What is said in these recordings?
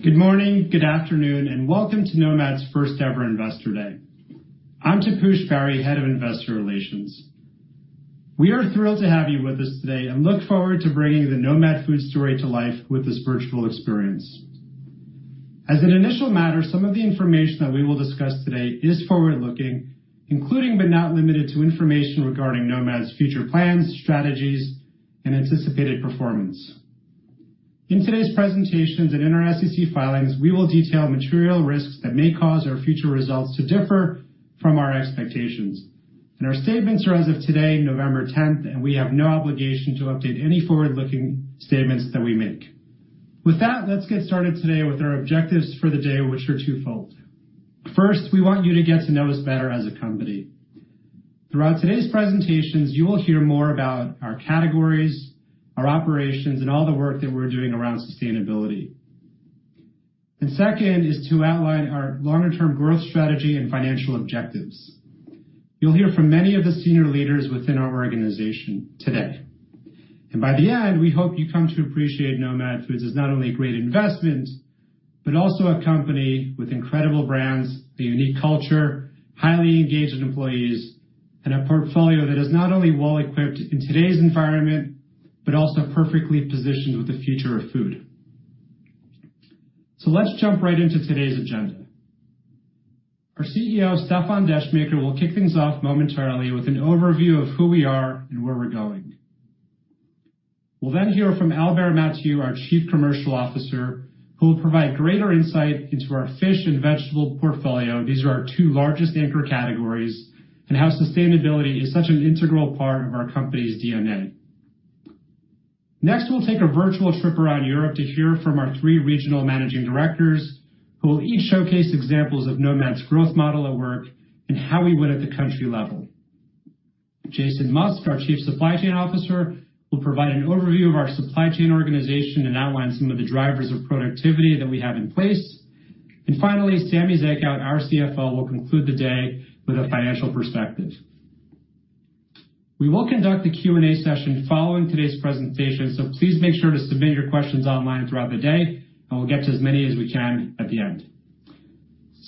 Good morning, good afternoon, welcome to Nomad's first-ever Investor Day. I'm Taposh Bari, Head of Investor Relations. We are thrilled to have you with us today and look forward to bringing the Nomad Foods story to life with this virtual experience. As an initial matter, some of the information that we will discuss today is forward-looking, including but not limited to information regarding Nomad's future plans, strategies, and anticipated performance. In today's presentations and in our SEC filings, we will detail material risks that may cause our future results to differ from our expectations. Our statements are as of today, November 10th, and we have no obligation to update any forward-looking statements that we make. With that, let's get started today with our objectives for the day, which are twofold. First, we want you to get to know us better as a company. Throughout today's presentations, you will hear more about our categories, our operations, and all the work that we're doing around sustainability. Second is to outline our longer-term growth strategy and financial objectives. You'll hear from many of the senior leaders within our organization today. By the end, we hope you come to appreciate Nomad Foods as not only a great investment but also a company with incredible brands, a unique culture, highly engaged employees, and a portfolio that is not only well-equipped in today's environment, but also perfectly positioned with the future of food. Let's jump right into today's agenda. Our CEO, Stéfan Descheemaeker, will kick things off momentarily with an overview of who we are and where we're going. We'll then hear from Albert Mathieu, our Chief Commercial Officer, who will provide greater insight into our fish and vegetable portfolio, these are our two largest anchor categories, and how sustainability is such an integral part of our company's DNA. Next, we'll take a virtual trip around Europe to hear from our three regional managing directors who will each showcase examples of Nomad's growth model at work and how we win at the country level. Jason Musk, our Chief Supply Chain Officer, will provide an overview of our supply chain organization and outline some of the drivers of productivity that we have in place. Finally, Samy Zekhout, our CFO, will conclude the day with a financial perspective. We will conduct a Q&A session following today's presentation, so please make sure to submit your questions online throughout the day, and we'll get to as many as we can at the end.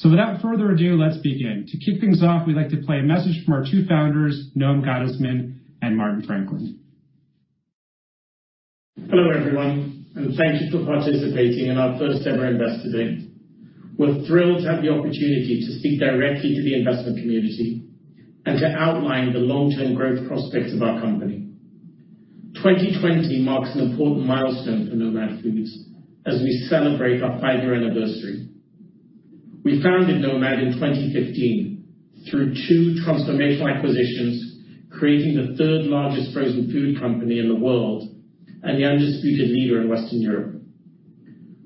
Without further ado, let's begin. To kick things off, we'd like to play a message from our two founders, Noam Gottesman and Martin Franklin. Hello, everyone. Thank you for participating in our first-ever Investor Day. We're thrilled to have the opportunity to speak directly to the investment community and to outline the long-term growth prospects of our company. 2020 marks an important milestone for Nomad Foods as we celebrate our five-year anniversary. We founded Nomad in 2015 through two transformational acquisitions, creating the third largest frozen food company in the world and the undisputed leader in Western Europe.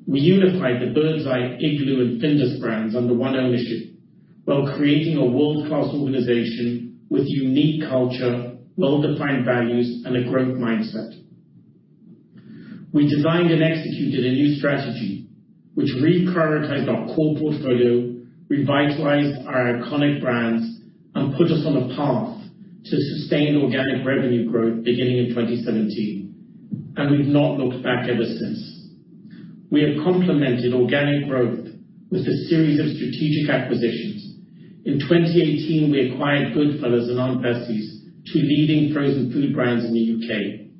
We unified the Birds Eye, Iglo, and Findus brands under one ownership while creating a world-class organization with unique culture, well-defined values, and a growth mindset. We designed and executed a new strategy which reprioritized our core portfolio, revitalized our iconic brands, and put us on a path to sustained organic revenue growth beginning in 2017, and we've not looked back ever since. We have complemented organic growth with a series of strategic acquisitions. In 2018, we acquired Goodfella's and Aunt Bessie's, two leading frozen food brands in the U.K.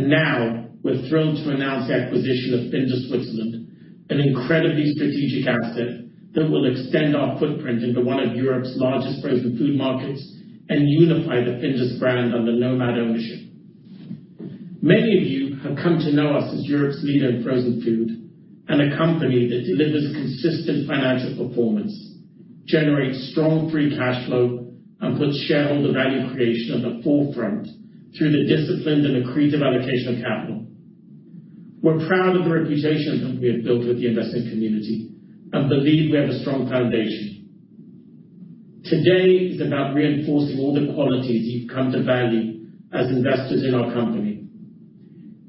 Now we're thrilled to announce the acquisition of Findus Switzerland, an incredibly strategic asset that will extend our footprint into one of Europe's largest frozen food markets and unify the Findus brand under Nomad ownership. Many of you have come to know us as Europe's leader in frozen food and a company that delivers consistent financial performance, generates strong free cash flow, and puts shareholder value creation at the forefront through the disciplined and accretive allocation of capital. We're proud of the reputation that we have built with the investment community and believe we have a strong foundation. Today is about reinforcing all the qualities you've come to value as investors in our company.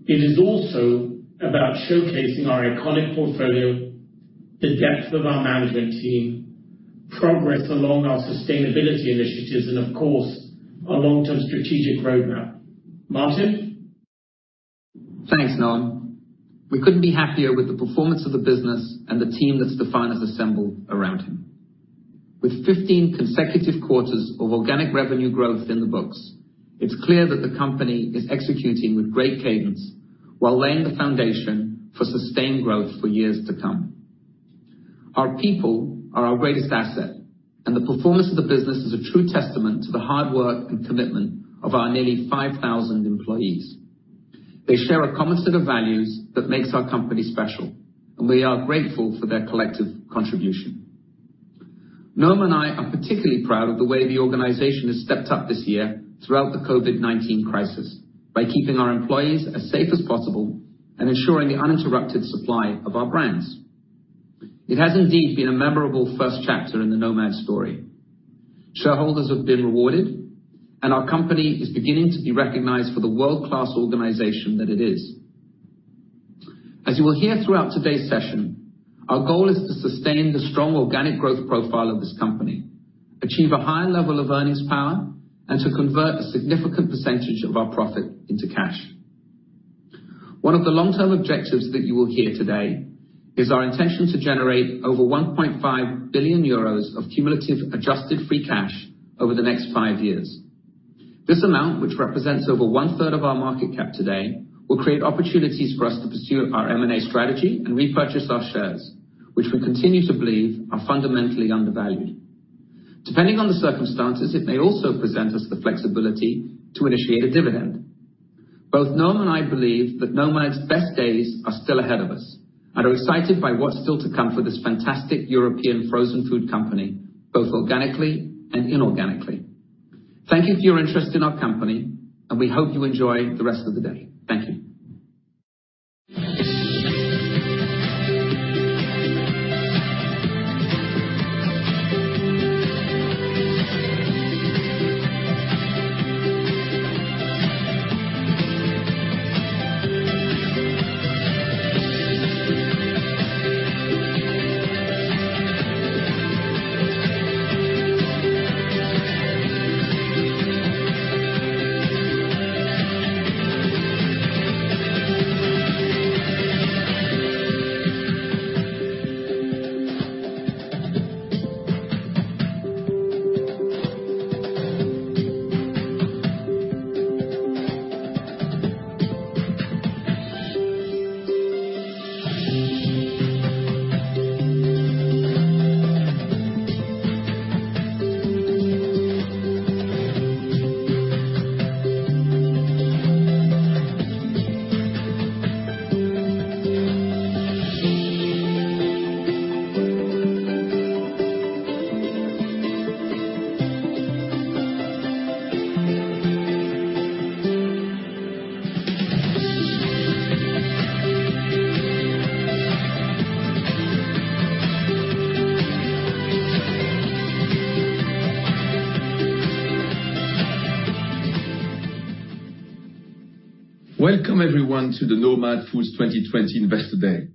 It is also about showcasing our iconic portfolio, the depth of our management team, progress along our sustainability initiatives, and of course, our long-term strategic roadmap. Martin? Thanks, Noam. We couldn't be happier with the performance of the business and the team that Stéfan has assembled around him. With 15 consecutive quarters of organic revenue growth in the books, it's clear that the company is executing with great cadence while laying the foundation for sustained growth for years to come. Our people are our greatest asset, and the performance of the business is a true testament to the hard work and commitment of our nearly 5,000 employees. They share a common set of values that makes our company special, and we are grateful for their collective contribution. Noam and I are particularly proud of the way the organization has stepped up this year throughout the COVID-19 crisis by keeping our employees as safe as possible and ensuring the uninterrupted supply of our brands. It has indeed been a memorable first chapter in the Nomad story. Shareholders have been rewarded, and our company is beginning to be recognized for the world-class organization that it is. As you will hear throughout today's session, our goal is to sustain the strong organic growth profile of this company Achieve a high level of earnings power and to convert a significant percentage of our profit into cash. One of the long-term objectives that you will hear today is our intention to generate over 1.5 billion euros of cumulative adjusted free cash over the next five years. This amount, which represents over one-third of our market cap today, will create opportunities for us to pursue our M&A strategy and repurchase our shares, which we continue to believe are fundamentally undervalued. Depending on the circumstances, it may also present us the flexibility to initiate a dividend. Both Noam and I believe that Nomad's best days are still ahead of us, and are excited by what's still to come for this fantastic European frozen food company, both organically and inorganically. Thank you for your interest in our company, and we hope you enjoy the rest of the day. Thank you. Welcome, everyone, to the Nomad Foods 2020 Investor Day.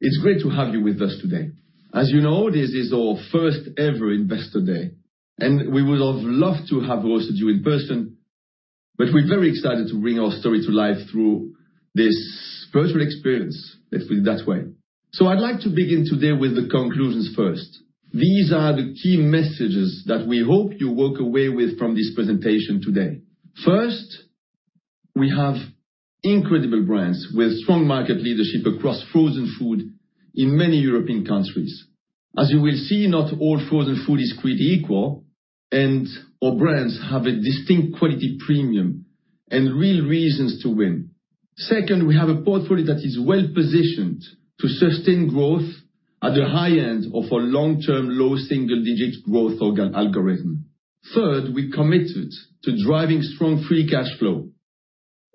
It's great to have you with us today. As you know, this is our first ever investor day. We would have loved to have hosted you in person, but we're very excited to bring our story to life through this virtual experience that we've done. I'd like to begin today with the conclusions first. These are the key messages that we hope you walk away with from this presentation today. First, we have incredible brands with strong market leadership across frozen food in many European countries. As you will see, not all frozen food is created equal, and our brands have a distinct quality premium and real reasons to win. Second, we have a portfolio that is well positioned to sustain growth at the high end of our long-term, low single-digit growth algorithm. Third, we're committed to driving strong free cash flow.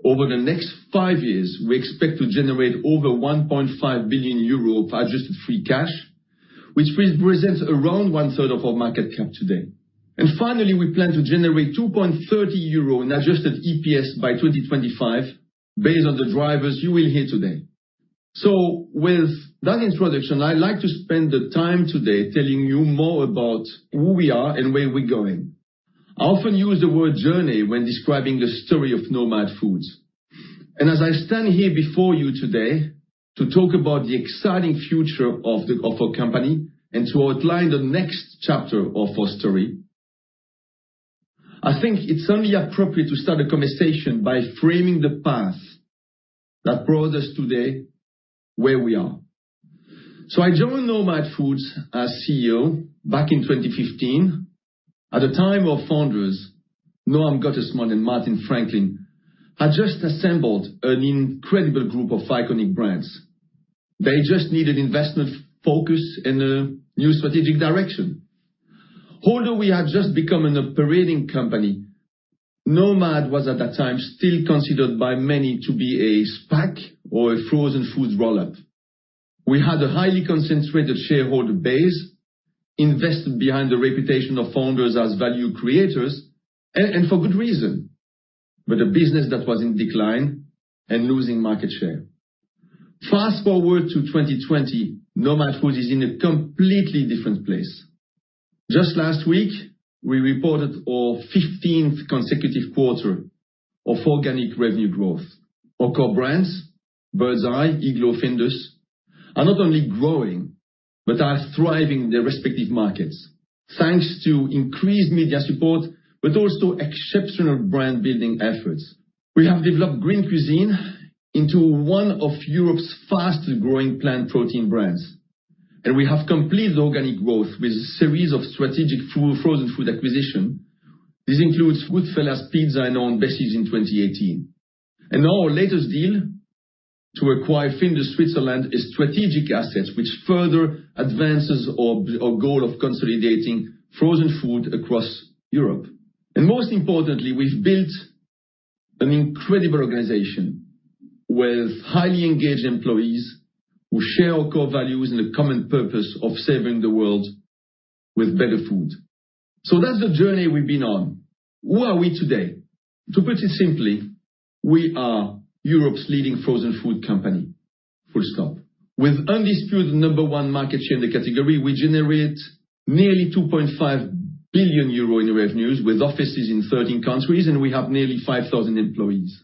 Over the next five years, we expect to generate over 1.5 billion euro of adjusted free cash, which represents around one-third of our market cap today. Finally, we plan to generate 2.30 euro in adjusted EPS by 2025 based on the drivers you will hear today. With that introduction, I'd like to spend the time today telling you more about who we are and where we're going. I often use the word "journey" when describing the story of Nomad Foods. As I stand here before you today to talk about the exciting future of our company and to outline the next chapter of our story, I think it's only appropriate to start the conversation by framing the path that brought us today where we are. I joined Nomad Foods as CEO back in 2015, at a time our founders, Noam Gottesman and Martin Franklin, had just assembled an incredible group of iconic brands. They just needed investment focus and a new strategic direction. Although we had just become an operating company, Nomad was at that time still considered by many to be a SPAC or a frozen foods roll-up. We had a highly concentrated shareholder base invested behind the reputation of founders as value creators, and for good reason, but a business that was in decline and losing market share. Fast-forward to 2020, Nomad Foods is in a completely different place. Just last week, we reported our 15th consecutive quarter of organic revenue growth. Our core brands, Birds Eye, Iglo, Findus, are not only growing, but are thriving in their respective markets, thanks to increased media support, but also exceptional brand-building efforts. We have developed Green Cuisine into one of Europe's fastest-growing plant protein brands, and we have completed organic growth with a series of strategic frozen food acquisition. This includes Goodfella's Pizza and Aunt Bessie's in 2018. Our latest deal to acquire Findus Switzerland is strategic assets which further advances our goal of consolidating frozen food across Europe. Most importantly, we've built an incredible organization with highly engaged employees who share our core values and a common purpose of saving the world with better food. That's the journey we've been on. Where are we today? To put it simply, we are Europe's leading frozen food company. With undisputed number one market share in the category, we generate nearly 2.5 billion euro in revenues with offices in 13 countries, and we have nearly 5,000 employees.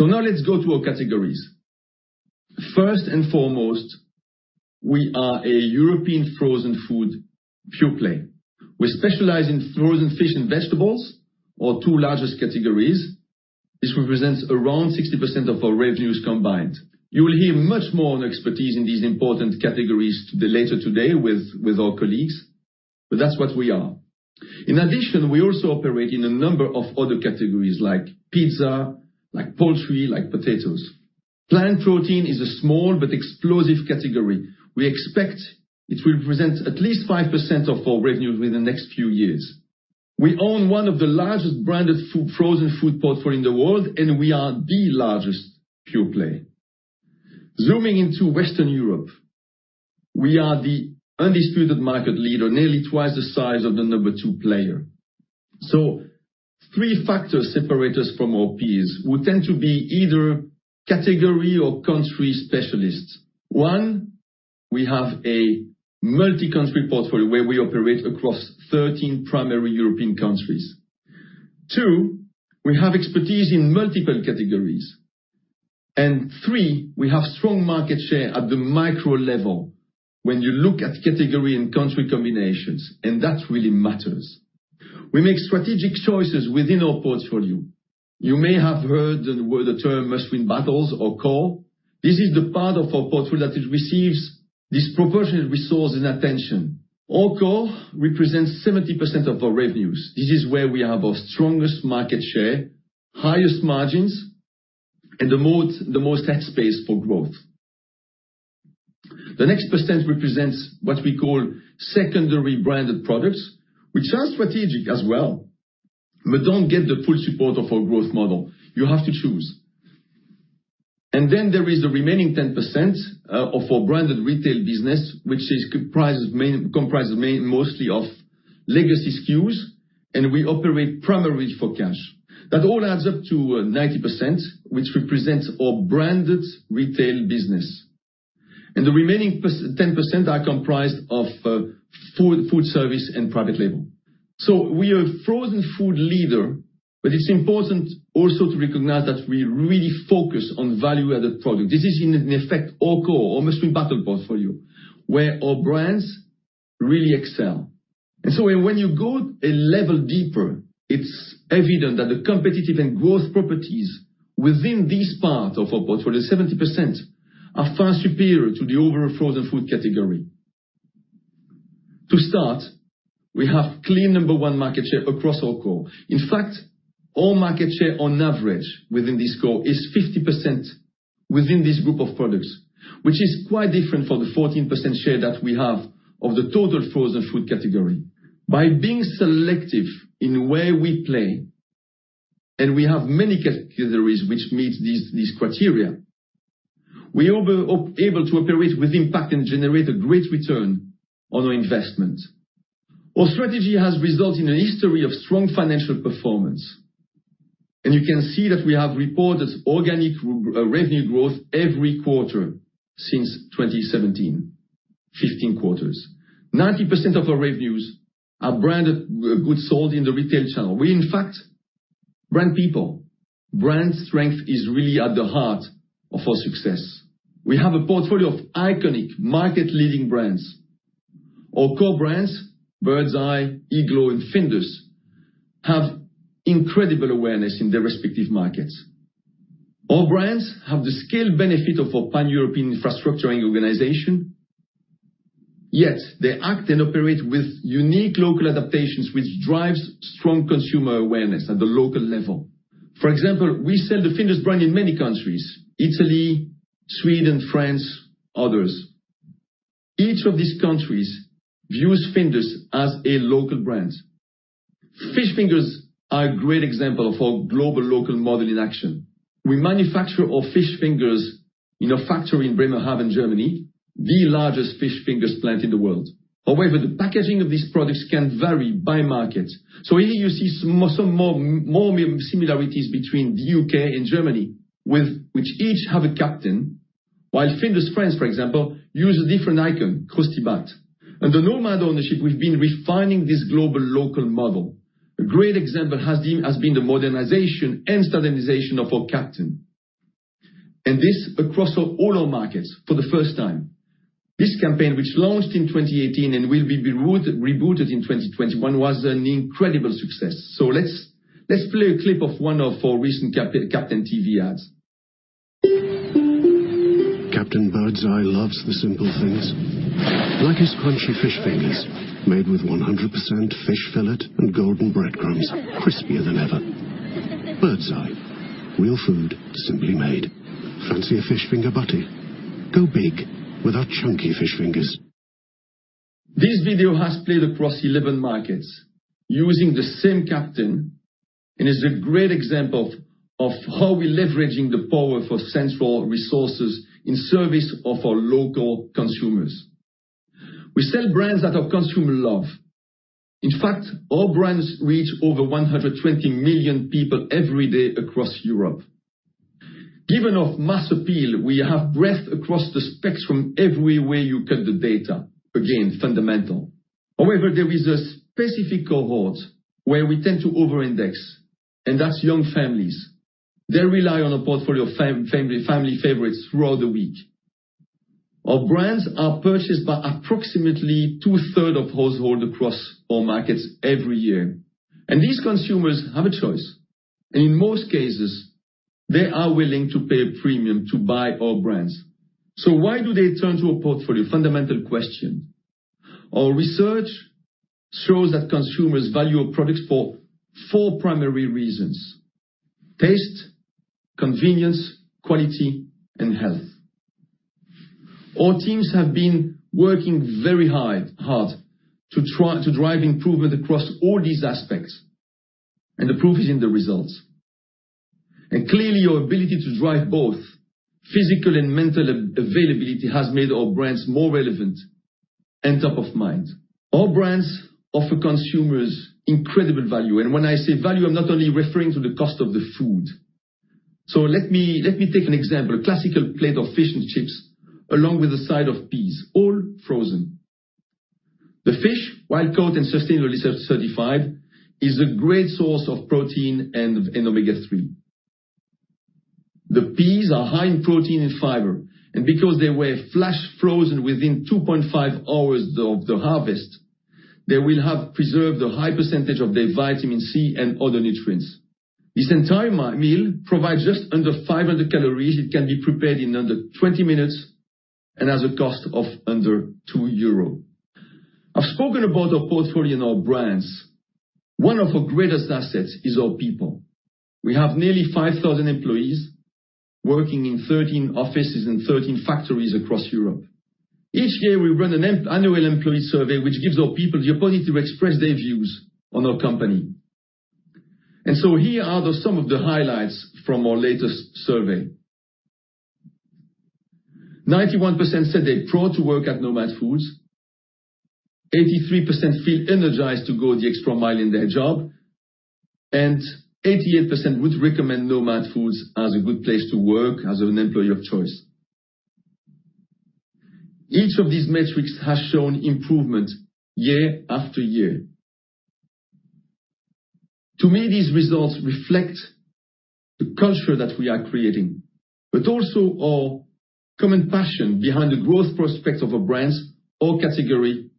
Now let's go to our categories. First and foremost, we are a European frozen food pure-play. We specialize in frozen fish and vegetables, our two largest categories. This represents around 60% of our revenues combined. You will hear much more on expertise in these important categories later today with our colleagues, but that's what we are. In addition, we also operate in a number of other categories like pizza, like poultry, like potatoes. Plant protein is a small but explosive category. We expect it will represent at least 5% of our revenue within the next few years. We own one of the largest branded frozen food portfolio in the world, and we are the largest pure-play. Zooming into Western Europe, we are the undisputed market leader, nearly twice the size of the number two player. Three factors separate us from our peers who tend to be either category or country specialists. One, we have a multi-country portfolio where we operate across 13 primary European countries. Two, we have expertise in multiple categories. Three, we have strong market share at the micro level when you look at category and country combinations, and that really matters. We make strategic choices within our portfolio. You may have heard the term "must-win battles" or core. This is the part of our portfolio that receives disproportionate resource and attention. Our core represents 70% of our revenues. This is where we have our strongest market share, highest margins, and the most head space for growth. The next % represents what we call secondary branded products, which are strategic as well, but don't get the full support of our growth model. You have to choose. There is the remaining 10% of our branded retail business, which comprises mostly of legacy SKUs, and we operate primarily for cash. That all adds up to 90%, which represents our branded retail business, and the remaining 10% are comprised of food service and private label. We are a frozen food leader, but it's important also to recognize that we really focus on value-added product. This is in effect our core, our must-win battle portfolio, where our brands really excel. When you go a level deeper, it's evident that the competitive and growth properties within this part of our portfolio, 70%, are far superior to the overall frozen food category. To start, we have clear number one market share across our core. In fact, our market share on average within this core is 50% within this group of products, which is quite different from the 14% share that we have of the total frozen food category. By being selective in where we play, and we have many categories which meet these criteria, we are able to operate with impact and generate a great return on our investment. Our strategy has resulted in a history of strong financial performance, and you can see that we have reported organic revenue growth every quarter since 2017, 15 quarters. 90% of our revenues are branded goods sold in the retail channel. We, in fact, brand people. Brand strength is really at the heart of our success. We have a portfolio of iconic market-leading brands. Our core brands, Birds Eye, Iglo, and Findus, have incredible awareness in their respective markets. Our brands have the scale benefit of our pan-European infrastructure and organization, yet they act and operate with unique local adaptations, which drives strong consumer awareness at the local level. For example, we sell the Findus brand in many countries: Italy, Sweden, France, others. Each of these countries views Findus as a local brand. Fish fingers are a great example of our global-local model in action. We manufacture our fish fingers in a factory in Bremerhaven, Germany, the largest fish fingers plant in the world. However, the packaging of these products can vary by market. Here you see some more similarities between the U.K. and Germany, which each have a Captain, while Findus France, for example, uses a different icon, Croustibat. Under Nomad ownership, we've been refining this global-local model. A great example has been the modernization and standardization of our Captain, and this across all our markets for the first time. This campaign, which launched in 2018 and will be rebooted in 2021, was an incredible success. Let's play a clip of one of our recent Captain TV ads. Captain Birds Eye loves the simple things, like his crunchy fish fingers, made with 100% fish filet and golden breadcrumbs, crispier than ever. Birds Eye, real food simply made. Fancy a fish finger butty? Go big with our chunky fish fingers. This video has played across 11 markets using the same captain, and is a great example of how we're leveraging the power of our central resources in service of our local consumers. We sell brands that our consumers love. In fact, our brands reach over 120 million people every day across Europe. Given our mass appeal, we have breadth across the spectrum everywhere you cut the data. Again, fundamental. However, there is a specific cohort where we tend to over-index, and that's young families. They rely on a portfolio of family favorites throughout the week. Our brands are purchased by approximately two-third of household across all markets every year. These consumers have a choice. In most cases, they are willing to pay a premium to buy our brands. Why do they turn to a portfolio? Fundamental question. Our research shows that consumers value our products for four primary reasons: taste, convenience, quality, and health. Our teams have been working very hard to drive improvement across all these aspects, and the proof is in the results. Clearly, our ability to drive both physical and mental availability has made our brands more relevant and top of mind. Our brands offer consumers incredible value. When I say value, I'm not only referring to the cost of the food. Let me take an example. A classical plate of fish and chips along with a side of peas, all frozen. The fish, while caught and sustainably certified, is a great source of protein and omega-3. The peas are high in protein and fiber, and because they were flash frozen within 2.5 hours of the harvest, they will have preserved a high percentage of their vitamin C and other nutrients. This entire meal provides just under 500 calories, it can be prepared in under 20 minutes, and has a cost of under 2 euro. I've spoken about our portfolio and our brands. One of our greatest assets is our people. We have nearly 5,000 employees working in 13 offices and 13 factories across Europe. Each year, we run an annual employee survey, which gives our people the ability to express their views on our company. Here are some of the highlights from our latest survey. 91% said they're proud to work at Nomad Foods, 83% feel energized to go the extra mile in their job, and 88% would recommend Nomad Foods as a good place to work as an employer of choice. Each of these metrics has shown improvement year after year. To me, these results reflect the culture that we are creating, but also our common passion behind the growth prospects of our brands, our category,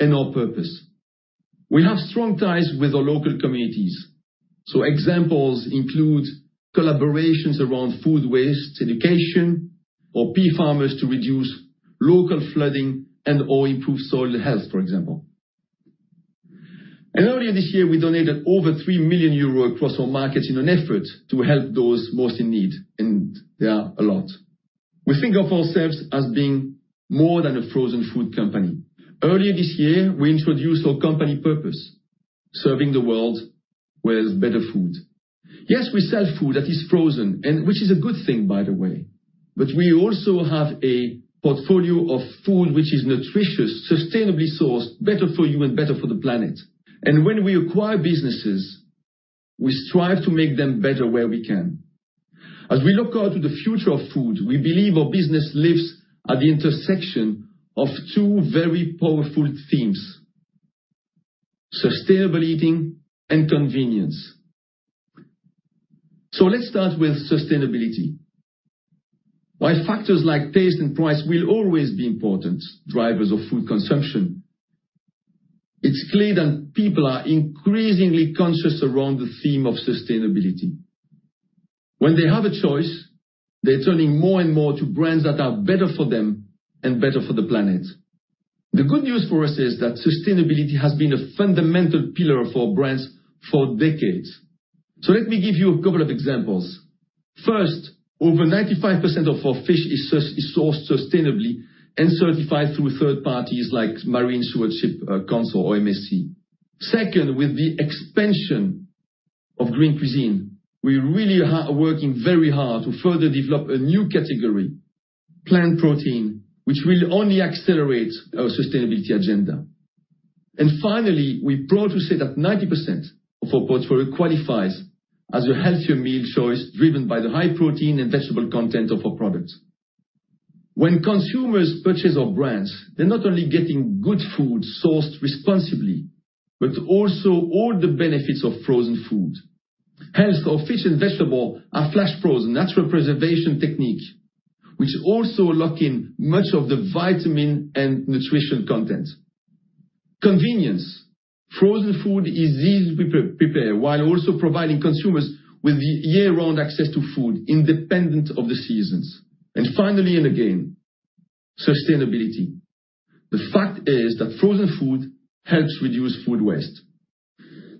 and our purpose. We have strong ties with our local communities. Examples include collaborations around food waste education or pea farmers to reduce local flooding and/or improve soil health, for example. Earlier this year, we donated over 3 million euros across our markets in an effort to help those most in need, and they are a lot. We think of ourselves as being more than a frozen food company. Earlier this year, we introduced our company purpose, serving the world with better food. Yes, we sell food that is frozen and which is a good thing, by the way. We also have a portfolio of food which is nutritious, sustainably sourced, better for you and better for the planet. When we acquire businesses, we strive to make them better where we can. As we look out to the future of food, we believe our business lives at the intersection of two very powerful themes, sustainable eating and convenience. Let's start with sustainability. While factors like taste and price will always be important drivers of food consumption, it's clear that people are increasingly conscious around the theme of sustainability. When they have a choice, they're turning more and more to brands that are better for them and better for the planet. The good news for us is that sustainability has been a fundamental pillar for brands for decades. Let me give you a couple of examples. First, over 95% of our fish is sourced sustainably and certified through third parties like Marine Stewardship Council or MSC. Second, with the expansion of Green Cuisine, we're really working very hard to further develop a new category, plant protein, which will only accelerate our sustainability agenda. Finally, we're proud to say that 90% of our portfolio qualifies as a healthier meal choice driven by the high protein and vegetable content of our products. When consumers purchase our brands, they're not only getting good food sourced responsibly, but also all the benefits of frozen food. Our fish and vegetable are flash frozen, natural preservation technique, which also lock in much of the vitamin and nutrition content. Convenience. Frozen food is easy to prepare while also providing consumers with year-round access to food independent of the seasons. Finally, again, sustainability. The fact is that frozen food helps reduce food waste.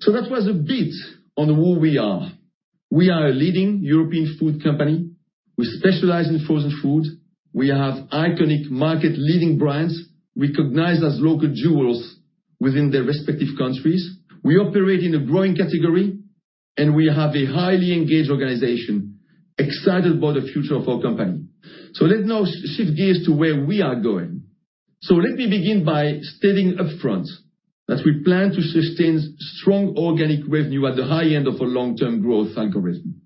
That was a bit on who we are. We are a leading European food company. We specialize in frozen food. We have iconic market-leading brands recognized as local jewels within their respective countries. We operate in a growing category. We have a highly engaged organization, excited about the future of our company. Let's now shift gears to where we are going. Let me begin by stating upfront that we plan to sustain strong organic revenue at the high end of our long-term growth algorithm.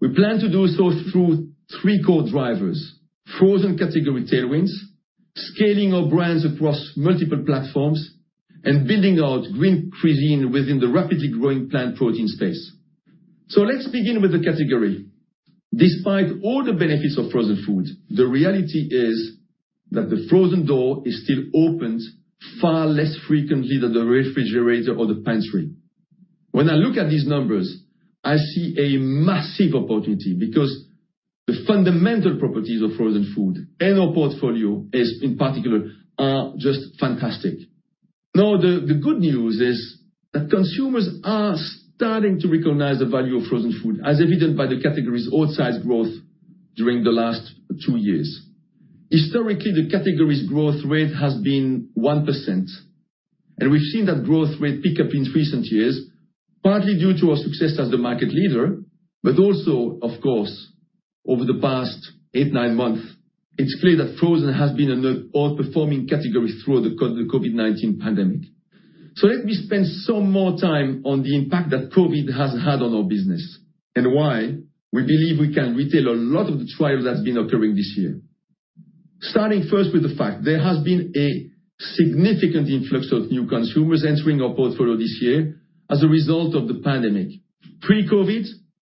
We plan to do so through three core drivers, frozen category tailwinds, scaling our brands across multiple platforms, and building out Green Cuisine within the rapidly growing plant protein space. Let's begin with the category. Despite all the benefits of frozen food, the reality is that the frozen door is still opened far less frequently than the refrigerator or the pantry. When I look at these numbers, I see a massive opportunity because the fundamental properties of frozen food and our portfolio is, in particular, are just fantastic. The good news is that consumers are starting to recognize the value of frozen food, as evident by the category's outsize growth during the last two years. Historically, the category's growth rate has been 1%, we've seen that growth rate pick up in recent years, partly due to our success as the market leader, also, of course, over the past eight, nine months, it's clear that frozen has been an outperforming category through the COVID-19 pandemic. Let me spend some more time on the impact that COVID has had on our business and why we believe we can retain a lot of the trials that's been occurring this year. First with the fact there has been a significant influx of new consumers entering our portfolio this year as a result of the pandemic. Pre-COVID,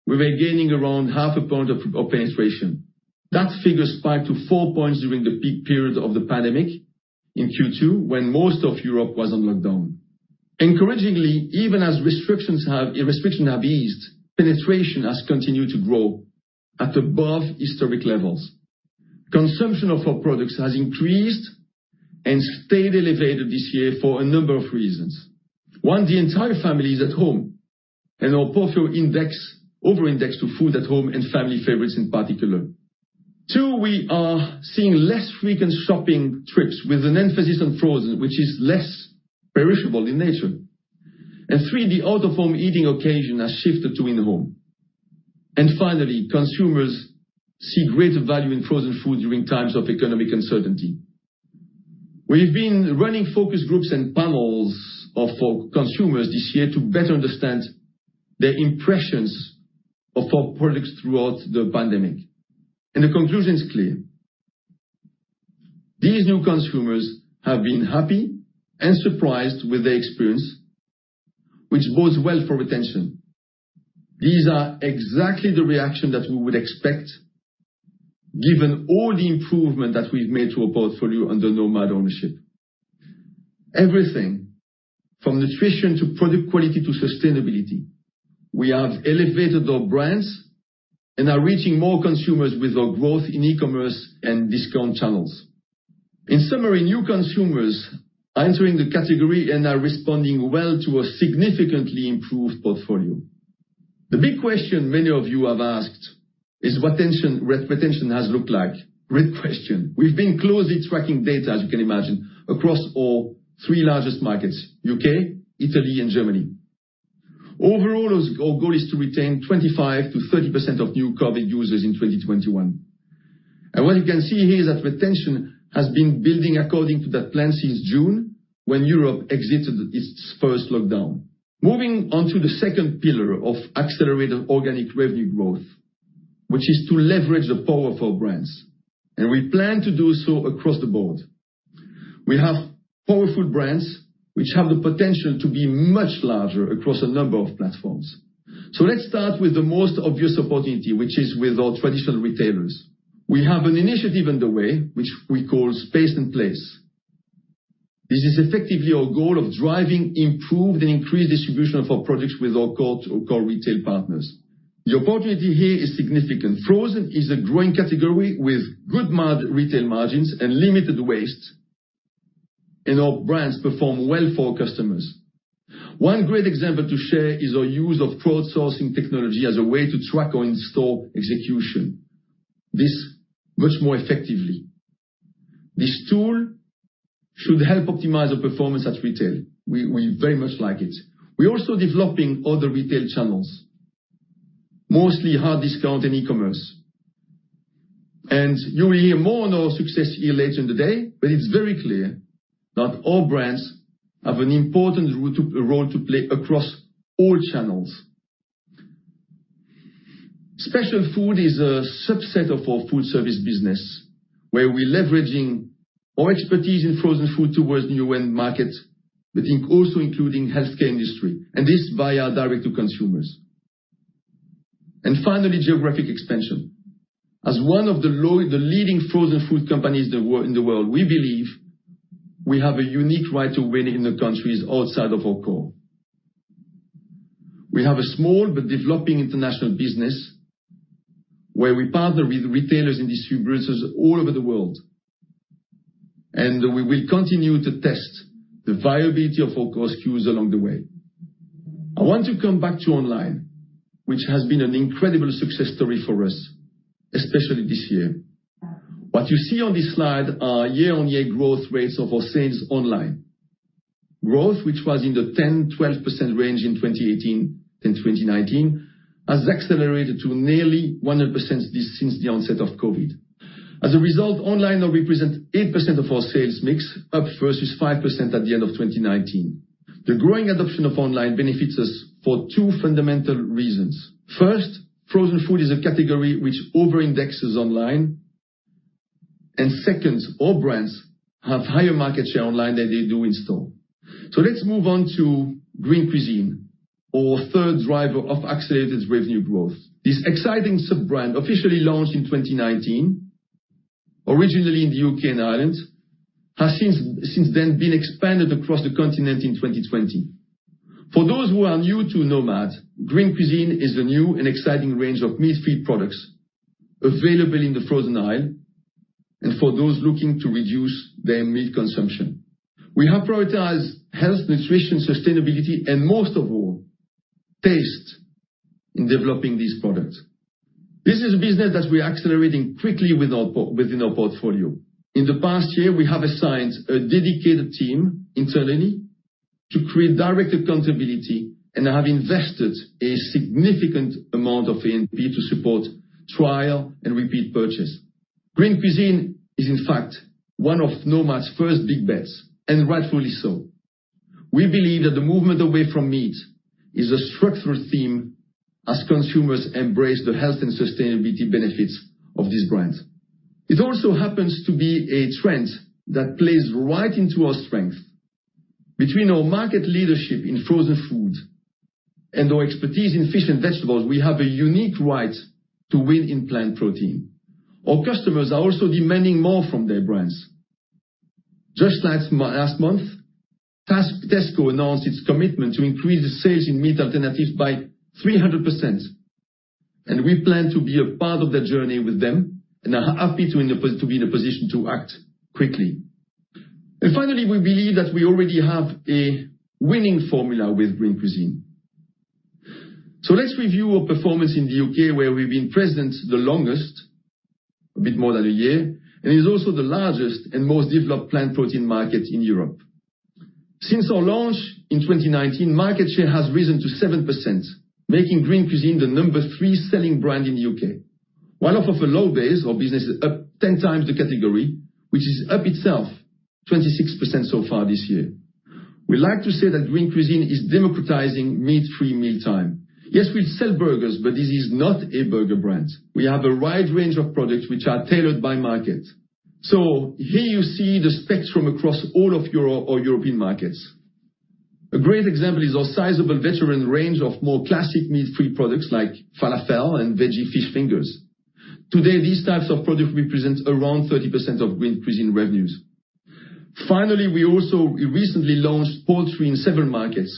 we were gaining around half a point of penetration. That figure spiked to four points during the peak period of the pandemic in Q2, when most of Europe was on lockdown. Encouragingly, even as restrictions have eased, penetration has continued to grow at above historic levels. Consumption of our products has increased and stayed elevated this year for a number of reasons. One, the entire family is at home and our portfolio over-indexed to food at home and family favorites in particular. Two, we are seeing less frequent shopping trips with an emphasis on frozen, which is less perishable in nature. Three, the out-of-home eating occasion has shifted to in the home. Finally, consumers see greater value in frozen food during times of economic uncertainty. We've been running focus groups and panels of our consumers this year to better understand their impressions of our products throughout the pandemic. The conclusion is clear. These new consumers have been happy and surprised with their experience, which bodes well for retention. These are exactly the reaction that we would expect given all the improvement that we've made to our portfolio under Nomad ownership. Everything, from nutrition to product quality to sustainability. We have elevated our brands and are reaching more consumers with our growth in e-commerce and discount channels. In summary, new consumers entering the category and are responding well to a significantly improved portfolio. The big question many of you have asked is what retention has looked like. Great question. We've been closely tracking data, as you can imagine, across our three largest markets, U.K., Italy, and Germany. Overall, our goal is to retain 25%-30% of new COVID-19 users in 2021. What you can see here is that retention has been building according to that plan since June, when Europe exited its first lockdown. Moving on to the second pillar of accelerated organic revenue growth, which is to leverage the power of our brands. We plan to do so across the board. We have powerful brands which have the potential to be much larger across a number of platforms. Let's start with the most obvious opportunity, which is with our traditional retailers. We have an initiative underway, which we call space and place. This is effectively our goal of driving improved and increased distribution of our products with our core retail partners. The opportunity here is significant. Frozen is a growing category with good retail margins and limited waste. Our brands perform well for our customers. One great example to share is our use of crowdsourcing technology as a way to track our in-store execution much more effectively. This tool should help optimize our performance at retail. We very much like it. We're also developing other retail channels, mostly hard discount and e-commerce. You will hear more on our success here later in the day. It's very clear that all brands have an important role to play across all channels. Special food is a subset of our food service business, where we're leveraging our expertise in frozen food towards new end markets, also including healthcare industry. This via direct to consumers. Finally, geographic expansion. As one of the leading frozen food companies in the world, we believe we have a unique right to win in the countries outside of our core. We have a small but developing international business where we partner with retailers and distributors all over the world, and we will continue to test the viability of our core SKUs along the way. I want to come back to online, which has been an incredible success story for us, especially this year. What you see on this slide are year-on-year growth rates of our sales online. Growth, which was in the 10%-12% range in 2018 and 2019, has accelerated to nearly 100% since the onset of COVID-19. As a result, online now represents 8% of our sales mix, up versus 5% at the end of 2019. The growing adoption of online benefits us for two fundamental reasons. Frozen food is a category which over-indexes online. Second, all brands have higher market share online than they do in-store. Let's move on to Green Cuisine, our third driver of accelerated revenue growth. This exciting sub-brand officially launched in 2019, originally in the U.K. and Ireland, has since then been expanded across the continent in 2020. For those who are new to Nomad Foods, Green Cuisine is a new and exciting range of meat-free products available in the frozen aisle and for those looking to reduce their meat consumption. We have prioritized health, nutrition, sustainability, and most of all, taste, in developing these products. This is a business that we are accelerating quickly within our portfolio. In the past year, we have assigned a dedicated team internally to create direct accountability and have invested a significant amount of A&P to support trial and repeat purchase. Green Cuisine is, in fact, one of Nomad's first big bets, and rightfully so. We believe that the movement away from meat is a structural theme as consumers embrace the health and sustainability benefits of this brand. It also happens to be a trend that plays right into our strength. Between our market leadership in frozen foods and our expertise in fish and vegetables, we have a unique right to win in plant protein. Our customers are also demanding more from their brands. Just last month, Tesco announced its commitment to increase the sales in meat alternatives by 300%, and we plan to be a part of that journey with them and are happy to be in a position to act quickly. Finally, we believe that we already have a winning formula with Green Cuisine. Let's review our performance in the U.K., where we've been present the longest, a bit more than one year, and it is also the largest and most developed plant protein market in Europe. Since our launch in 2019, market share has risen to 7%, making Green Cuisine the number 3 selling brand in the U.K. While off of a low base, our business is up 10 times the category, which is up itself 26% so far this year. We like to say that Green Cuisine is democratizing meat-free mealtime. Yes, we sell burgers, but this is not a burger brand. We have a wide range of products which are tailored by market. Here you see the specs from across all of our European markets. A great example is our sizable vegetarian range of more classic meat-free products like falafel and veggie fish fingers. Today, these types of products represent around 30% of Green Cuisine revenues. Finally, we also recently launched poultry in several markets,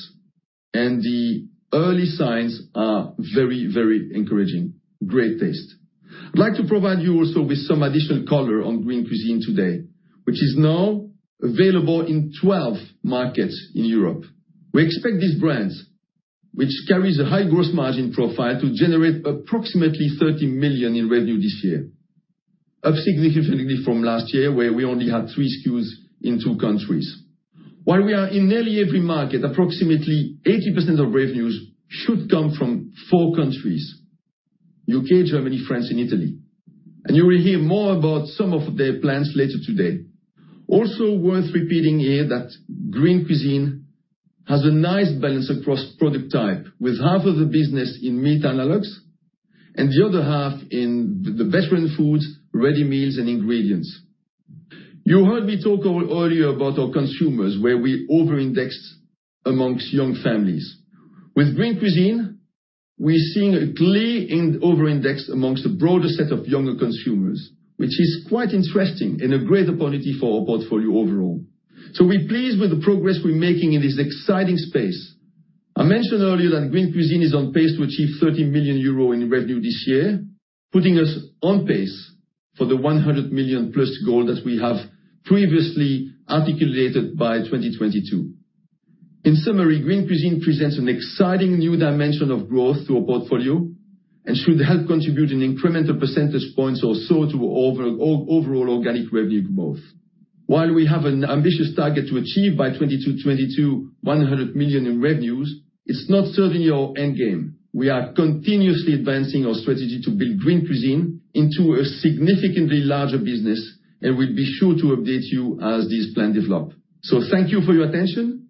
and the early signs are very encouraging. Great taste. I'd like to provide you also with some additional color on Green Cuisine today, which is now available in 12 markets in Europe. We expect these brands, which carries a high gross margin profile, to generate approximately 30 million in revenue this year, up significantly from last year, where we only had three SKUs in two countries. While we are in nearly every market, approximately 80% of revenues should come from four countries, U.K., Germany, France, and Italy. You will hear more about some of their plans later today. Worth repeating here that Green Cuisine has a nice balance across product type, with half of the business in meat analogs and the other half in the vegetarian foods, ready meals, and ingredients. You heard me talk earlier about our consumers, where we over-indexed amongst young families. With Green Cuisine, we're seeing a clear over-index amongst a broader set of younger consumers, which is quite interesting and a great opportunity for our portfolio overall. We're pleased with the progress we're making in this exciting space. I mentioned earlier that Green Cuisine is on pace to achieve 30 million euro in revenue this year, putting us on pace for the 100 million-plus goal that we have previously articulated by 2022. In summary, Green Cuisine presents an exciting new dimension of growth to our portfolio and should help contribute an incremental percentage points or so to our overall organic revenue growth. While we have an ambitious target to achieve by 2022, 100 million in revenues, it's not certainly our end game. We are continuously advancing our strategy to build Green Cuisine into a significantly larger business, and we'll be sure to update you as these plans develop. Thank you for your attention.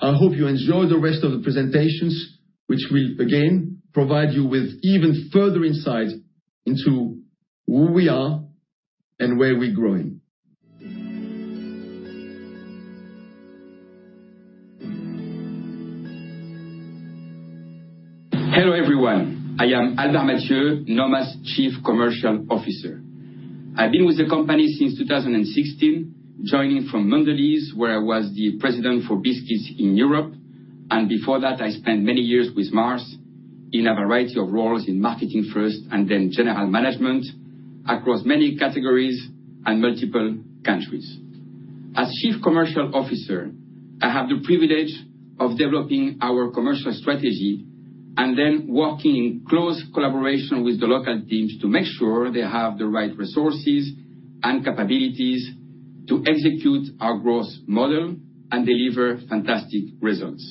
I hope you enjoy the rest of the presentations, which will again provide you with even further insight into who we are and where we're growing. Hello, everyone. I am Albert Mathieu, Nomad's Chief Commercial Officer. I've been with the company since 2016, joining from Mondelez, where I was the president for biscuits in Europe, and before that, I spent many years with Mars in a variety of roles in marketing first and then general management across many categories and multiple countries. As Chief Commercial Officer, I have the privilege of developing our commercial strategy and then working in close collaboration with the local teams to make sure they have the right resources and capabilities to execute our growth model and deliver fantastic results.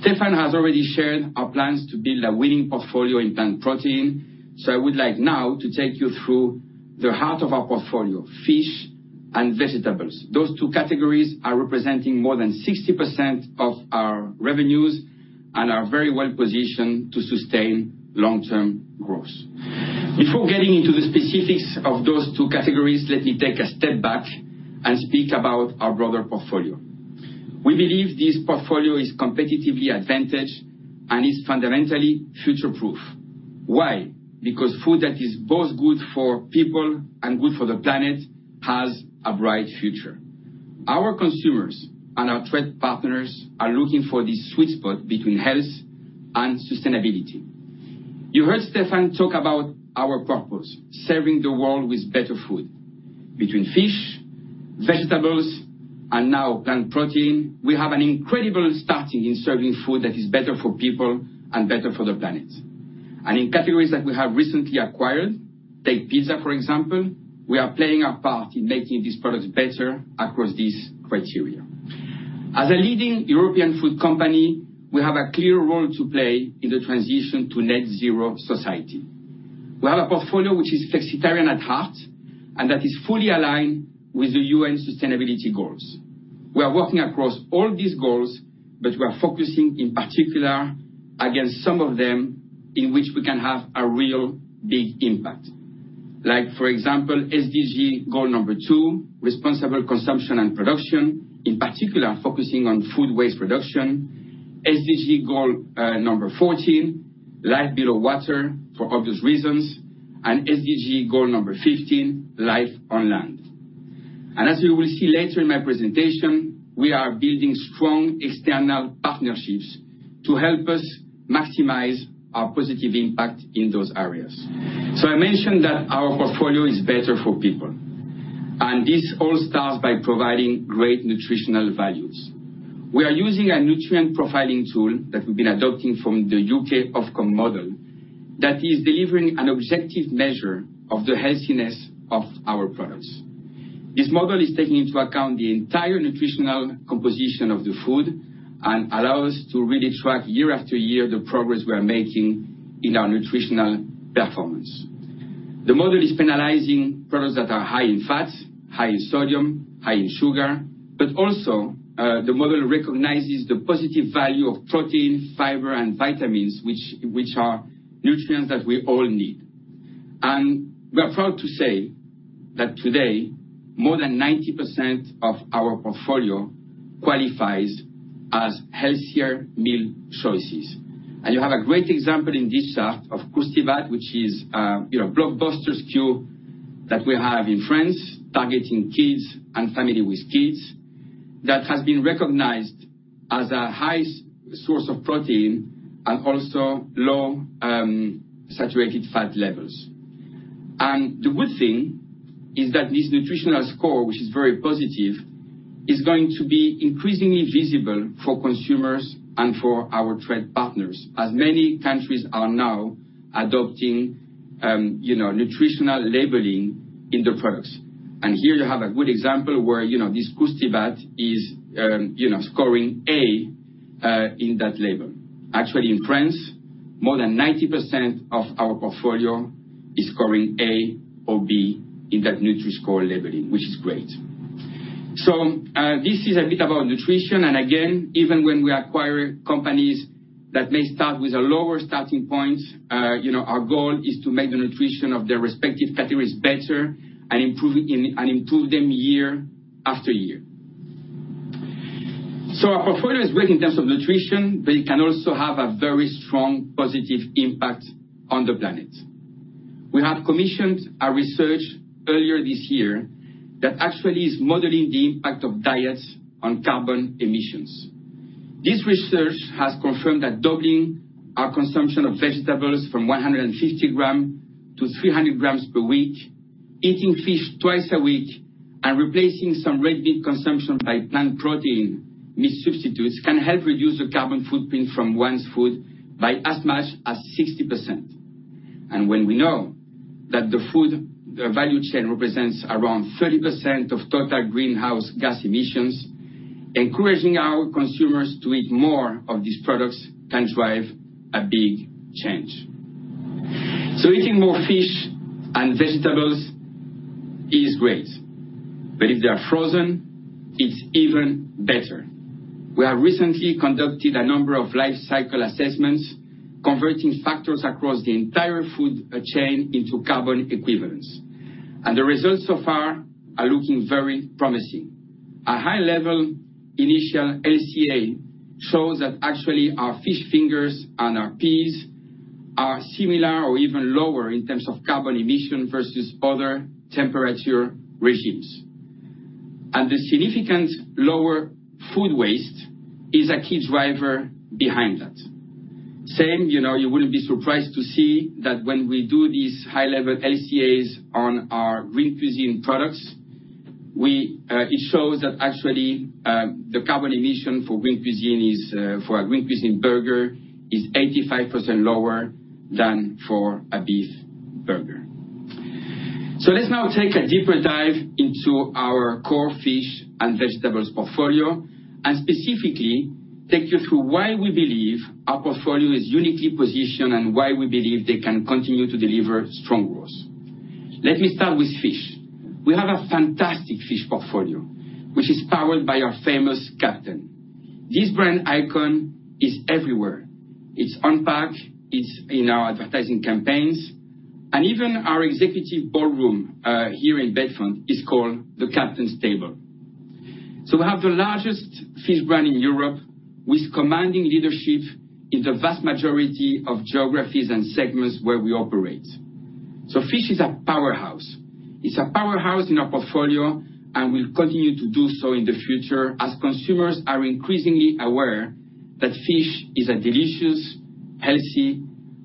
Stéfan has already shared our plans to build a winning portfolio in plant protein. I would like now to take you through the heart of our portfolio, fish and vegetables. Those two categories are representing more than 60% of our revenues and are very well positioned to sustain long-term growth. Before getting into the specifics of those two categories, let me take a step back and speak about our broader portfolio. We believe this portfolio is competitively advantaged and is fundamentally future-proof. Why? Food that is both good for people and good for the planet has a bright future. Our consumers and our trade partners are looking for this sweet spot between health and sustainability. You heard Stéfan talk about our purpose, serving the world with better food. Between fish, vegetables, and now plant protein, we have an incredible starting in serving food that is better for people and better for the planet. In categories that we have recently acquired, take pizza, for example, we are playing our part in making these products better across these criteria. As a leading European food company, we have a clear role to play in the transition to net zero society. We have a portfolio which is flexitarian at heart, and that is fully aligned with the United Nations sustainability goals. We are working across all these goals, but we are focusing in particular against some of them in which we can have a real big impact. For example, SDG goal number two, responsible consumption and production, in particular, focusing on food waste reduction, SDG goal number 14, life below water for obvious reasons, and SDG goal number 15, life on land. As you will see later in my presentation, we are building strong external partnerships to help us maximize our positive impact in those areas. I mentioned that our portfolio is better for people, this all starts by providing great nutritional values. We are using a nutrient profiling tool that we've been adopting from the U.K. Ofcom model that is delivering an objective measure of the healthiness of our products. This model is taking into account the entire nutritional composition of the food allow us to really track year after year the progress we are making in our nutritional performance. The model is penalizing products that are high in fat, high in sodium, high in sugar, but also, the model recognizes the positive value of protein, fiber, and vitamins, which are nutrients that we all need. We are proud to say that today, more than 90% of our portfolio qualifies as healthier meal choices. You have a great example in this chart of Croustibat, which is a blockbuster stew that we have in France targeting kids and family with kids that has been recognized as a high source of protein and also low saturated fat levels. The good thing is that this nutritional score, which is very positive, is going to be increasingly visible for consumers and for our trade partners, as many countries are now adopting nutritional labeling in the products. Here you have a good example where this Croustibat is scoring A, in that label. Actually, in France, more than 90% of our portfolio is scoring A or B in that Nutri-Score labeling, which is great. This is a bit about nutrition. Again, even when we acquire companies that may start with a lower starting point, our goal is to make the nutrition of their respective categories better and improve them year after year. Our portfolio is great in terms of nutrition, but it can also have a very strong positive impact on the planet. We have commissioned a research earlier this year that actually is modeling the impact of diets on carbon emissions. This research has confirmed that doubling our consumption of vegetables from 150 grams to 300 grams per week, eating fish twice a week, and replacing some red meat consumption by plant protein meat substitutes can help reduce the carbon footprint from one's food by as much as 60%. When we know that the food value chain represents around 30% of total greenhouse gas emissions, encouraging our consumers to eat more of these products can drive a big change. Eating more fish and vegetables is great, but if they are frozen, it's even better. We have recently conducted a number of life cycle assessments, converting factors across the entire food chain into carbon equivalents, and the results so far are looking very promising. A high-level initial LCA shows that actually our fish fingers and our peas are similar or even lower in terms of carbon emission versus other temperature regimes. The significant lower food waste is a key driver behind that. Same, you wouldn't be surprised to see that when we do these high-level LCAs on our Green Cuisine products, it shows that actually, the carbon emission for a Green Cuisine burger is 85% lower than for a beef burger. Let's now take a deeper dive into our core fish and vegetables portfolio, and specifically take you through why we believe our portfolio is uniquely positioned, and why we believe they can continue to deliver strong growth. Let me start with fish. We have a fantastic fish portfolio, which is powered by our famous captain. This brand icon is everywhere. It's on pack, it's in our advertising campaigns, even our executive ballroom here in Bedfont is called The Captain's Table. We have the largest fish brand in Europe, with commanding leadership in the vast majority of geographies and segments where we operate. Fish is a powerhouse. It's a powerhouse in our portfolio, will continue to do so in the future as consumers are increasingly aware that fish is a delicious, healthy,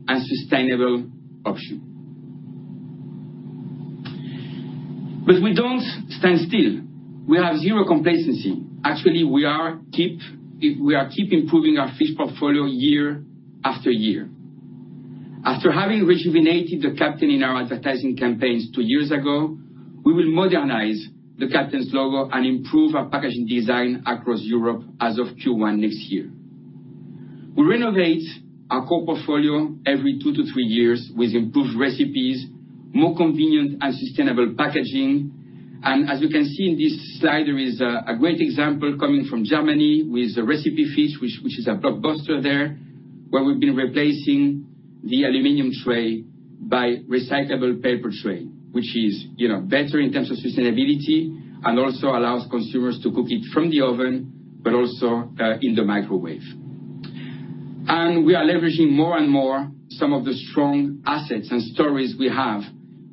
and sustainable option. We don't stand still. We have zero complacency. Actually, we are keep improving our fish portfolio year after year. After having rejuvenated the Captain in our advertising campaigns two years ago, we will modernize the Captain's logo and improve our packaging design across Europe as of Q1 next year. We renovate our core portfolio every two to three years with improved recipes, more convenient and sustainable packaging. As you can see in this slide, there is a great example coming from Germany with the recipe fish, which is a blockbuster there, where we've been replacing the aluminum tray by recyclable paper tray, which is better in terms of sustainability and also allows consumers to cook it from the oven, but also in the microwave. We are leveraging more and more some of the strong assets and stories we have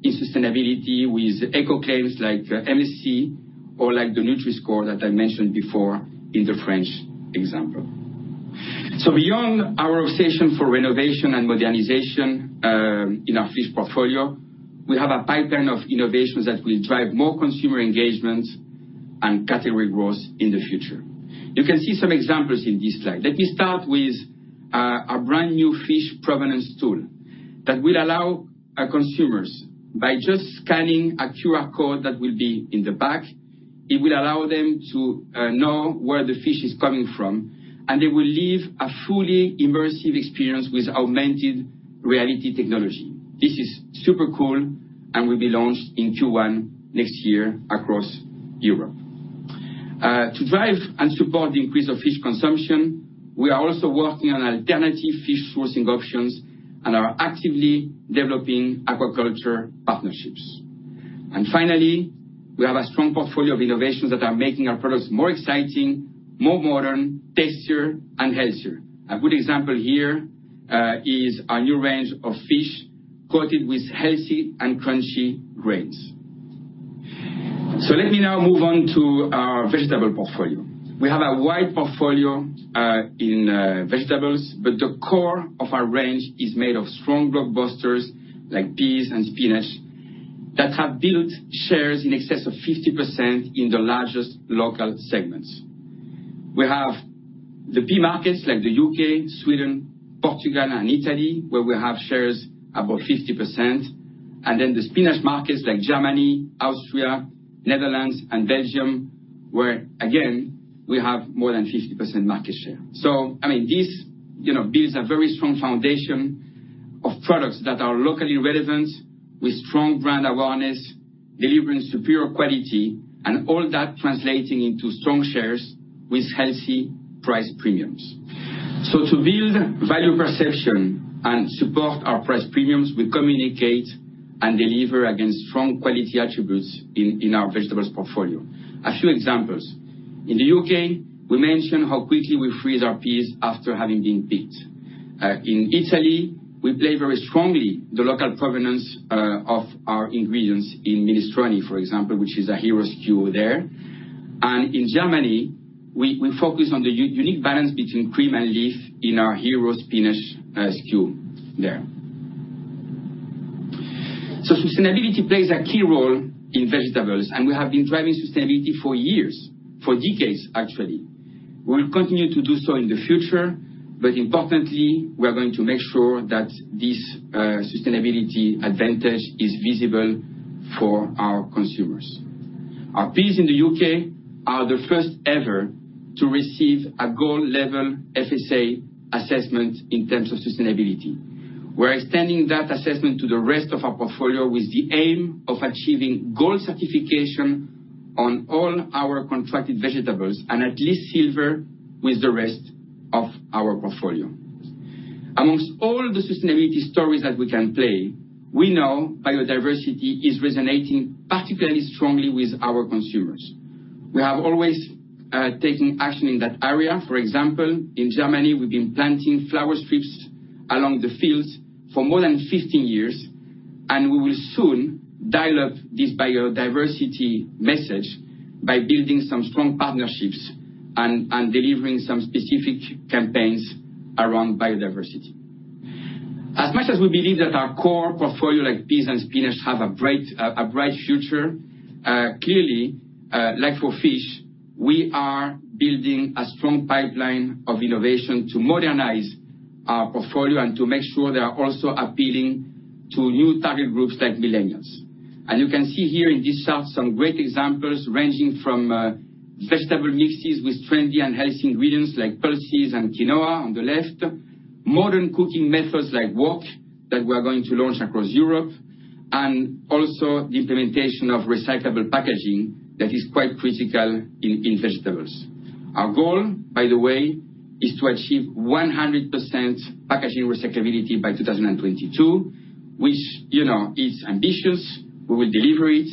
in sustainability with eco claims like MSC or like the Nutri-Score that I mentioned before in the French example. Beyond our obsession for renovation and modernization in our fish portfolio, we have a pipeline of innovations that will drive more consumer engagement and category growth in the future. You can see some examples in this slide. Let me start with our brand new fish provenance tool that will allow our consumers, by just scanning a QR code that will be in the back, it will allow them to know where the fish is coming from, and they will live a fully immersive experience with augmented reality technology. This is super cool and will be launched in Q1 next year across Europe. To drive and support the increase of fish consumption, we are also working on alternative fish sourcing options and are actively developing aquaculture partnerships. Finally, we have a strong portfolio of innovations that are making our products more exciting, more modern, tastier, and healthier. A good example here is our new range of fish coated with healthy and crunchy grains. Let me now move on to our vegetable portfolio. We have a wide portfolio in vegetables, the core of our range is made of strong blockbusters like peas and spinach that have built shares in excess of 50% in the largest local segments. We have the pea markets like the U.K., Sweden, Portugal, and Italy, where we have shares above 50%, the spinach markets like Germany, Austria, Netherlands, and Belgium, where again, we have more than 50% market share. This builds a very strong foundation of products that are locally relevant, with strong brand awareness, delivering superior quality, and all that translating into strong shares with healthy price premiums. To build value perception and support our price premiums, we communicate and deliver against strong quality attributes in our vegetables portfolio. A few examples. In the U.K., we mention how quickly we freeze our peas after having been picked. In Italy, we play very strongly the local provenance of our ingredients in minestrone, for example, which is a hero stew there. In Germany, we focus on the unique balance between cream and leaf in our hero spinach stew there. Sustainability plays a key role in vegetables, and we have been driving sustainability for years, for decades, actually. We will continue to do so in the future. Importantly, we are going to make sure that this sustainability advantage is visible for our consumers. Our peas in the U.K. are the first ever to receive a gold level FSA assessment in terms of sustainability. We are extending that assessment to the rest of our portfolio with the aim of achieving gold certification on all our contracted vegetables, and at least silver with the rest of our portfolio. Amongst all the sustainability stories that we can play, we know biodiversity is resonating particularly strongly with our consumers. We have always taken action in that area. For example, in Germany, we've been planting flower strips along the fields for more than 15 years. We will soon dial up this biodiversity message by building some strong partnerships and delivering some specific campaigns around biodiversity. As much as we believe that our core portfolio like peas and spinach have a bright future, clearly, like for fish, we are building a strong pipeline of innovation to modernize our portfolio and to make sure they are also appealing to new target groups like millennials. You can see here in this chart some great examples, ranging from vegetable mixes with trendy and healthy ingredients like pulses and quinoa on the left, modern cooking methods like wok that we are going to launch across Europe, also the implementation of recyclable packaging that is quite critical in vegetables. Our goal, by the way, is to achieve 100% packaging recyclability by 2022, which is ambitious. We will deliver it.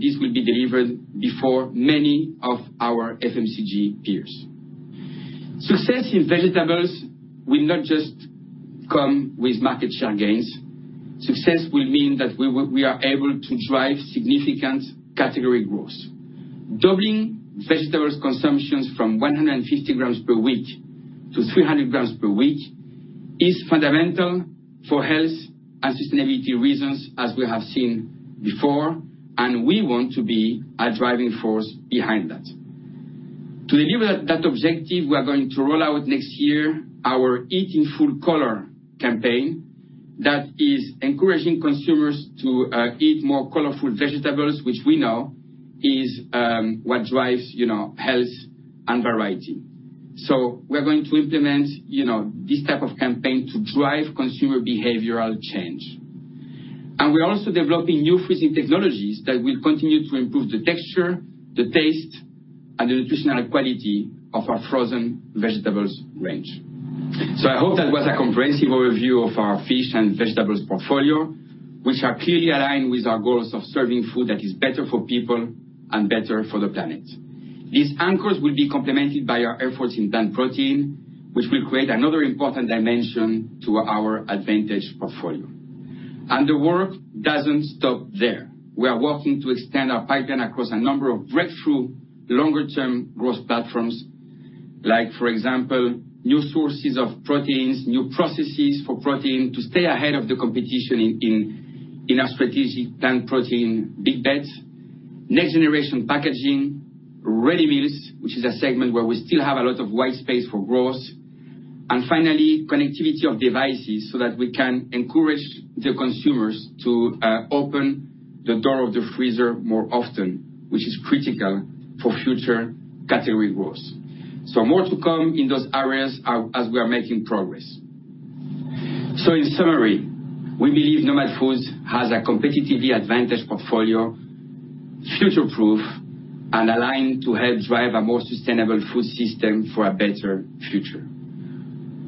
This will be delivered before many of our FMCG peers. Success in vegetables will not just come with market share gains. Success will mean that we are able to drive significant category growth. Doubling vegetables consumptions from 150 grams per week to 300 grams per week is fundamental for health and sustainability reasons, as we have seen before. We want to be a driving force behind that. To deliver that objective, we are going to roll out next year our Eat in Full Color campaign that is encouraging consumers to eat more colorful vegetables, which we know is what drives health and variety. We're going to implement this type of campaign to drive consumer behavioral change. We're also developing new freezing technologies that will continue to improve the texture, the taste, and the nutritional quality of our frozen vegetables range. I hope that was a comprehensive overview of our fish and vegetables portfolio, which are clearly aligned with our goals of serving food that is better for people and better for the planet. These anchors will be complemented by our efforts in plant protein, which will create another important dimension to our advantage portfolio. The work doesn't stop there. We are working to extend our pipeline across a number of breakthrough longer-term growth platforms like, for example, new sources of proteins, new processes for protein to stay ahead of the competition in our strategic plant protein big bets, next generation packaging, ready meals, which is a segment where we still have a lot of white space for growth, and finally, connectivity of devices so that we can encourage the consumers to open the door of the freezer more often, which is critical for future category growth. More to come in those areas as we are making progress. In summary, we believe Nomad Foods has a competitively advantaged portfolio, future-proof, and aligned to help drive a more sustainable food system for a better future.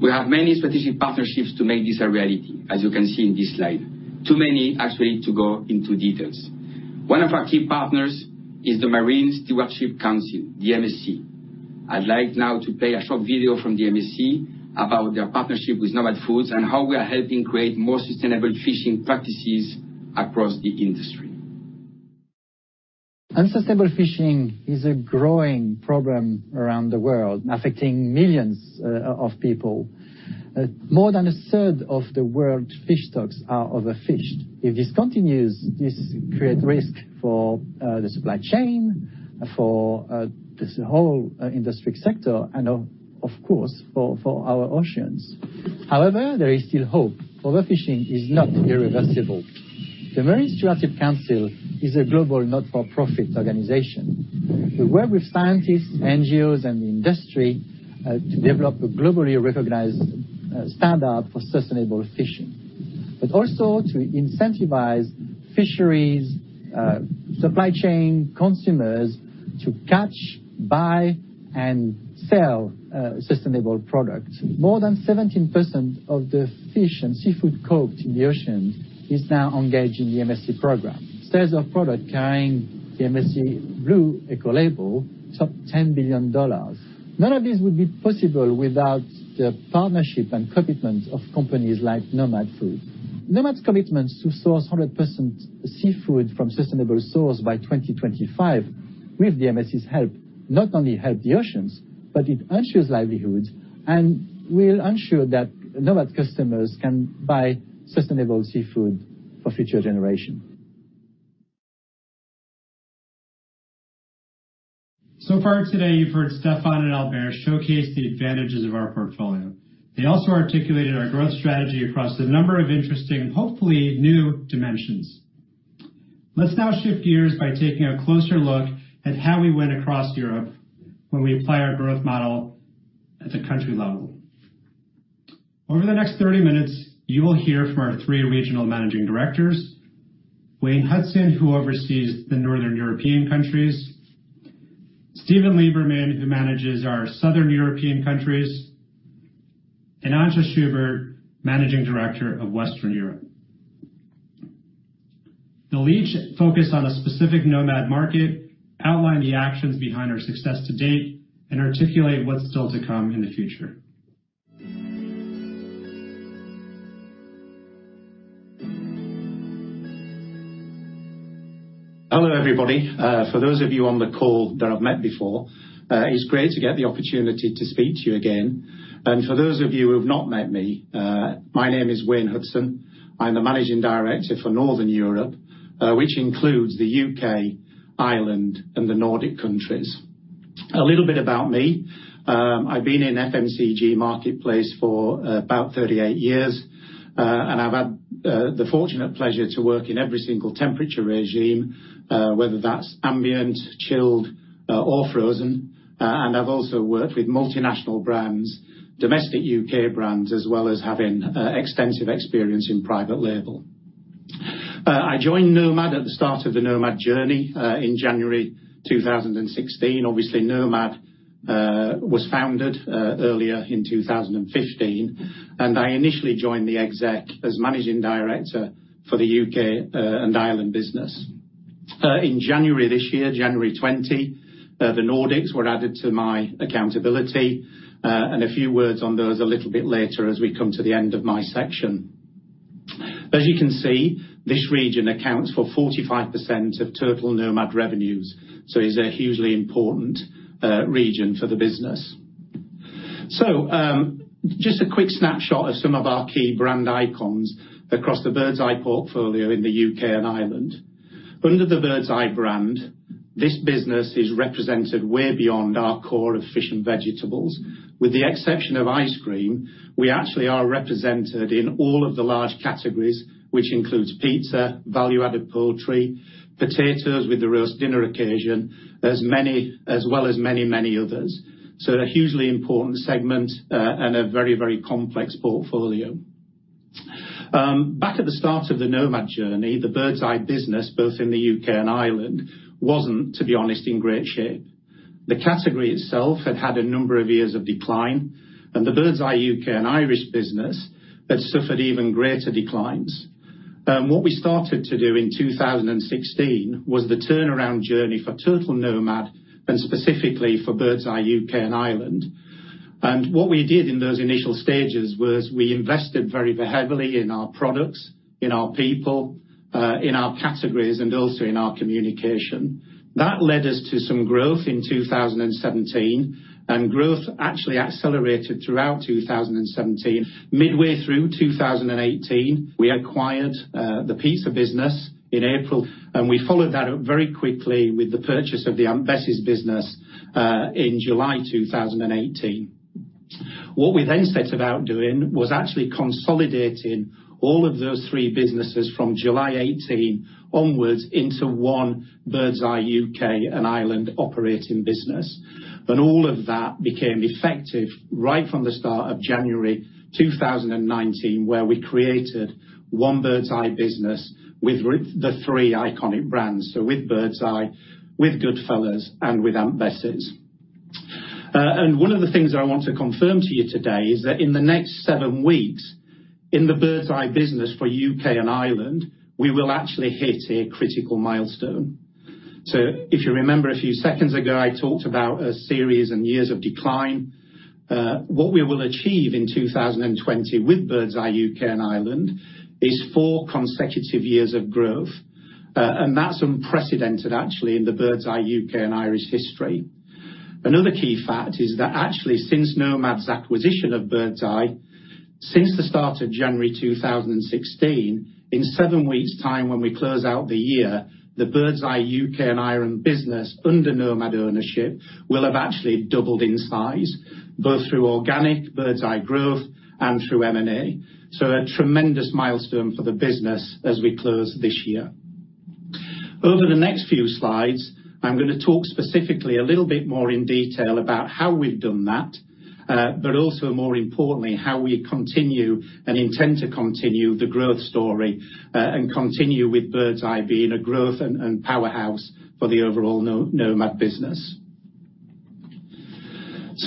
We have many strategic partnerships to make this a reality, as you can see in this slide. Too many actually to go into details. One of our key partners is the Marine Stewardship Council, the MSC. I'd like now to play a short video from the MSC about their partnership with Nomad Foods and how we are helping create more sustainable fishing practices across the industry. Unsustainable fishing is a growing problem around the world, affecting millions of people. More than a third of the world's fish stocks are overfished. If this continues, this create risk for the supply chain, for this whole industry sector and, of course, for our oceans. However, there is still hope. Overfishing is not irreversible. The Marine Stewardship Council is a global not-for-profit organization. We work with scientists, NGOs, and the industry, to develop a globally recognized standard for sustainable fishing, but also to incentivize fisheries, supply chain consumers to catch, buy, and sell sustainable products. More than 17% of the fish and seafood caught in the oceans is now engaged in the MSC program. Sales of product carrying the MSC blue eco label top EUR 10 billion. None of this would be possible without the partnership and commitment of companies like Nomad Foods. Nomad's commitment to source 100% seafood from sustainable source by 2025 with the MSC's help not only help the oceans, but it ensures livelihoods and will ensure that Nomad customers can buy sustainable seafood for future generations. Far today, you've heard Stéfan and Albert showcase the advantages of our portfolio. They also articulated our growth strategy across a number of interesting, hopefully new dimensions. Let's now shift gears by taking a closer look at how we win across Europe when we apply our growth model at the country level. Over the next 30 minutes, you will hear from our three regional managing directors, Wayne Hudson, who oversees the Northern European countries, Steven Libermann, who manages our Southern European countries, and Antje Schubert, managing director of Western Europe. They'll each focus on a specific Nomad market, outline the actions behind our success to date, and articulate what's still to come in the future. Hello, everybody. For those of you on the call that I've met before, it's great to get the opportunity to speak to you again. For those of you who have not met me, my name is Wayne Hudson. I'm the managing director for Northern Europe, which includes the U.K., Ireland, and the Nordic countries. A little bit about me. I've been in FMCG marketplace for about 38 years, and I've had the fortunate pleasure to work in every single temperature regime, whether that's ambient, chilled, or frozen. I've also worked with multinational brands, domestic U.K. brands, as well as having extensive experience in private label. I joined Nomad at the start of the Nomad journey, in January 2016. Obviously, Nomad was founded earlier in 2015, and I initially joined the exec as managing director for the U.K. and Ireland business. In January this year, January 2020, the Nordics were added to my accountability, and a few words on those a little bit later as we come to the end of my section. As you can see, this region accounts for 45% of total Nomad revenues, it's a hugely important region for the business. Just a quick snapshot of some of our key brand icons across the Birds Eye portfolio in the U.K. and Ireland. Under the Birds Eye brand, this business is represented way beyond our core of fish and vegetables. With the exception of ice cream, we actually are represented in all of the large categories, which includes pizza, value-added poultry, potatoes with the roast dinner occasion, as well as many others. A hugely important segment, and a very complex portfolio. Back at the start of the Nomad journey, the Birds Eye business, both in the U.K. and Ireland, wasn't, to be honest, in great shape. The category itself had had a number of years of decline, and the Birds Eye U.K. and Irish business had suffered even greater declines. What we started to do in 2016 was the turnaround journey for total Nomad and specifically for Birds Eye U.K. and Ireland. What we did in those initial stages was we invested very heavily in our products, in our people, in our categories, and also in our communication. That led us to some growth in 2017, and growth actually accelerated throughout 2017. Midway through 2018, we acquired the pizza business in April, and we followed that up very quickly with the purchase of the Aunt Bessie's business, in July 2018. What we set about doing was actually consolidating all of those three businesses from July 2018 onwards into one Birds Eye U.K. and Ireland operating business. All of that became effective right from the start of January 2019, where we created one Birds Eye business with the three iconic brands. With Birds Eye, with Goodfella's, and with Aunt Bessie's. One of the things that I want to confirm to you today is that in the next seven weeks in the Birds Eye business for U.K. and Ireland, we will actually hit a critical milestone. If you remember a few seconds ago, I talked about a series and years of decline. What we will achieve in 2020 with Birds Eye U.K. and Ireland is four consecutive years of growth, and that's unprecedented actually in the Birds Eye U.K. and Irish history. Another key fact is that actually since Nomad's acquisition of Birds Eye, since the start of January 2016, in seven weeks' time, when we close out the year, the Birds Eye U.K. and Ireland business under Nomad ownership will have actually doubled in size, both through organic Birds Eye growth and through M&A. A tremendous milestone for the business as we close this year. Over the next few slides, I'm going to talk specifically a little bit more in detail about how we've done that, but also, more importantly, how we continue and intend to continue the growth story, and continue with Birds Eye being a growth and powerhouse for the overall Nomad business.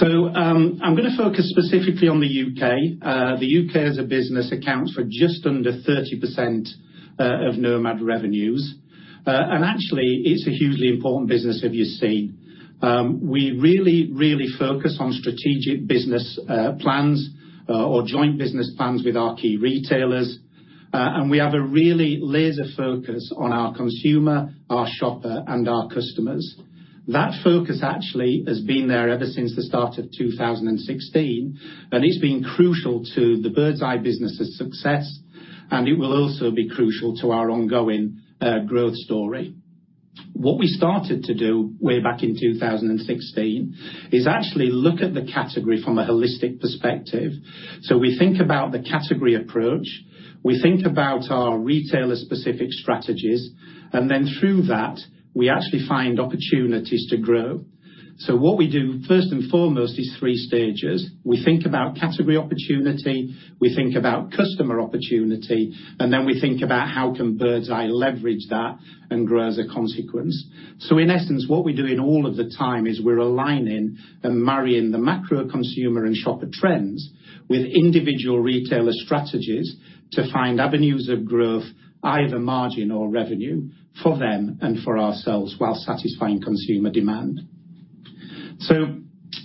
I'm going to focus specifically on the U.K. The U.K. as a business accounts for just under 30% of Nomad revenues. Actually, it's a hugely important business as you've seen. We really focus on strategic business plans, or Joint Business Plans with our key retailers. We have a really laser focus on our consumer, our shopper, and our customers. That focus actually has been there ever since the start of 2016, and it's been crucial to the Birds Eye business' success, and it will also be crucial to our ongoing growth story. What we started to do way back in 2016 is actually look at the category from a holistic perspective. We think about the category approach, we think about our retailer-specific strategies, and then through that, we actually find opportunities to grow. What we do, first and foremost, is 3 stages. We think about category opportunity, we think about customer opportunity, and then we think about how can Birds Eye leverage that and grow as a consequence. In essence, what we're doing all of the time is we're aligning and marrying the macro consumer and shopper trends with individual retailer strategies to find avenues of growth, either margin or revenue, for them and for ourselves, while satisfying consumer demand.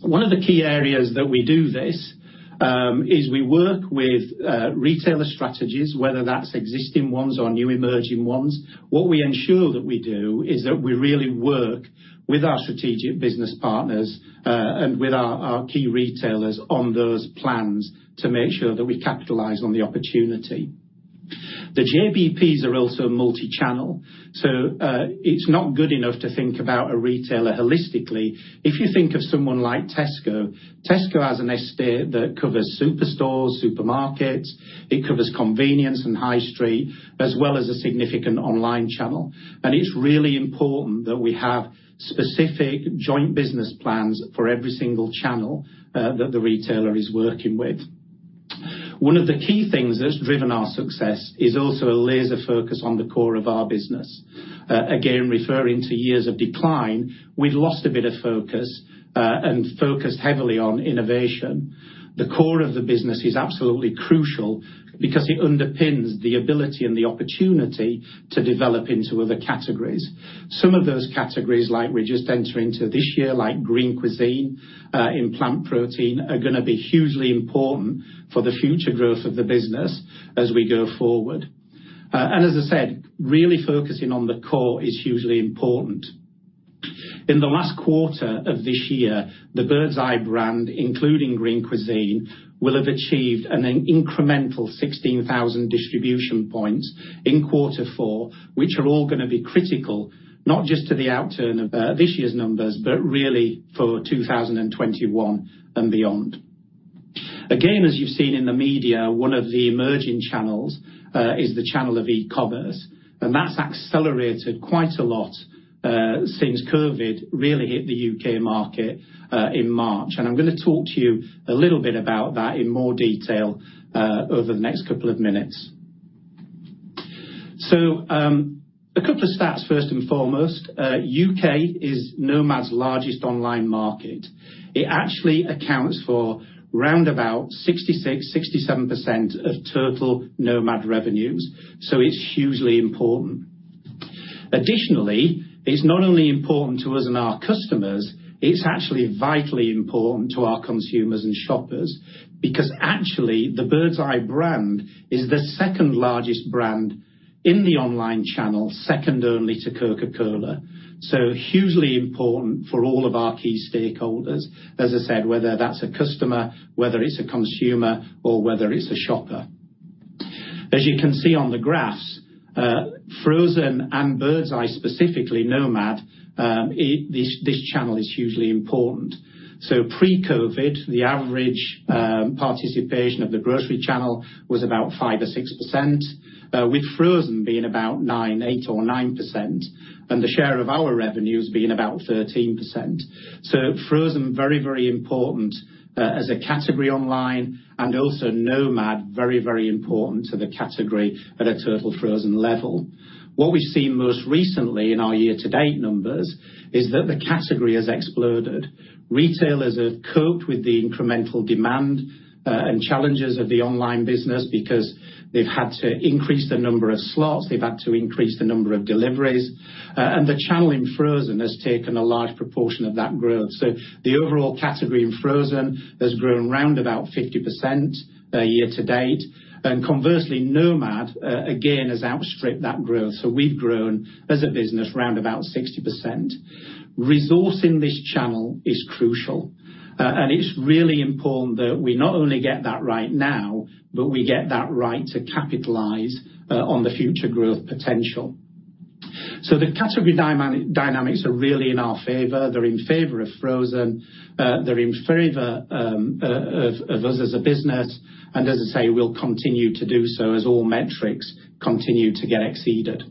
One of the key areas that we do this is we work with retailer strategies, whether that's existing ones or new emerging ones. What we ensure that we do is that we really work with our strategic business partners, and with our key retailers on those plans to make sure that we capitalize on the opportunity. The JBPs are also multi-channel, so it's not good enough to think about a retailer holistically. If you think of someone like Tesco has an estate that covers super stores, supermarkets, it covers convenience and high street, as well as a significant online channel. It's really important that we have specific Joint Business Plans for every single channel that the retailer is working with. One of the key things that's driven our success is also a laser focus on the core of our business. Again, referring to years of decline, we'd lost a bit of focus and focused heavily on innovation. The core of the business is absolutely crucial because it underpins the ability and the opportunity to develop into other categories. Some of those categories like we're just entering into this year, like Green Cuisine and plant protein, are going to be hugely important for the future growth of the business as we go forward. As I said, really focusing on the core is hugely important. In the last quarter of this year, the Birds Eye brand, including Green Cuisine, will have achieved an incremental 16,000 distribution points in quarter four, which are all going to be critical, not just to the outturn of this year's numbers, but really for 2021 and beyond. As you've seen in the media, one of the emerging channels is the channel of e-commerce. That's accelerated quite a lot since COVID really hit the U.K. market in March. I'm going to talk to you a little bit about that in more detail over the next couple of minutes. A couple of stats first and foremost. U.K. is Nomad's largest online market. It actually accounts for round about 66, 67% of total Nomad revenues, so it's hugely important. Additionally, it's not only important to us and our customers, it's actually vitally important to our consumers and shoppers because actually, the Birds Eye brand is the second largest brand in the online channel, second only to Coca-Cola. Hugely important for all of our key stakeholders. As I said, whether that's a customer, whether it's a consumer, or whether it's a shopper. As you can see on the graphs, frozen and Birds Eye specifically, Nomad, this channel is hugely important. Pre-COVID, the average participation of the grocery channel was about 5% or 6%, with frozen being about 8% or 9%, and the share of our revenues being about 13%. Frozen, very important as a category online, and also Nomad, very important to the category at a total frozen level. What we've seen most recently in our year-to-date numbers is that the category has exploded. Retailers have coped with the incremental demand, and challenges of the online business because they've had to increase the number of slots, they've had to increase the number of deliveries, and the channel in frozen has taken a large proportion of that growth. The overall category in frozen has grown around about 50% year to date. Conversely, Nomad, again, has outstripped that growth. We've grown as a business round about 60%. Resourcing this channel is crucial, and it's really important that we not only get that right now, but we get that right to capitalize on the future growth potential. The category dynamics are really in our favor. They're in favor of frozen. They're in favor of us as a business. As I say, we'll continue to do so as all metrics continue to get exceeded.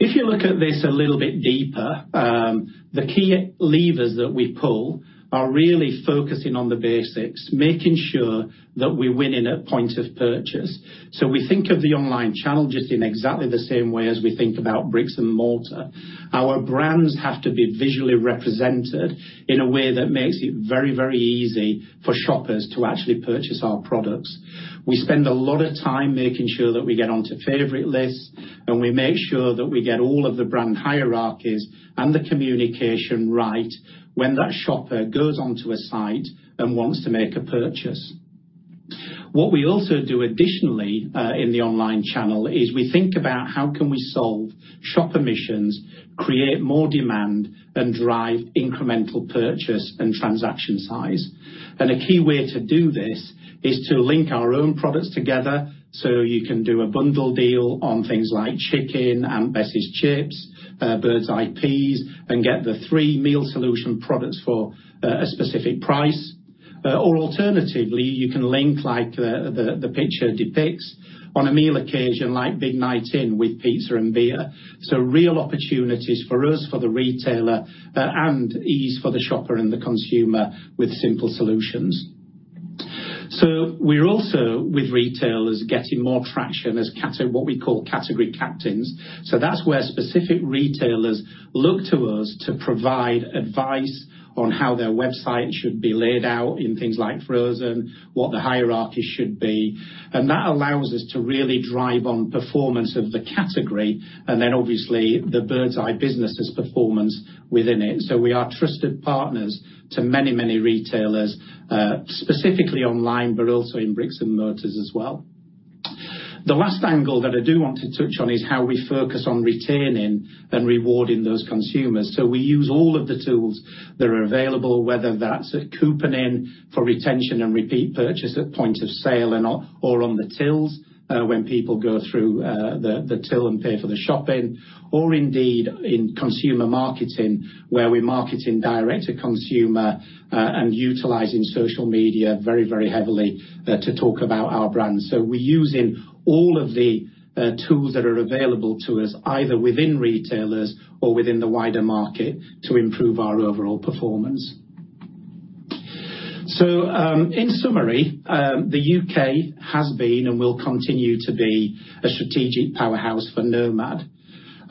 If you look at this a little bit deeper, the key levers that we pull are really focusing on the basics, making sure that we win in a point of purchase. We think of the online channel just in exactly the same way as we think about bricks and mortar. Our brands have to be visually represented in a way that makes it very easy for shoppers to actually purchase our products. We spend a lot of time making sure that we get onto favorite lists, and we make sure that we get all of the brand hierarchies and the communication right when that shopper goes onto a site and wants to make a purchase. What we also do additionally in the online channel is we think about how can we solve shopper missions, create more demand, and drive incremental purchase and transaction size. A key way to do this is to link our own products together so you can do a bundle deal on things like chicken, Aunt Bessie's chips, Birds Eye peas, and get the three meal solution products for a specific price. Alternatively, you can link like the picture depicts on a meal occasion like big night in with pizza and beer. Real opportunities for us, for the retailer, and ease for the shopper and the consumer with simple solutions. We're also, with retailers, getting more traction as what we call category captains. That's where specific retailers look to us to provide advice on how their website should be laid out in things like frozen, what the hierarchy should be. That allows us to really drive on performance of the category, then obviously the Birds Eye business' performance within it. We are trusted partners to many retailers, specifically online, but also in bricks and mortars as well. The last angle that I do want to touch on is how we focus on retaining and rewarding those consumers. We use all of the tools that are available, whether that's at couponing for retention and repeat purchase at point of sale and/or on the tills when people go through the till and pay for the shopping, or indeed in consumer marketing, where we're marketing direct to consumer, and utilizing social media very heavily to talk about our brand. We're using all of the tools that are available to us, either within retailers or within the wider market to improve our overall performance. In summary, the U.K. has been and will continue to be a strategic powerhouse for Nomad.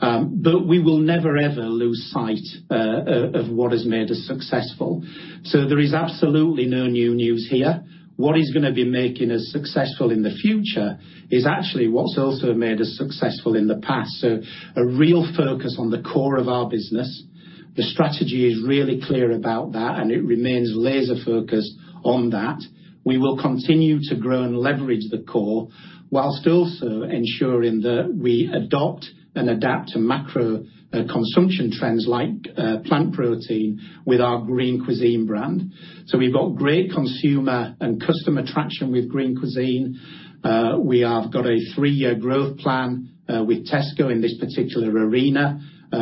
We will never, ever lose sight of what has made us successful. There is absolutely no new news here. What is going to be making us successful in the future is actually what's also made us successful in the past. A real focus on the core of our business. The strategy is really clear about that, and it remains laser-focused on that. We will continue to grow and leverage the core whilst also ensuring that we adopt and adapt to macro consumption trends like plant protein with our Green Cuisine brand. We've got great consumer and customer traction with Green Cuisine. We have got a three-year growth plan with Tesco in this particular arena,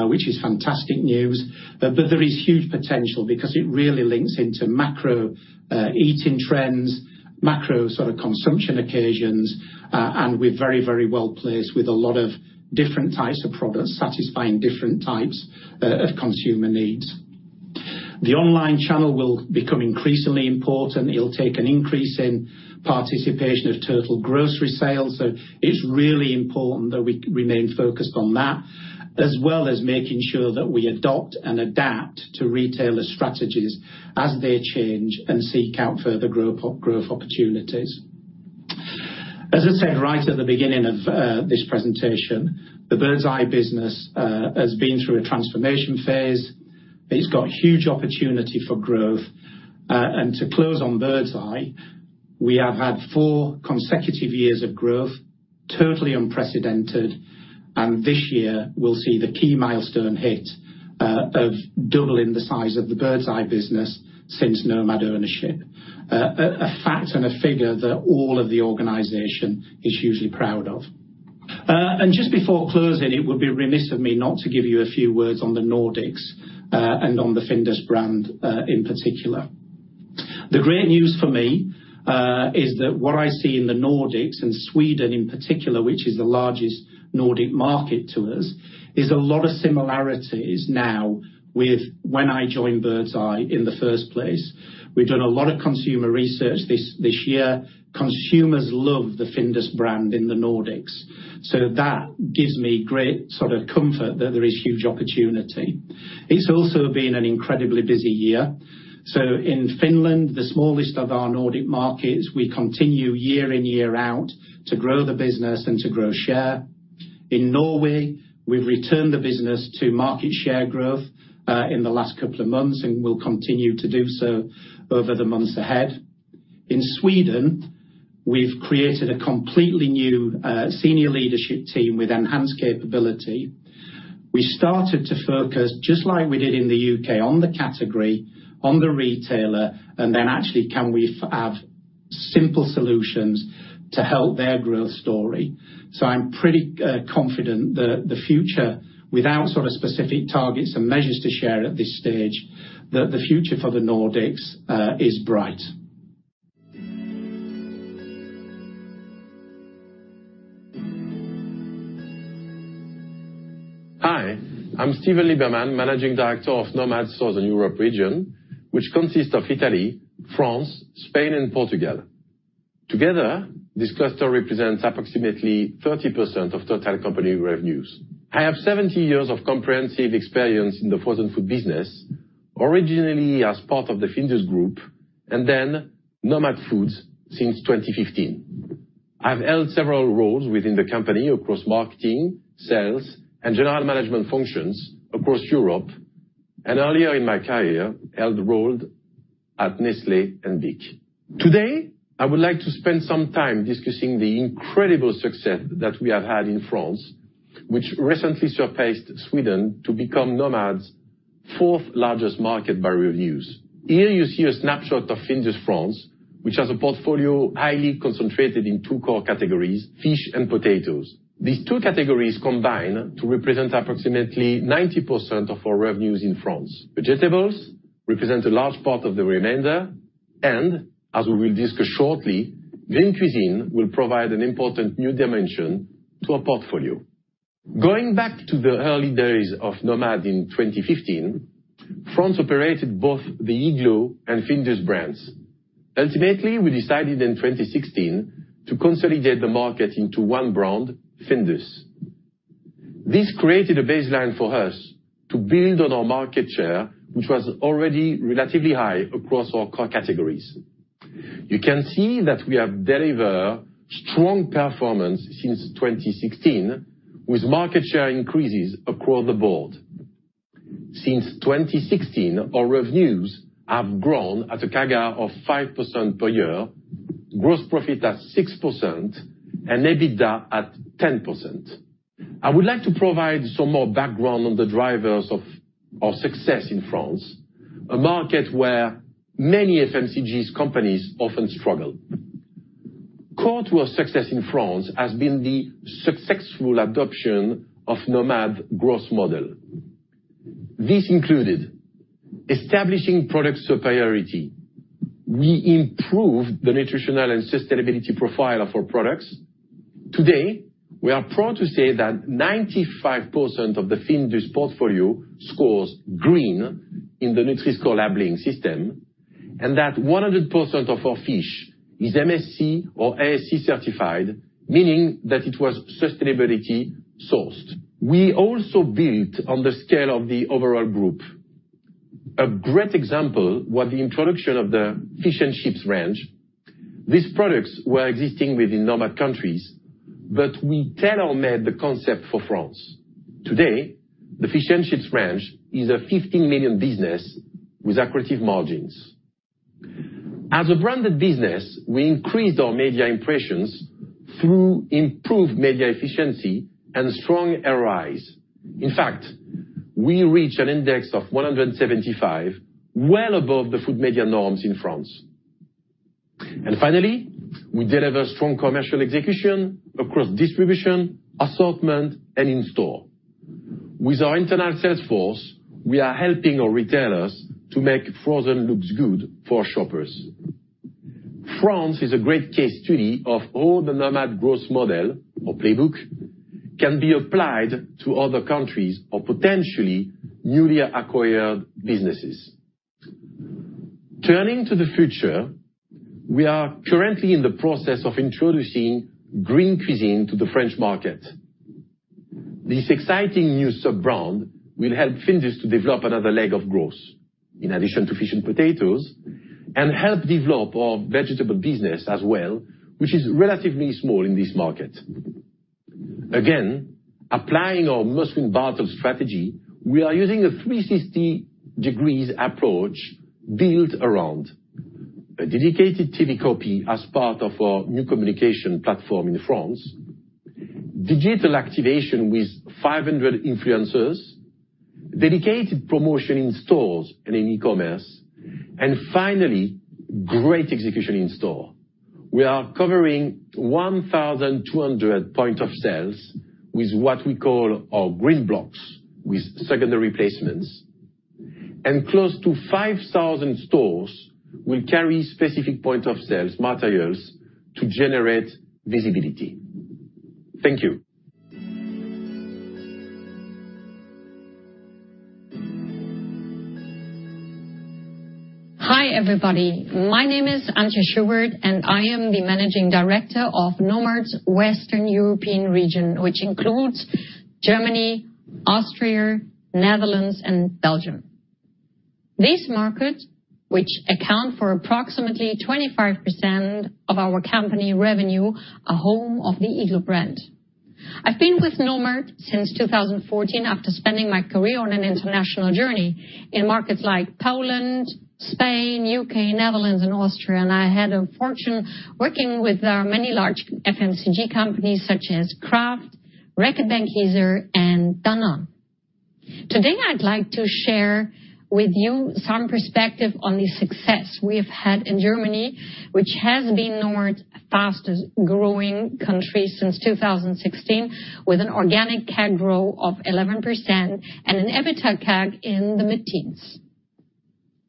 which is fantastic news. There is huge potential because it really links into macro eating trends, macro sort of consumption occasions. We're very well-placed with a lot of different types of products satisfying different types of consumer needs. The online channel will become increasingly important. It'll take an increase in participation of total grocery sales. It's really important that we remain focused on that, as well as making sure that we adopt and adapt to retailer strategies as they change and seek out further growth opportunities. As I said right at the beginning of this presentation, the Birds Eye business has been through a transformation phase. It's got huge opportunity for growth. To close on Birds Eye, we have had four consecutive years of growth, totally unprecedented, and this year we'll see the key milestone hit of doubling the size of the Birds Eye business since Nomad ownership. A fact and a figure that all of the organization is hugely proud of. Just before closing, it would be remiss of me not to give you a few words on the Nordics, and on the Findus brand, in particular. The great news for me is that what I see in the Nordics and Sweden in particular, which is the largest Nordic market to us, is a lot of similarities now with when I joined Birds Eye in the first place. We've done a lot of consumer research this year. Consumers love the Findus brand in the Nordics, so that gives me great sort of comfort that there is huge opportunity. It's also been an incredibly busy year. In Finland, the smallest of our Nordic markets, we continue year in, year out to grow the business and to grow share. In Norway, we've returned the business to market share growth, in the last couple of months and will continue to do so over the months ahead. In Sweden, we've created a completely new senior leadership team with enhanced capability. We started to focus, just like we did in the U.K., on the category, on the retailer, and then actually can we have simple solutions to help their growth story. I'm pretty confident the future, without sort of specific targets and measures to share at this stage, that the future for the Nordics is bright. Hi, I'm Steven Libermann, Managing Director of Nomad Southern Europe region, which consists of Italy, France, Spain and Portugal. Together, this cluster represents approximately 30% of total company revenues. I have 1`7 years of comprehensive experience in the frozen food business, originally as part of the Findus Group and then Nomad Foods since 2015. I've held several roles within the company across marketing, sales and general management functions across Europe and earlier in my career held a role at Nestlé and Beech-Nut. Today I would like to spend some time discussing the incredible success that we have had in France which recently surpassed Sweden to become Nomad's fourth largest market by revenues. Here you see a snapshot of Findus France which has a portfolio highly concentrated in two core categories fish and potatoes. These two categories combine to represent approximately 90% of our revenues in France. Vegetables represent a large part of the remainder. As we will discuss shortly, Green Cuisine will provide an important new dimension to our portfolio. Going back to the early days of Nomad in 2015, France operated both the Iglo and Findus brands. Ultimately, we decided in 2016 to consolidate the market into one brand, Findus. This created a baseline for us to build on our market share, which was already relatively high across all core categories. You can see that we have delivered strong performance since 2016 with market share increases across the board. Since 2016, our revenues have grown at a CAGR of 5% per year, gross profit at 6%, and EBITDA at 10%. I would like to provide some more background on the drivers of our success in France, a market where many FMCGs companies often struggle. Core to our success in France has been the successful adoption of Nomad growth model. This included establishing product superiority. We improved the nutritional and sustainability profile of our products. Today, we are proud to say that 95% of the Findus portfolio scores green in the Nutri-Score labeling system, and that 100% of our fish is MSC or ASC certified, meaning that it was sustainability sourced. We also built on the scale of the overall group. A great example was the introduction of the Fish and Chips range. These products were existing within Nomad countries, but we tailor-made the concept for France. Today, the Fish and Chips range is a 15 million business with accretive margins. As a branded business, we increased our media impressions through improved media efficiency and strong ROIs. In fact, we reach an index of 175, well above the food media norms in France. Finally, we deliver strong commercial execution across distribution, assortment, and in store. With our internal sales force, we are helping our retailers to make frozen looks good for shoppers. France is a great case study of how the Nomad growth model, or playbook, can be applied to other countries or potentially newly acquired businesses. Turning to the future, we are currently in the process of introducing Green Cuisine to the French market. This exciting new sub-brand will help Findus to develop another leg of growth in addition to fish and potatoes, and help develop our vegetable business as well, which is relatively small in this market. Again, applying our must-win battles strategy, we are using a 360 degrees approach built around a dedicated TV copy as part of our new communication platform in France, digital activation with 500 influencers, dedicated promotion in stores and in e-commerce, and finally, great execution in store. We are covering 1,200 point of sales with what we call our Green Cuisine with secondary placements, and close to 5,000 stores will carry specific point of sales materials to generate visibility. Thank you. Hi, everybody. My name is Antje Schubert, and I am the managing director of Nomad Foods' Western European region, which includes Germany, Austria, Netherlands, and Belgium. These markets, which account for approximately 25% of our company revenue, are home of the Iglo brand. I've been with Nomad Foods since 2014 after spending my career on an international journey in markets like Poland, Spain, U.K., Netherlands, and Austria, and I had a fortune working with our many large FMCG companies such as Kraft, Reckitt Benckiser, and Danone. Today, I'd like to share with you some perspective on the success we've had in Germany, which has been Nomad Foods' fastest growing country since 2016, with an organic CAGR growth of 11% and an EBITDA CAGR in the mid-teens.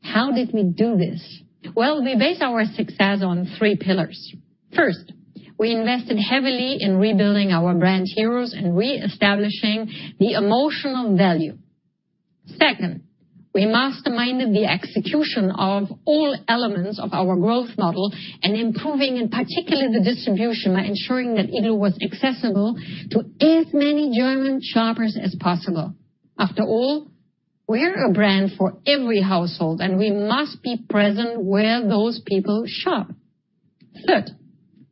How did we do this? Well, we base our success on three pillars. First, we invested heavily in rebuilding our brand heroes and reestablishing the emotional value. Second, we masterminded the execution of all elements of our growth model and improving, in particular, the distribution by ensuring that Iglo was accessible to as many German shoppers as possible. After all, we are a brand for every household, and we must be present where those people shop. Third,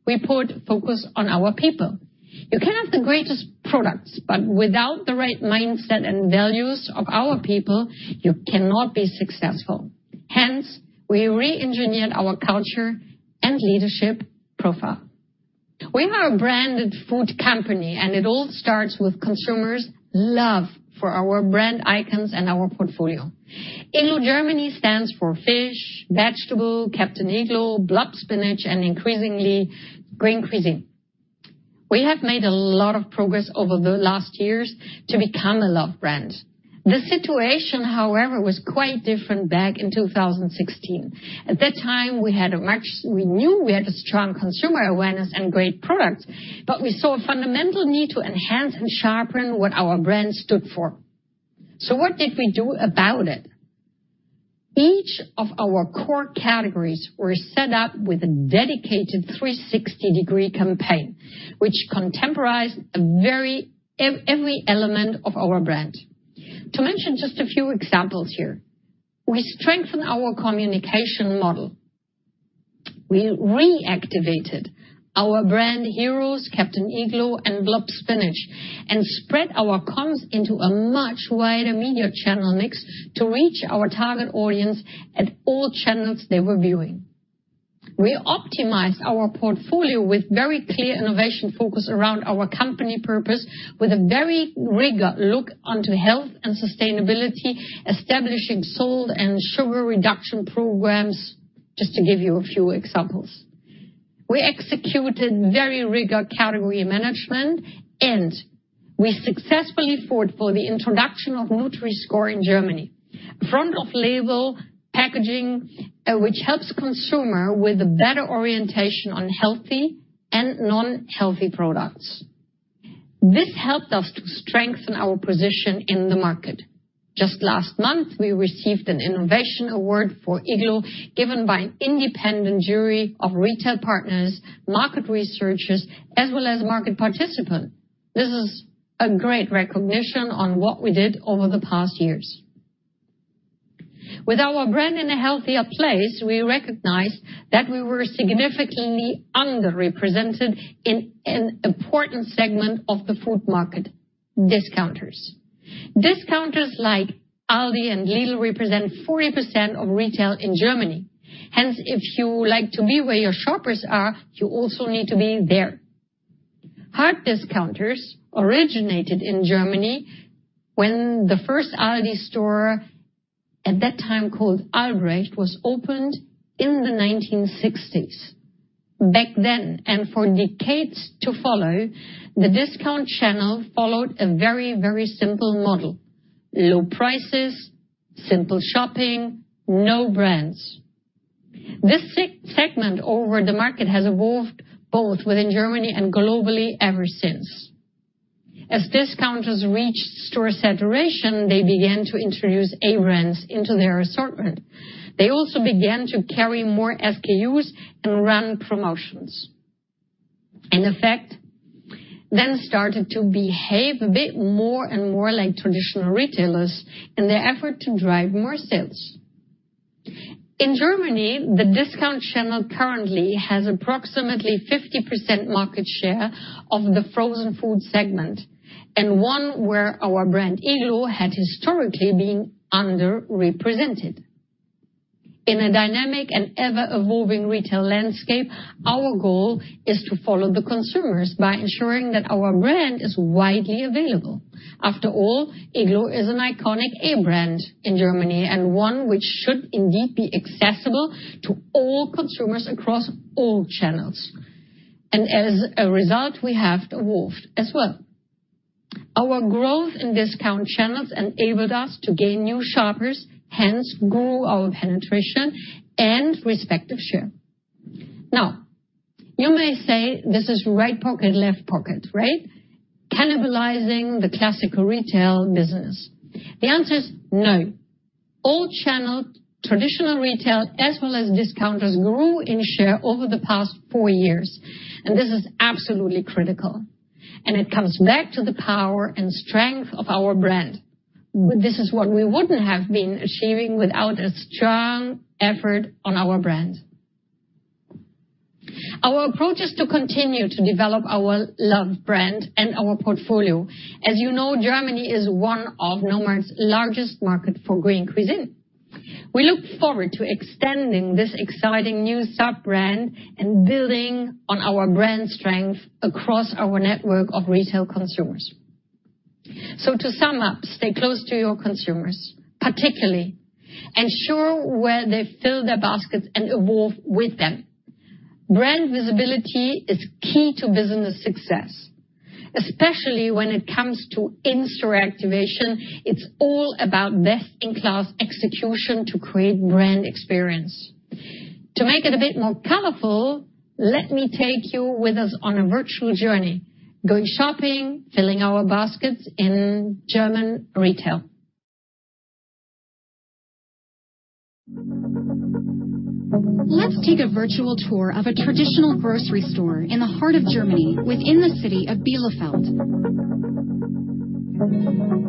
we put focus on our people. You can have the greatest products, but without the right mindset and values of our people, you cannot be successful. Hence, we re-engineered our culture and leadership profile. We are a branded food company, and it all starts with consumers' love for our brand icons and our portfolio. Iglo Germany stands for fish, vegetable, Captain Iglo, Blubb Spinach, and increasingly, Green Cuisine. We have made a lot of progress over the last years to become a loved brand. The situation, however, was quite different back in 2016. At that time, we knew we had a strong consumer awareness and great product, we saw a fundamental need to enhance and sharpen what our brand stood for. What did we do about it? Each of our core categories were set up with a dedicated 360-degree campaign, which contemporized every element of our brand. To mention just a few examples here, we strengthened our communication model. We reactivated our brand heroes, Captain Iglo and Blubb Spinach, and spread our comms into a much wider media channel mix to reach our target audience at all channels they were viewing. We optimized our portfolio with very clear innovation focus around our company purpose, with a very rigorous look onto health and sustainability, establishing salt and sugar reduction programs, just to give you a few examples. We executed very rigorous category management. We successfully fought for the introduction of Nutri-Score in Germany. Front-of-label packaging, which helps consumers with a better orientation on healthy and unhealthy products. This helped us to strengthen our position in the market. Just last month, we received an innovation award for Iglo, given by an independent jury of retail partners, market researchers, as well as market participants. This is a great recognition on what we did over the past years. With our brand in a healthier place, we recognized that we were significantly underrepresented in an important segment of the food market, discounters. Discounters like Aldi and Lidl represent 40% of retail in Germany. If you like to be where your shoppers are, you also need to be there. Hard discounters originated in Germany when the first Aldi store, at that time called Albrecht, was opened in the 1960s. Back then, and for decades to follow, the discount channel followed a very, very simple model. Low prices, simple shopping, no brands. This segment over the market has evolved both within Germany and globally ever since. As discounters reached store saturation, they began to introduce A brands into their assortment. They also began to carry more SKUs and run promotions. In effect, then started to behave a bit more and more like traditional retailers in their effort to drive more sales. In Germany, the discount channel currently has approximately 50% market share of the frozen food segment, and one where our brand Iglo had historically been underrepresented. In a dynamic and ever-evolving retail landscape, our goal is to follow the consumers by ensuring that our brand is widely available. After all, Iglo is an iconic A brand in Germany and one which should indeed be accessible to all consumers across all channels. As a result, we have evolved as well. Our growth in discount channels enabled us to gain new shoppers, hence grew our penetration and respective share. Now, you may say this is right pocket, left pocket, right? Cannibalizing the classical retail business. The answer is no. All channels, traditional retail, as well as discounters, grew in share over the past four years. This is absolutely critical. It comes back to the power and strength of our brand. This is what we wouldn't have been achieving without a strong effort on our brand. Our approach is to continue to develop our love brand and our portfolio. As you know, Germany is one of Nomad's largest market for Green Cuisine. We look forward to extending this exciting new sub-brand and building on our brand strength across our network of retail consumers. To sum up, stay close to your consumers, particularly ensure where they fill their baskets and evolve with them. Brand visibility is key to business success, especially when it comes to in-store activation. It's all about best-in-class execution to create brand experience. To make it a bit more colorful, let me take you with us on a virtual journey, going shopping, filling our baskets in German retail. Let's take a virtual tour of a traditional grocery store in the heart of Germany within the city of Bielefeld.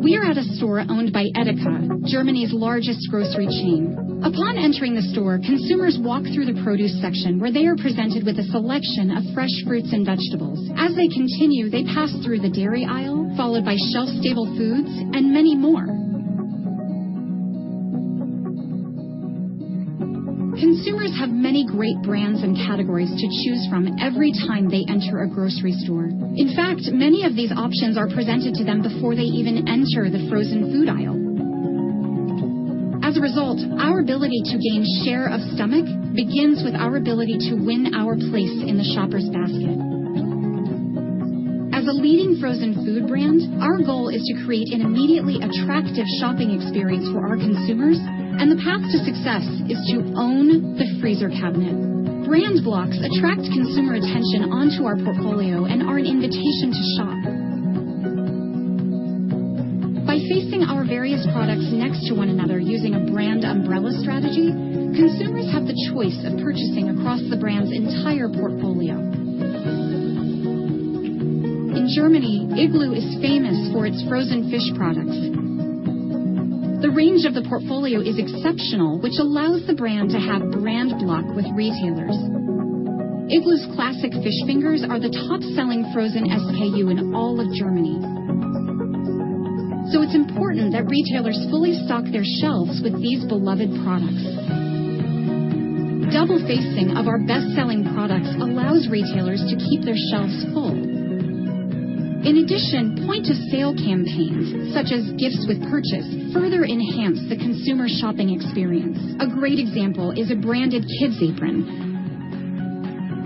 We are at a store owned by Edeka, Germany's largest grocery chain. Upon entering the store, consumers walk through the produce section where they are presented with a selection of fresh fruits and vegetables. As they continue, they pass through the dairy aisle, followed by shelf-stable foods, and many more. Consumers have many great brands and categories to choose from every time they enter a grocery store. In fact, many of these options are presented to them before they even enter the frozen food aisle. As a result, our ability to gain share of stomach begins with our ability to win our place in the shopper's basket. As a leading frozen food brand, our goal is to create an immediately attractive shopping experience for our consumers, and the path to success is to own the freezer cabinet. Brand blocks attract consumer attention onto our portfolio and are an invitation to shop. By facing our various products next to one another using a brand umbrella strategy, consumers have the choice of purchasing across the brand's entire portfolio. In Germany, Iglo is famous for its frozen fish products. The range of the portfolio is exceptional, which allows the brand to have brand block with retailers. Iglo's classic fish fingers are the top-selling frozen SKU in all of Germany. It's important that retailers fully stock their shelves with these beloved products. Double facing of our best-selling products allows retailers to keep their shelves full. In addition, point-of-sale campaigns, such as gifts with purchase, further enhance the consumer shopping experience. A great example is a branded kids apron,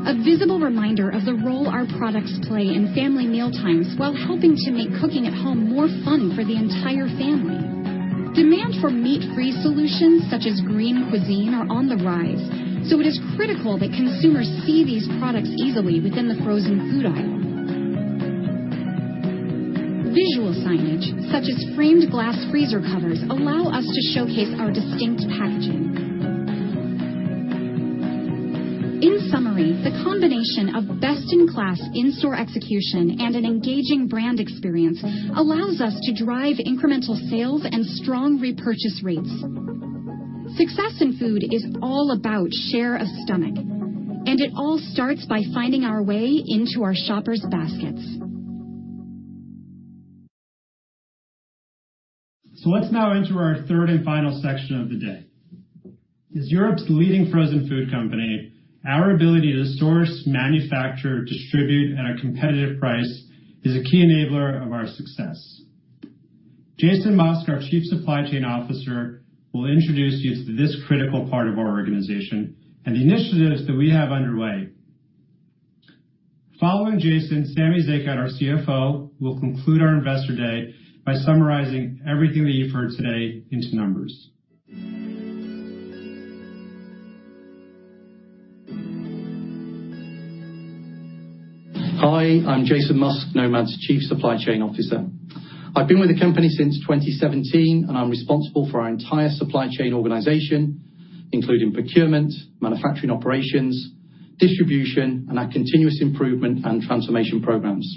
a visible reminder of the role our products play in family mealtimes while helping to make cooking at home more fun for the entire family. Demand for meat-free solutions such as Green Cuisine are on the rise, so it is critical that consumers see these products easily within the frozen food aisle. Visual signage such as framed glass freezer covers allow us to showcase our distinct packaging. In summary, the combination of best-in-class in-store execution and an engaging brand experience allows us to drive incremental sales and strong repurchase rates. Success in food is all about share of stomach, and it all starts by finding our way into our shoppers' baskets. Let's now enter our third and final section of the day. As Europe's leading frozen food company, our ability to source, manufacture, distribute at a competitive price is a key enabler of our success. Jason Musk, our Chief Supply Chain Officer, will introduce you to this critical part of our organization and the initiatives that we have underway. Following Jason, Samy Zekhout, our CFO, will conclude our Investor Day by summarizing everything that you've heard today into numbers. Hi, I'm Jason Musk, Nomad's Chief Supply Chain Officer. I've been with the company since 2017, and I'm responsible for our entire supply chain organization, including procurement, manufacturing operations, distribution, and our continuous improvement and transformation programs.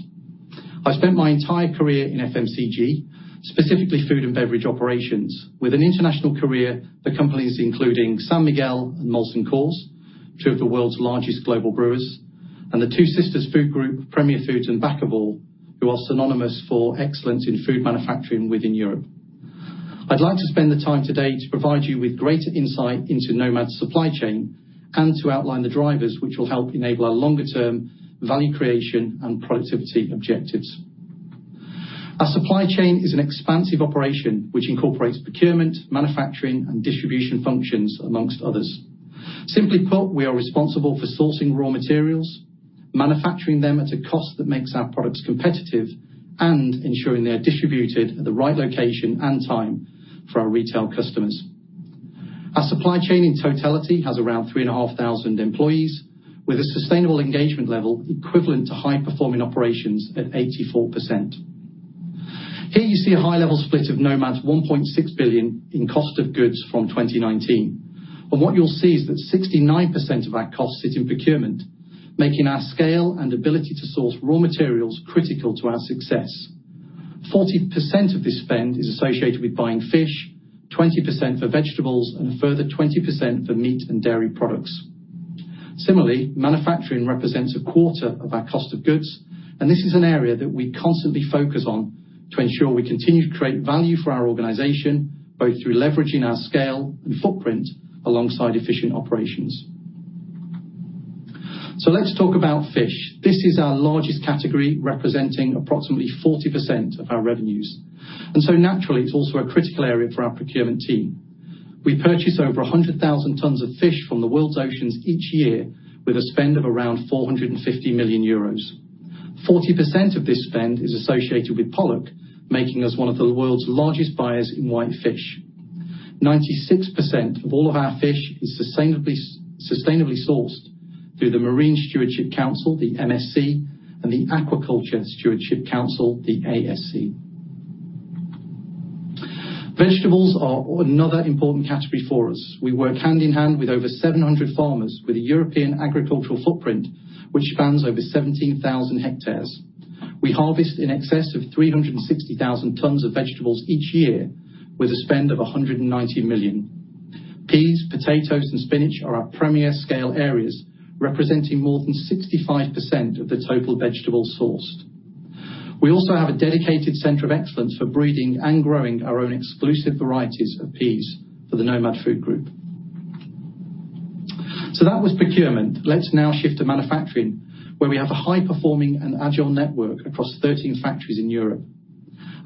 I spent my entire career in FMCG, specifically food and beverage operations with an international career for companies including San Miguel and Molson Coors, two of the world's largest global brewers, and the 2 Sisters Food Group, Premier Foods, and Vandemoortele, who are synonymous for excellence in food manufacturing within Europe. I'd like to spend the time today to provide you with greater insight into Nomad's supply chain and to outline the drivers which will help enable our longer term value creation and productivity objectives. Our supply chain is an expansive operation which incorporates procurement, manufacturing, and distribution functions, amongst others. Simply put, we are responsible for sourcing raw materials, manufacturing them at a cost that makes our products competitive, and ensuring they're distributed at the right location and time for our retail customers. Our supply chain in totality has around 3,500 employees with a sustainable engagement level equivalent to high performing operations at 84%. Here you see a high level split of Nomad Foods' 1.6 billion in cost of goods from 2019. What you'll see is that 69% of that cost sits in procurement, making our scale and ability to source raw materials critical to our success. 40% of this spend is associated with buying fish, 20% for vegetables, and a further 20% for meat and dairy products. Similarly, manufacturing represents a quarter of our cost of goods, this is an area that we constantly focus on to ensure we continue to create value for our organization, both through leveraging our scale and footprint alongside efficient operations. Let's talk about fish. This is our largest category, representing approximately 40% of our revenues. Naturally, it's also a critical area for our procurement team. We purchase over 100,000 tons of fish from the world's oceans each year with a spend of around 450 million euros. 40% of this spend is associated with pollock, making us one of the world's largest buyers in whitefish. 96% of all of our fish is sustainably sourced through the Marine Stewardship Council, the MSC, and the Aquaculture Stewardship Council, the ASC. Vegetables are another important category for us. We work hand in hand with over 700 farmers with a European agricultural footprint which spans over 17,000 hectares. We harvest in excess of 360,000 tons of vegetables each year with a spend of 190 million. Peas, potatoes, and spinach are our premier scale areas, representing more than 65% of the total vegetables sourced. We also have a dedicated center of excellence for breeding and growing our own exclusive varieties of peas for the Nomad Foods. That was procurement. Let's now shift to manufacturing, where we have a high performing and agile network across 13 factories in Europe.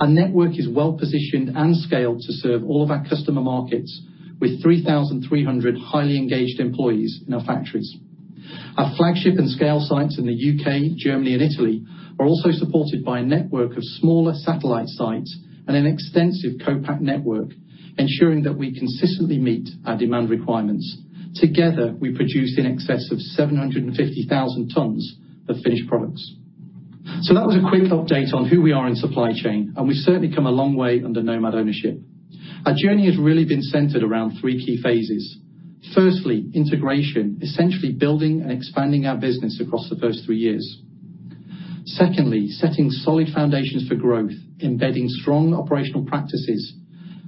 Our network is well positioned and scaled to serve all of our customer markets with 3,300 highly engaged employees in our factories. Our flagship and scale sites in the U.K., Germany, and Italy are also supported by a network of smaller satellite sites and an extensive co-pack network, ensuring that we consistently meet our demand requirements. Together, we produce in excess of 750,000 tons of finished products. That was a quick update on who we are in supply chain, and we've certainly come a long way under Nomad ownership. Our journey has really been centered around three key phases. Firstly, integration, essentially building and expanding our business across the first three years. Secondly, setting solid foundations for growth, embedding strong operational practices,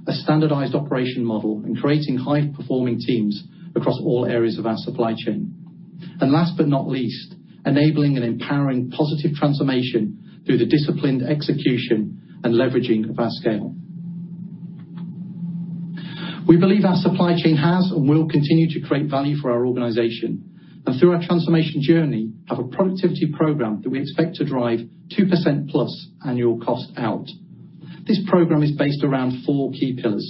a standardized operation model, and creating high-performing teams across all areas of our supply chain. Last but not least, enabling and empowering positive transformation through the disciplined execution and leveraging of our scale. We believe our supply chain has and will continue to create value for our organization, and through our transformation journey, have a productivity program that we expect to drive 2% plus annual cost out. This program is based around four key pillars.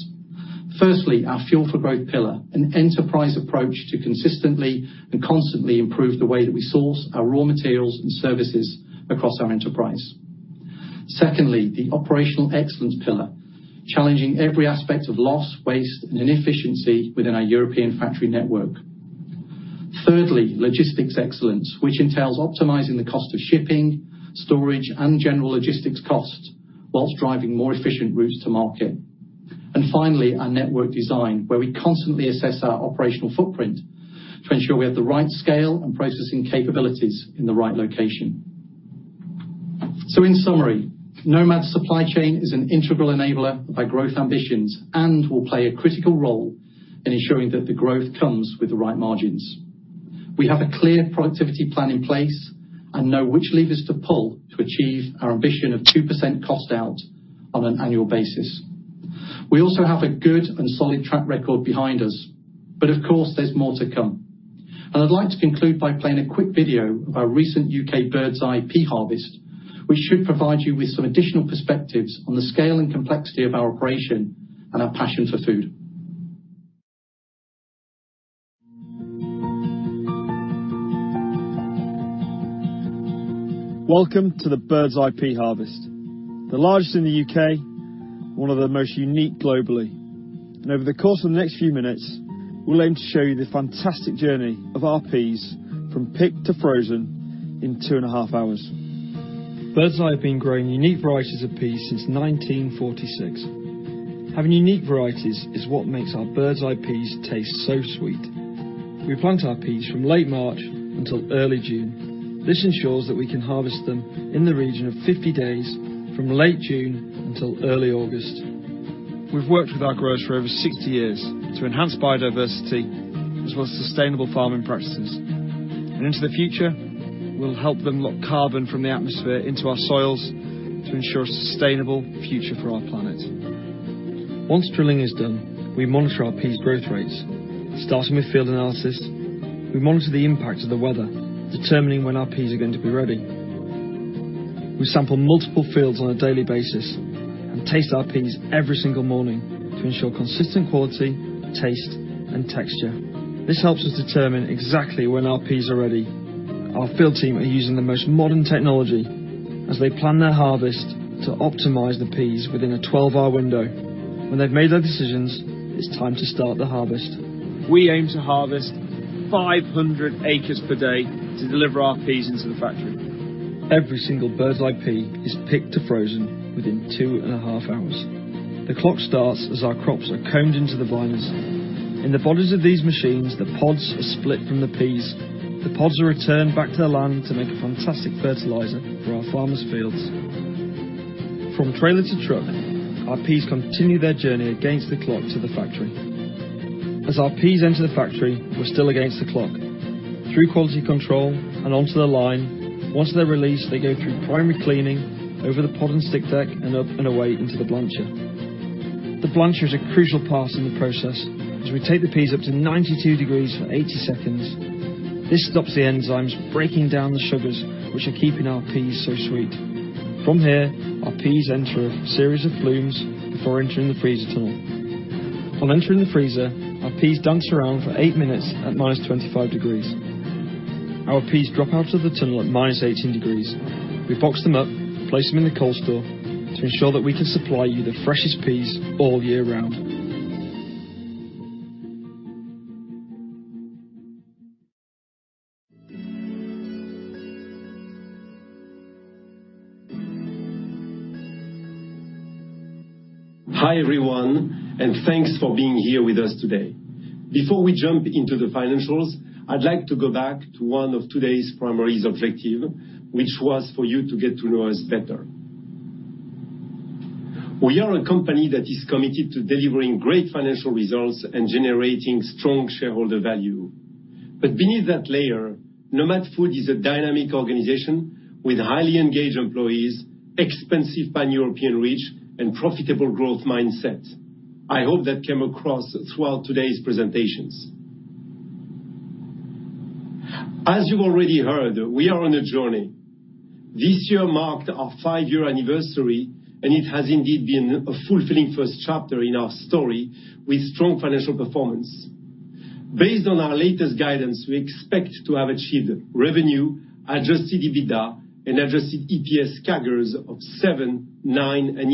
Firstly, our Fuel for Growth Pillar, an enterprise approach to consistently and constantly improve the way that we source our raw materials and services across our enterprise. Secondly, the Operational Excellence Pillar, challenging every aspect of loss, waste, and inefficiency within our European factory network. Thirdly, Logistics Excellence, which entails optimizing the cost of shipping, storage, and general logistics costs whilst driving more efficient routes to market. Finally, our Network Design, where we constantly assess our operational footprint to ensure we have the right scale and processing capabilities in the right location. In summary, Nomad's supply chain is an integral enabler of our growth ambitions and will play a critical role in ensuring that the growth comes with the right margins. We have a clear productivity plan in place and know which levers to pull to achieve our ambition of 2% cost out on an annual basis. We also have a good and solid track record behind us, but of course, there's more to come. I'd like to conclude by playing a quick video of our recent U.K. Birds Eye pea harvest, which should provide you with some additional perspectives on the scale and complexity of our operation and our passion for food. Welcome to the Birds Eye pea harvest, the largest in the U.K., one of the most unique globally. Over the course of the next few minutes, we'll aim to show you the fantastic journey of our peas from picked to frozen in two and a half hours. Birds Eye have been growing unique varieties of peas since 1946. Having unique varieties is what makes our Birds Eye peas taste so sweet. We plant our peas from late March until early June. This ensures that we can harvest them in the region of 50 days from late June until early August. We've worked with our growers for over 60 years to enhance biodiversity as well as sustainable farming practices. Into the future, we'll help them lock carbon from the atmosphere into our soils to ensure a sustainable future for our planet. Once drilling is done, we monitor our peas' growth rates. Starting with field analysis, we monitor the impact of the weather, determining when our peas are going to be ready. We sample multiple fields on a daily basis and taste our peas every single morning to ensure consistent quality, taste, and texture. This helps us determine exactly when our peas are ready. Our field team are using the most modern technology as they plan their harvest to optimize the peas within a 12-hour window. When they've made their decisions, it's time to start the harvest. We aim to harvest 500 acres per day to deliver our peas into the factory. Every single Birds Eye pea is picked to frozen within two and a half hours. The clock starts as our crops are combed into the viners. In the bodies of these machines, the pods are split from the peas. The pods are returned back to the land to make a fantastic fertilizer for our farmers' fields. From trailer to truck, our peas continue their journey against the clock to the factory. As our peas enter the factory, we're still against the clock. Through quality control and onto the line, once they're released, they go through primary cleaning over the pod and stick deck and up and away into the blancher. The blancher is a crucial part in the process as we take the peas up to 92 degrees for 80 seconds. This stops the enzymes breaking down the sugars, which are keeping our peas so sweet. From here, our peas enter a series of flumes before entering the freezer tunnel. On entering the freezer, our peas dance around for eight minutes at -25 degrees. Our peas drop out of the tunnel at -18 degrees. We box them up, place them in the cold store to ensure that we can supply you the freshest peas all year round. Hi, everyone, and thanks for being here with us today. Before we jump into the financials, I'd like to go back to one of today's primary objective, which was for you to get to know us better. We are a company that is committed to delivering great financial results and generating strong shareholder value. Beneath that layer, Nomad Foods is a dynamic organization with highly engaged employees, expansive pan-European reach, and profitable growth mindset. I hope that came across throughout today's presentations. As you already heard, we are on a journey. This year marked our five-year anniversary, and it has indeed been a fulfilling first chapter in our story with strong financial performance. Based on our latest guidance, we expect to have achieved revenue, adjusted EBITDA, and adjusted EPS CAGRs of 7%, 9%, and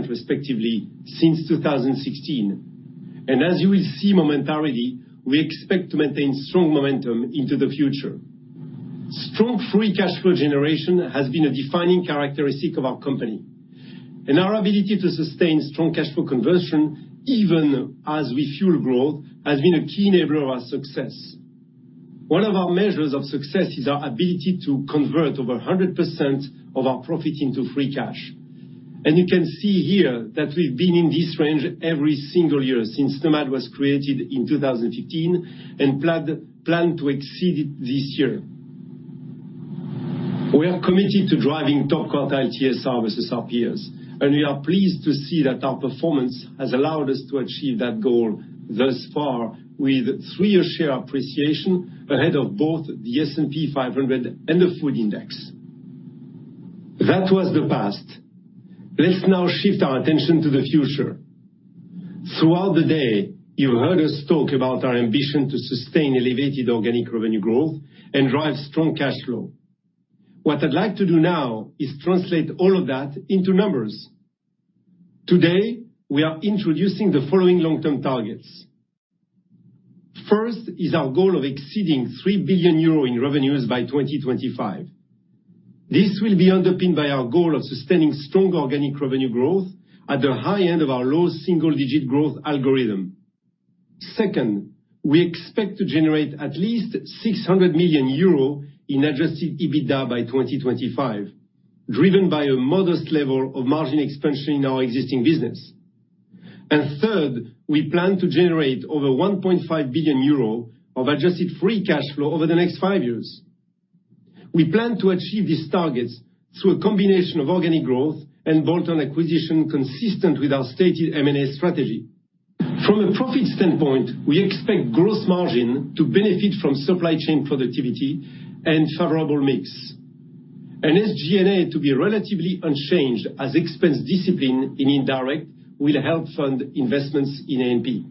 11% respectively since 2016. As you will see momentarily, we expect to maintain strong momentum into the future. Strong free cash flow generation has been a defining characteristic of our company, and our ability to sustain strong cash flow conversion, even as we fuel growth, has been a key enabler of our success. One of our measures of success is our ability to convert over 100% of our profit into free cash. You can see here that we've been in this range every single year since Nomad Foods was created in 2015 and plan to exceed it this year. We are committed to driving top quartile TSR versus our peers, and we are pleased to see that our performance has allowed us to achieve that goal thus far with three-year share appreciation ahead of both the S&P 500 and the food index. That was the past. Let's now shift our attention to the future. Throughout the day, you heard us talk about our ambition to sustain elevated organic revenue growth and drive strong cash flow. What I'd like to do now is translate all of that into numbers. Today, we are introducing the following long-term targets. First is our goal of exceeding 3 billion euro in revenues by 2025. This will be underpinned by our goal of sustaining strong organic revenue growth at the high end of our low single-digit growth algorithm. Second, we expect to generate at least 600 million euro in adjusted EBITDA by 2025, driven by a modest level of margin expansion in our existing business. Third, we plan to generate over 1.5 billion euro of adjusted free cash flow over the next five years. We plan to achieve these targets through a combination of organic growth and bolt-on acquisition consistent with our stated M&A strategy. From a profit standpoint, we expect gross margin to benefit from supply chain productivity and favorable mix. SG&A to be relatively unchanged as expense discipline in indirect will help fund investments in A&P.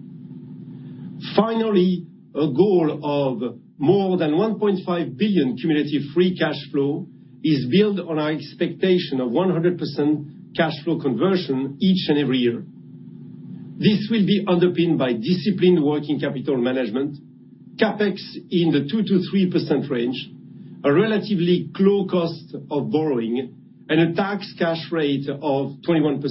A goal of more than 1.5 billion cumulative free cash flow is built on our expectation of 100% cash flow conversion each and every year. This will be underpinned by disciplined working capital management, CapEx in the 2%-3% range, a relatively low cost of borrowing, and a tax cash rate of 21%.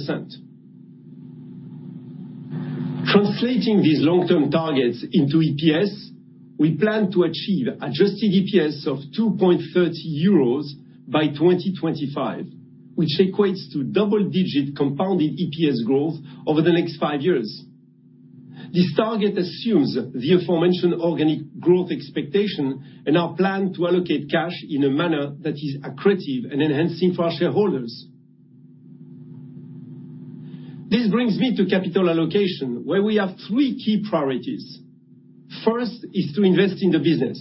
Translating these long-term targets into EPS, we plan to achieve adjusted EPS of 2.30 euros by 2025, which equates to double-digit compounded EPS growth over the next five years. This target assumes the aforementioned organic growth expectation and our plan to allocate cash in a manner that is accretive and enhancing for our shareholders. This brings me to capital allocation, where we have three key priorities. First is to invest in the business.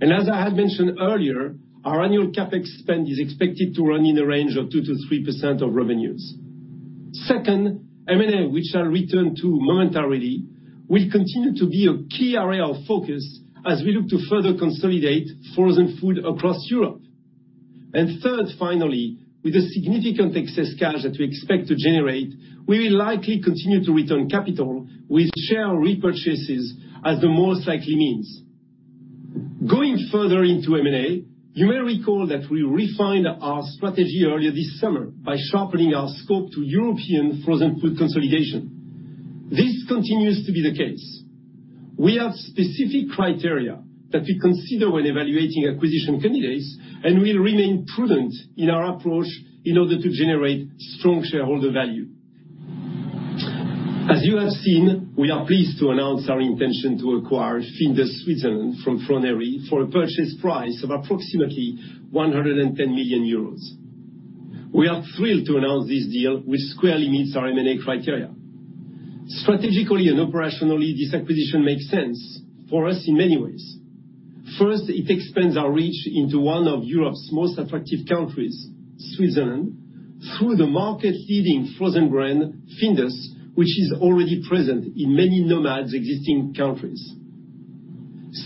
As I had mentioned earlier, our annual CapEx spend is expected to run in the range of 2%-3% of revenues. Second, M&A, which I'll return to momentarily, will continue to be a key area of focus as we look to further consolidate frozen food across Europe. Third, finally, with the significant excess cash that we expect to generate, we will likely continue to return capital with share repurchases as the most likely means. Going further into M&A, you may recall that we refined our strategy earlier this summer by sharpening our scope to European frozen food consolidation. This continues to be the case. We have specific criteria that we consider when evaluating acquisition candidates, and we'll remain prudent in our approach in order to generate strong shareholder value. As you have seen, we are pleased to announce our intention to acquire Findus Switzerland from Froneri for a purchase price of approximately 110 million euros. We are thrilled to announce this deal, which squarely meets our M&A criteria. Strategically and operationally, this acquisition makes sense for us in many ways. First, it expands our reach into one of Europe's most attractive countries, Switzerland, through the market-leading frozen brand, Findus, which is already present in many Nomad's existing countries.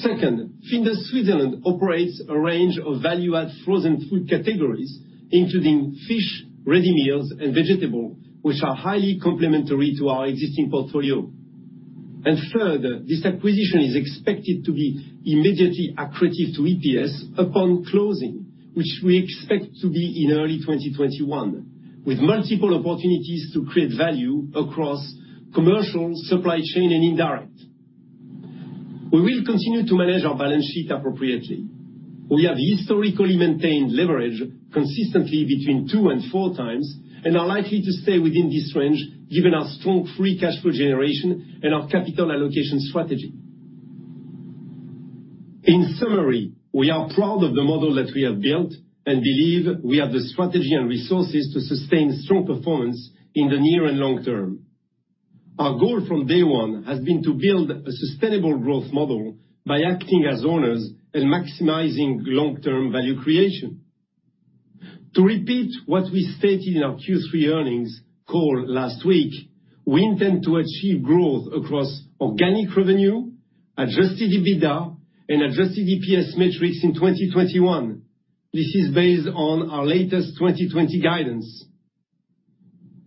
Second, Findus Switzerland operates a range of value-add frozen food categories, including fish, ready meals, and vegetable, which are highly complementary to our existing portfolio. Third, this acquisition is expected to be immediately accretive to EPS upon closing, which we expect to be in early 2021, with multiple opportunities to create value across commercial, supply chain, and indirect. We will continue to manage our balance sheet appropriately. We have historically maintained leverage consistently between two and four times and are likely to stay within this range given our strong free cash flow generation and our capital allocation strategy. In summary, we are proud of the model that we have built and believe we have the strategy and resources to sustain strong performance in the near and long term. Our goal from day one has been to build a sustainable growth model by acting as owners and maximizing long-term value creation. To repeat what we stated in our Q3 earnings call last week, we intend to achieve growth across organic revenue, adjusted EBITDA, and adjusted EPS metrics in 2021. This is based on our latest 2020 guidance.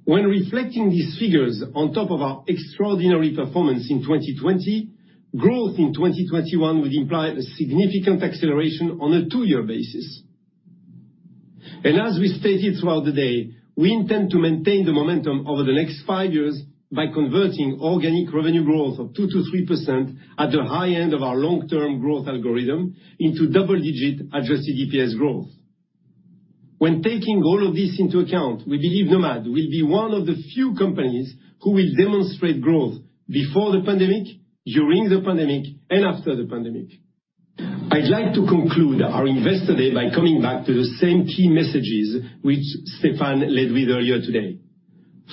When reflecting these figures on top of our extraordinary performance in 2020, growth in 2021 would imply a significant acceleration on a two-year basis. As we stated throughout the day, we intend to maintain the momentum over the next five years by converting organic revenue growth of 2%-3% at the high end of our long-term growth algorithm into double-digit adjusted EPS growth. When taking all of this into account, we believe Nomad will be one of the few companies who will demonstrate growth before the pandemic, during the pandemic, and after the pandemic. I'd like to conclude our Investor Day by coming back to the same key messages which Stéfan led with earlier today.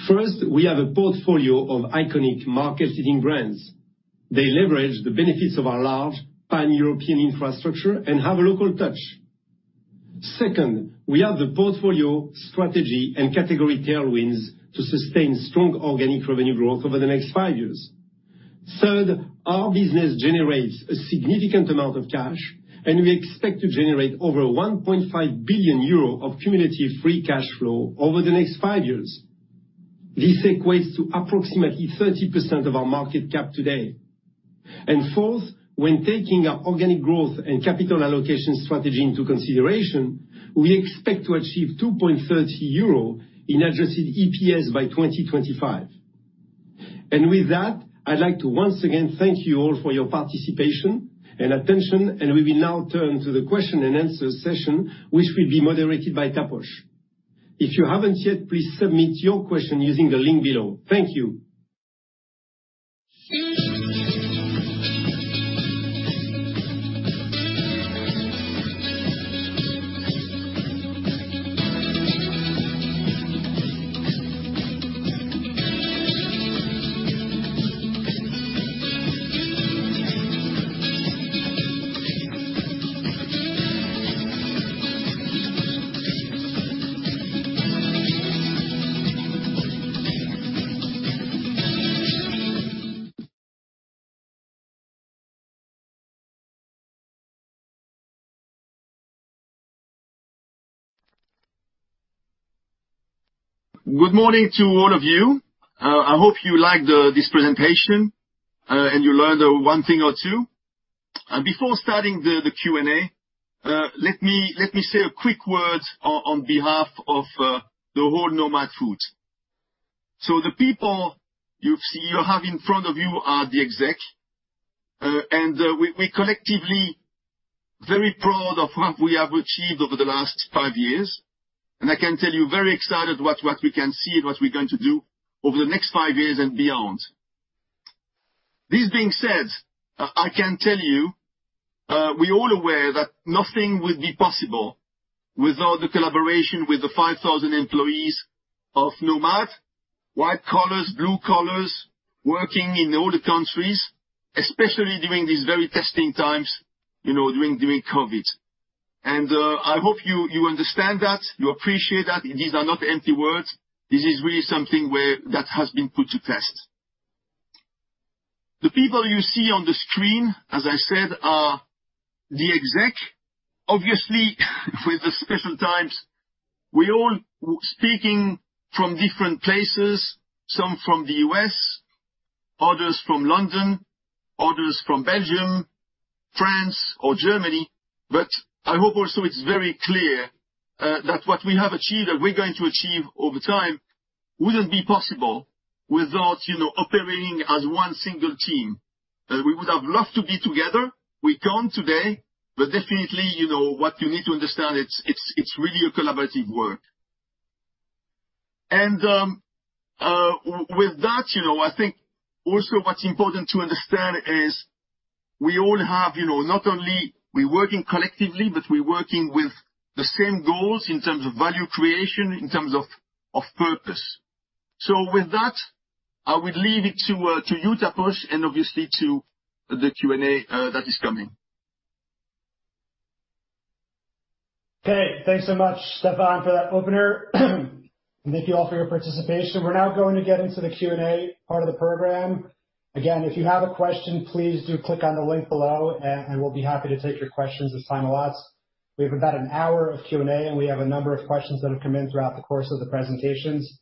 First, we have a portfolio of iconic market-leading brands. They leverage the benefits of our large pan-European infrastructure and have a local touch. Second, we have the portfolio, strategy, and category tailwinds to sustain strong organic revenue growth over the next five years. Third, our business generates a significant amount of cash, and we expect to generate over €1.5 billion of cumulative free cash flow over the next five years. This equates to approximately 30% of our market cap today. Fourth, when taking our organic growth and capital allocation strategy into consideration, we expect to achieve €2.30 in adjusted EPS by 2025. With that, I'd like to once again thank you all for your participation and attention, and we will now turn to the question-and-answer session, which will be moderated by Taposh. If you haven't yet, please submit your question using the link below. Thank you. Good morning to all of you. I hope you liked this presentation and you learned one thing or two. Before starting the Q&A, let me say a quick word on behalf of the whole Nomad Foods. The people you have in front of you are the exec, and we're collectively very proud of what we have achieved over the last five years, and I can tell you, very excited what we can see and what we're going to do over the next five years and beyond. This being said, I can tell you, we're all aware that nothing would be possible without the collaboration with the 5,000 employees of Nomad, white collars, blue collars, working in all the countries, especially during these very testing times during COVID. I hope you understand that, you appreciate that. These are not empty words. This is really something where that has been put to test. The people you see on the screen, as I said, are the exec. Obviously, with the special times, we're all speaking from different places, some from the U.S., others from London, others from Belgium, France, or Germany, but I hope also it's very clear that what we have achieved and we're going to achieve over time wouldn't be possible without operating as one single team. We would have loved to be together. We can't today, definitely, what you need to understand, it's really a collaborative work. With that, I think also what's important to understand is we all have, not only are we working collectively, but we're working with the same goals in terms of value creation, in terms of purpose. With that, I will leave it to you, Taposh, and obviously to the Q&A that is coming. Okay. Thanks so much, Stéfan, for that opener. Thank you all for your participation. We're now going to get into the Q&A part of the program. Again, if you have a question, please do click on the link below, and we'll be happy to take your questions as time allows. We have about an hour of Q&A, and we have a number of questions that have come in throughout the course of the presentations.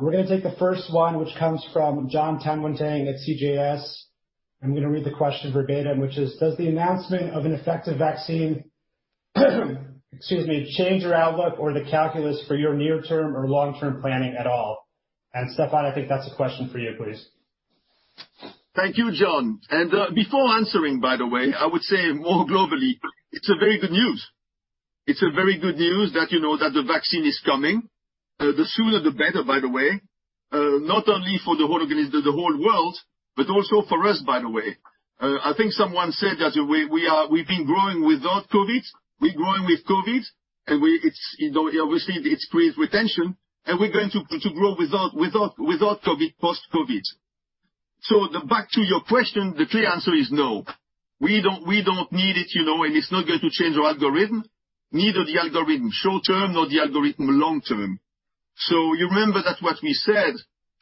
We're gonna take the first one, which comes from John Tanwanteng at CJS. I'm gonna read the question verbatim, which is, "Does the announcement of an effective vaccine, excuse me, change your outlook or the calculus for your near-term or long-term planning at all?" Stéfan, I think that's a question for you, please. Thank you, John. Before answering, by the way, I would say more globally, it's a very good news. It's a very good news that the vaccine is coming. The sooner the better, by the way, not only for the whole world, but also for us, by the way. I think someone said that we've been growing without COVID, we're growing with COVID, obviously, it's created retention, and we're going to grow without COVID, post-COVID. Back to your question, the clear answer is no. We don't need it's not going to change our algorithm, neither the algorithm short-term nor the algorithm long-term. You remember that what we said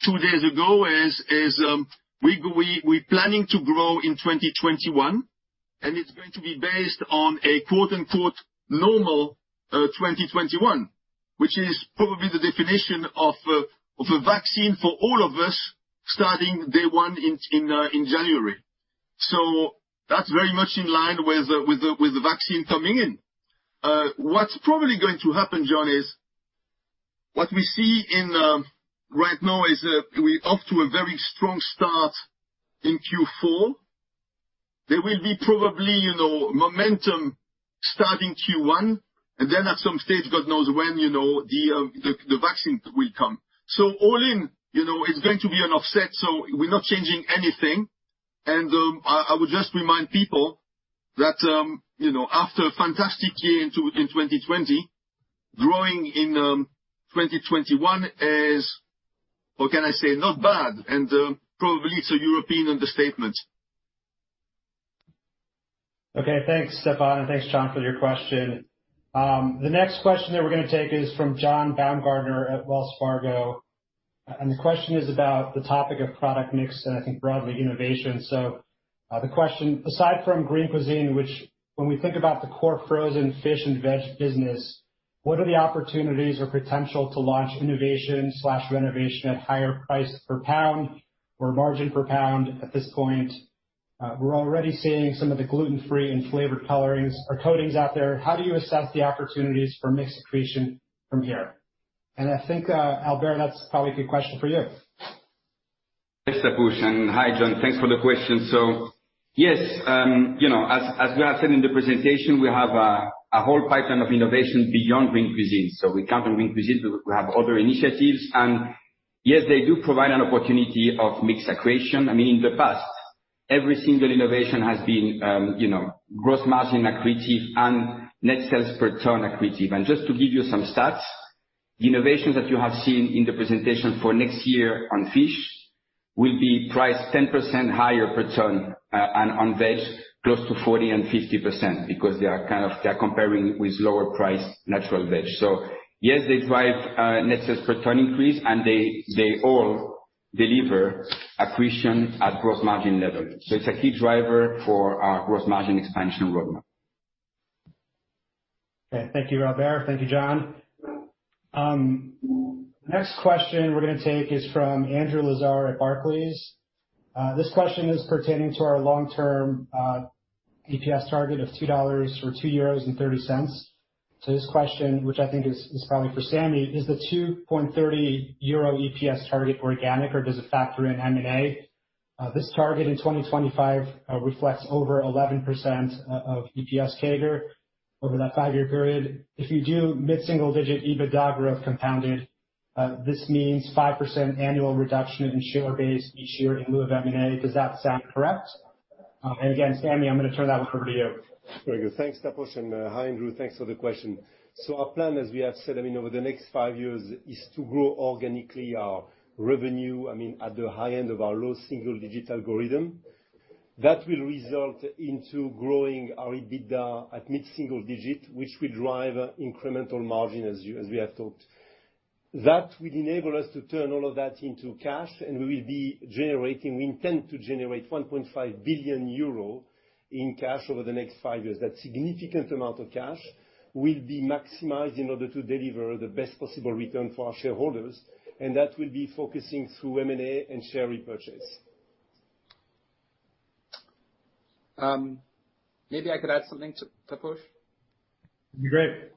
two days ago is we're planning to grow in 2021 It's going to be based on a "normal" 2021, which is probably the definition of a vaccine for all of us starting day one in January. That's very much in line with the vaccine coming in. What's probably going to happen, John, is what we see right now is we're off to a very strong start in Q4. There will be probably momentum starting Q1, and then at some stage, God knows when, the vaccine will come. All in, it's going to be an offset, so we're not changing anything. I would just remind people that after a fantastic year in 2020, growing in 2021 is, what can I say, not bad, and probably it's a European understatement. Okay. Thanks, Stéfan, and thanks, John, for your question. The next question that we're going to take is from John Baumgartner at Wells Fargo. The question is about the topic of product mix and I think broadly, innovation. The question, aside from Green Cuisine, which when we think about the core frozen fish and veg business, what are the opportunities or potential to launch innovation/renovation at higher price per pound or margin per pound at this point? We're already seeing some of the gluten-free and flavored coatings out there. How do you assess the opportunities for mix accretion from here? I think, Albert, that's probably a good question for you. Thanks, Taposh, and hi, John. Thanks for the question. Yes, as we have said in the presentation, we have a whole pipeline of innovation beyond Green Cuisine. We count on Green Cuisine, we have other initiatives. Yes, they do provide an opportunity of mix accretion. In the past, every single innovation has been gross margin accretive and net sales per ton accretive. Just to give you some stats, the innovations that you have seen in the presentation for next year on fish will be priced 10% higher per ton, and on veg, close to 40% and 50%, because they're comparing with lower price natural veg. Yes, they drive net sales per ton increase, and they all deliver accretion at gross margin level. It's a key driver for our gross margin expansion roadmap. Okay. Thank you, Albert. Thank you, John. Next question we're going to take is from Andrew Lazar at Barclays. This question is pertaining to our long-term EPS target of EUR 2 or 2.30. This question, which I think is probably for Samy, is the 2.30 euro EPS target organic or does it factor in M&A? This target in 2025 reflects over 11% of EPS CAGR over that five-year period. If you do mid-single digit EBITDA growth compounded, this means 5% annual reduction in share base each year in lieu of M&A. Does that sound correct? Again, Samy, I'm going to turn that one over to you. Very good. Thanks, Taposh, and hi, Andrew. Thanks for the question. Our plan, as we have said, over the next five years, is to grow organically our revenue, at the high end of our low single-digit algorithm. That will result into growing our EBITDA at mid-single digit, which will drive incremental margin as we have talked. That will enable us to turn all of that into cash, and we will be generating, we intend to generate 1.5 billion euro in cash over the next five years. That significant amount of cash will be maximized in order to deliver the best possible return for our shareholders, and that will be focusing through M&A and share repurchase. Maybe I could add something, Taposh? That'd be great.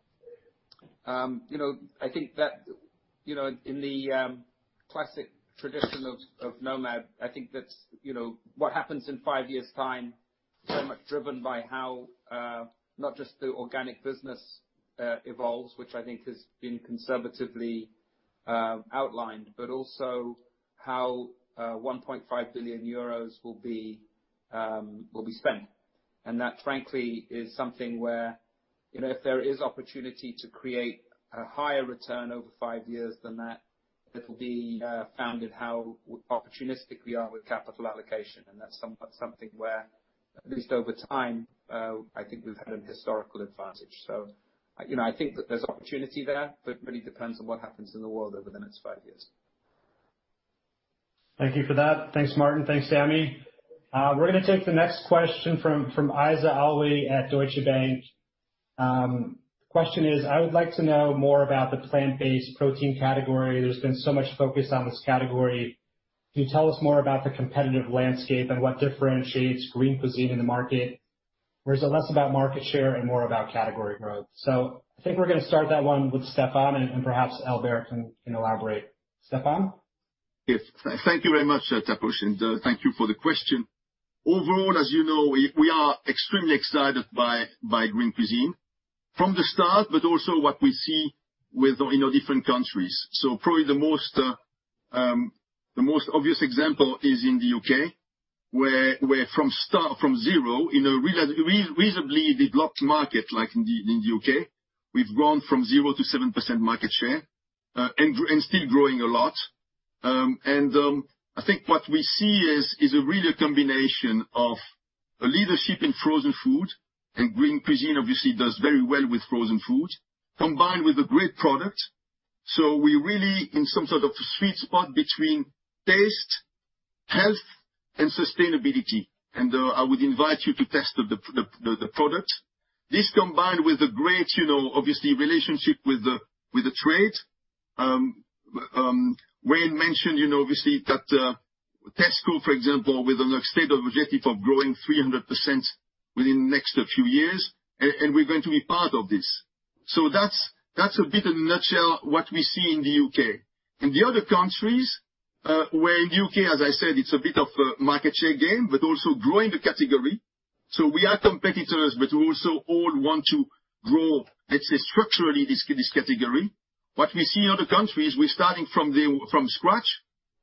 I think that in the classic tradition of Nomad, I think that what happens in five years' time is very much driven by how, not just the organic business evolves, which I think has been conservatively outlined, but also how 1.5 billion euros will be spent. That, frankly, is something where if there is opportunity to create a higher return over five years than that, it'll be founded how opportunistic we are with capital allocation, and that's something where at least over time, I think we've had an historical advantage. I think that there's opportunity there, but it really depends on what happens in the world over the next five years. Thank you for that. Thanks, Martin. Thanks, Samy. We're going to take the next question from Irfan Alvi at Deutsche Bank. The question is, "I would like to know more about the plant-based protein category. There's been so much focus on this category. Can you tell us more about the competitive landscape and what differentiates Green Cuisine in the market versus less about market share and more about category growth?" I think we're going to start that one with Stéfan, and perhaps Albert can elaborate. Stéfan? Yes. Thank you very much, Taposh, and thank you for the question. Overall, as you know, we are extremely excited by Green Cuisine from the start, but also what we see with different countries. Probably the most obvious example is in the U.K., where from zero in a reasonably developed market like in the U.K., we've grown from zero to 7% market share, and still growing a lot. I think what we see is a real combination of a leadership in frozen food, and Green Cuisine obviously does very well with frozen food, combined with a great product. We're really in some sort of sweet spot between taste, health, and sustainability. I would invite you to test the product. This combined with the great, obviously, relationship with the trade. Wayne mentioned, obviously, that Tesco, for example, with a stated objective of growing 300% within the next few years, and we're going to be part of this. That's a bit in a nutshell what we see in the U.K. In the other countries, where in the U.K., as I said, it's a bit of a market share game, but also growing the category. We are competitors, but we also all want to grow, let's say, structurally, this category. What we see in other countries, we're starting from scratch.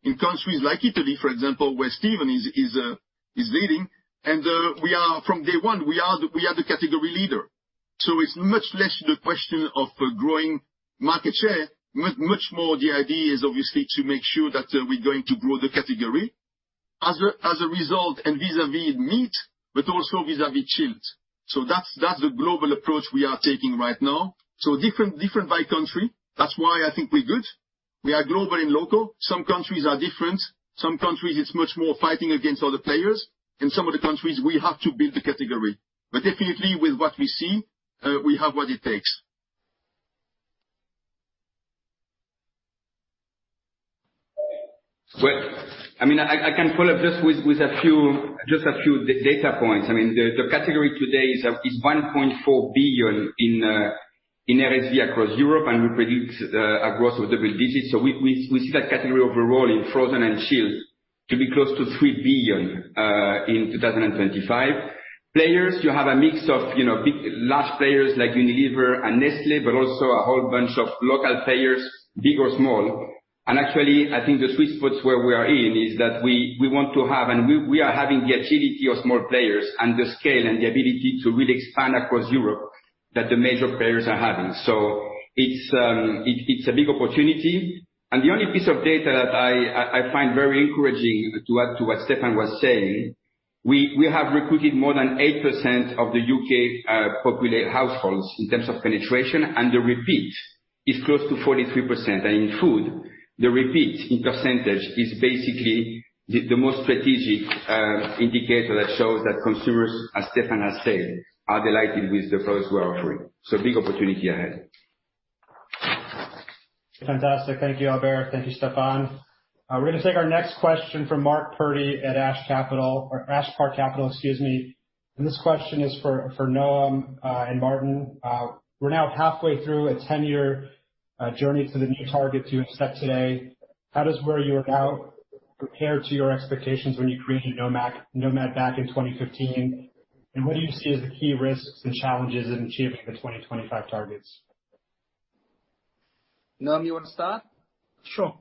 In countries like Italy, for example, where Steven is leading. From day one, we are the category leader. It's much less the question of growing market share, much more the idea is obviously to make sure that we're going to grow the category. As a result, and vis-à-vis meat, but also vis-à-vis chilled. That's the global approach we are taking right now. Different by country. That's why I think we're good. We are global and local. Some countries are different. Some countries, it's much more fighting against other players. In some of the countries, we have to build the category. Definitely with what we see, we have what it takes. I can follow up just with a few data points. The category today is 1.4 billion in RSV across Europe. We predict a growth of double digits. We see that category overall in frozen and chilled to be close to 3 billion in 2025. Players, you have a mix of big, large players like Unilever and Nestlé, also a whole bunch of local players, big or small. Actually, I think the sweet spot where we are in is that we want to have, and we are having the agility of small players and the scale and the ability to really expand across Europe that the major players are having. It's a big opportunity. The only piece of data that I find very encouraging to add to what Stéfan was saying, we have recruited more than 8% of the U.K. populate households in terms of penetration, and the repeat is close to 43%. In food, the repeat in % is basically the most strategic indicator that shows that consumers, as Stéfan has said, are delighted with the products we are offering. Big opportunity ahead. Fantastic. Thank you, Albert. Thank you, Stéfan. We're going to take our next question from Mark Purdy at Ash Park Capital, excuse me. This question is for Noam and Martin. We're now halfway through a 10-year journey to the new targets you have set today. How does where you are now compare to your expectations when you created Nomad back in 2015? What do you see as the key risks and challenges in achieving the 2025 targets? Noam, you want to start? Sure.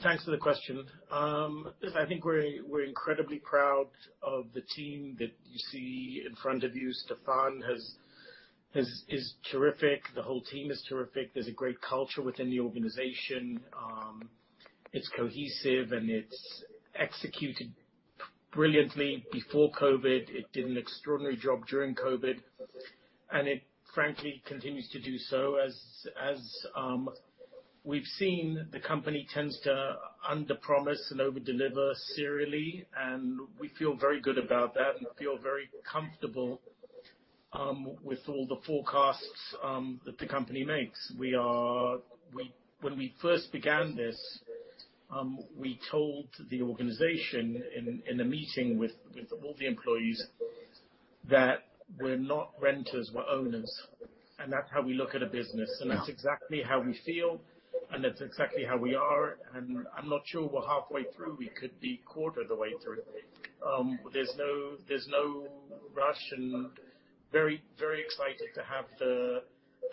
Thanks for the question. Listen, I think we're incredibly proud of the team that you see in front of you. Stéfan is terrific. The whole team is terrific. There's a great culture within the organization. It's cohesive, and it's executed brilliantly before COVID-19. It did an extraordinary job during COVID-19, and it frankly continues to do so. As we've seen, the company tends to underpromise and overdeliver serially, and we feel very good about that and feel very comfortable with all the forecasts that the company makes. When we first began this, we told the organization in a meeting with all the employees that we're not renters, we're owners, and that's how we look at a business. Yeah. That's exactly how we feel, and that's exactly how we are. I'm not sure we're halfway through. We could be quarter the way through. There's no rush and very excited to have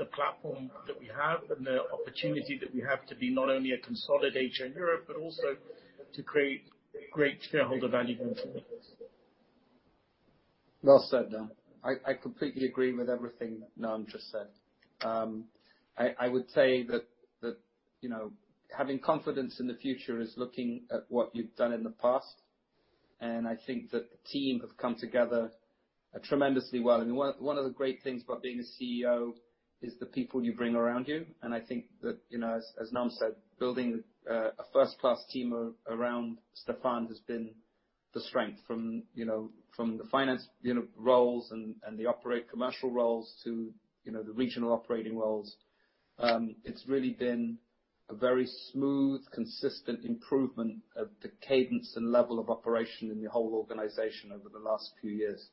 the platform that we have and the opportunity that we have to be not only a consolidator in Europe, but also to create great shareholder value going forward. Well said, Noam. I completely agree with everything Noam just said. I would say that having confidence in the future is looking at what you've done in the past. I think that the team have come together tremendously well. One of the great things about being a CEO is the people you bring around you. I think that, as Noam said, building a first-class team around Stéfan has been the strength. From the finance roles and the commercial roles to the regional operating roles, it's really been a very smooth, consistent improvement of the cadence and level of operation in the whole organization over the last few years.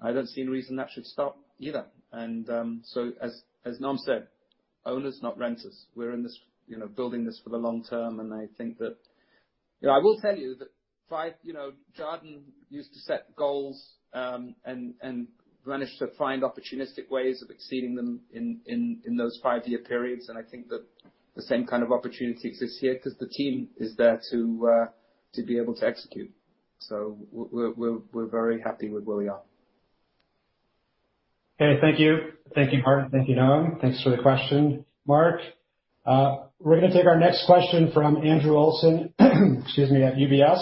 I don't see any reason that should stop either. As Noam said, owners, not renters. We're building this for the long term, I will tell you that Jarden used to set goals and managed to find opportunistic ways of exceeding them in those five-year periods, and I think that the same kind of opportunity exists here because the team is there to be able to execute. We're very happy with where we are. Okay. Thank you. Thank you, Martin. Thank you, Noam. Thanks for the question, Mark. We're going to take our next question from Andrew Olsen, excuse me, at UBS.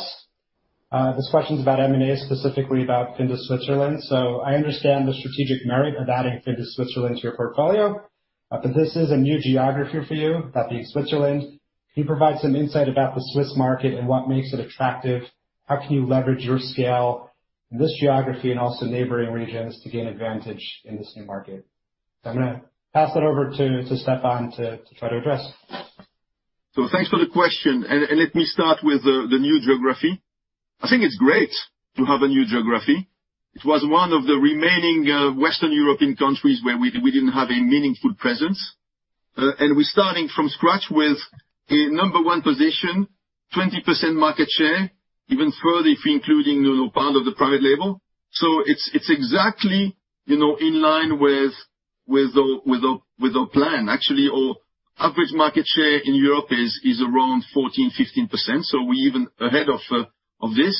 This question is about M&A, specifically about Findus Switzerland. I understand the strategic merit of adding Findus Switzerland to your portfolio, but this is a new geography for you, that being Switzerland. Can you provide some insight about the Swiss market and what makes it attractive? How can you leverage your scale in this geography and also neighboring regions to gain advantage in this new market? I'm going to pass that over to Stéfan to try to address. Thanks for the question, and let me start with the new geography. I think it is great to have a new geography. It was one of the remaining Western European countries where we did not have a meaningful presence. And we are starting from scratch with a number one position, 20% market share, even further if including part of the private label. It is exactly in line with our plan. Actually, our average market share in Europe is around 14%, 15%, so we are even ahead of this,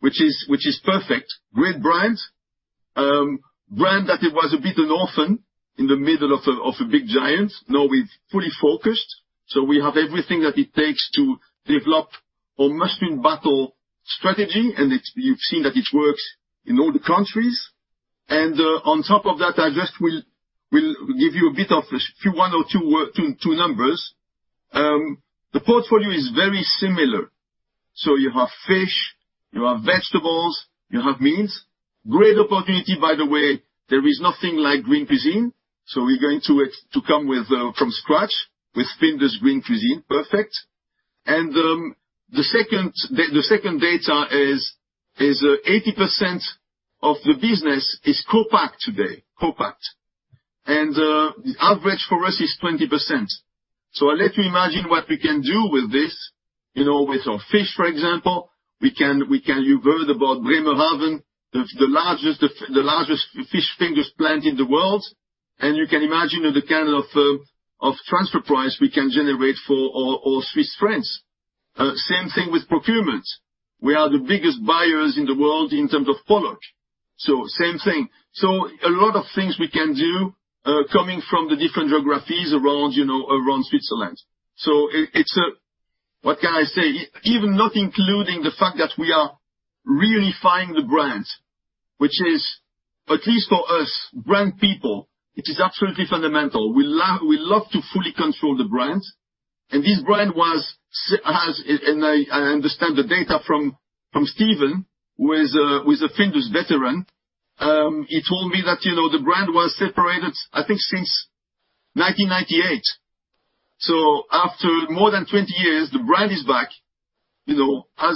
which is perfect. Great brand. Brand that it was a bit an orphan in the middle of a big giant, now we have fully focused. So we have everything that it takes to develop our must-win battle strategy, and you have seen that it works in all the countries. On top of that, I just will give you a bit of a few, one or two numbers. The portfolio is very similar. You have fish, you have vegetables, you have meats. Great opportunity, by the way. There is nothing like Green Cuisine. We're going to come from scratch with Findus Green Cuisine. Perfect. The second data is, 80% of the business is co-packed today. Co-packed. The average for us is 20%. Let me imagine what we can do with this. With our fish, for example, you've heard about Bremerhaven, the largest fish fingers plant in the world. You can imagine the kind of transfer price we can generate for all Swiss friends. Same thing with procurement. We are the biggest buyers in the world in terms of pollock. Same thing. A lot of things we can do, coming from the different geographies around Switzerland. It's a What can I say? Even not including the fact that we are reunifying the brand, which is, at least for us brand people, it is absolutely fundamental. We love to fully control the brand. This brand was, and I understand the data from Steven, who is a Findus vegetarian. He told me that the brand was separated, I think, since 1998. After more than 20 years, the brand is back, as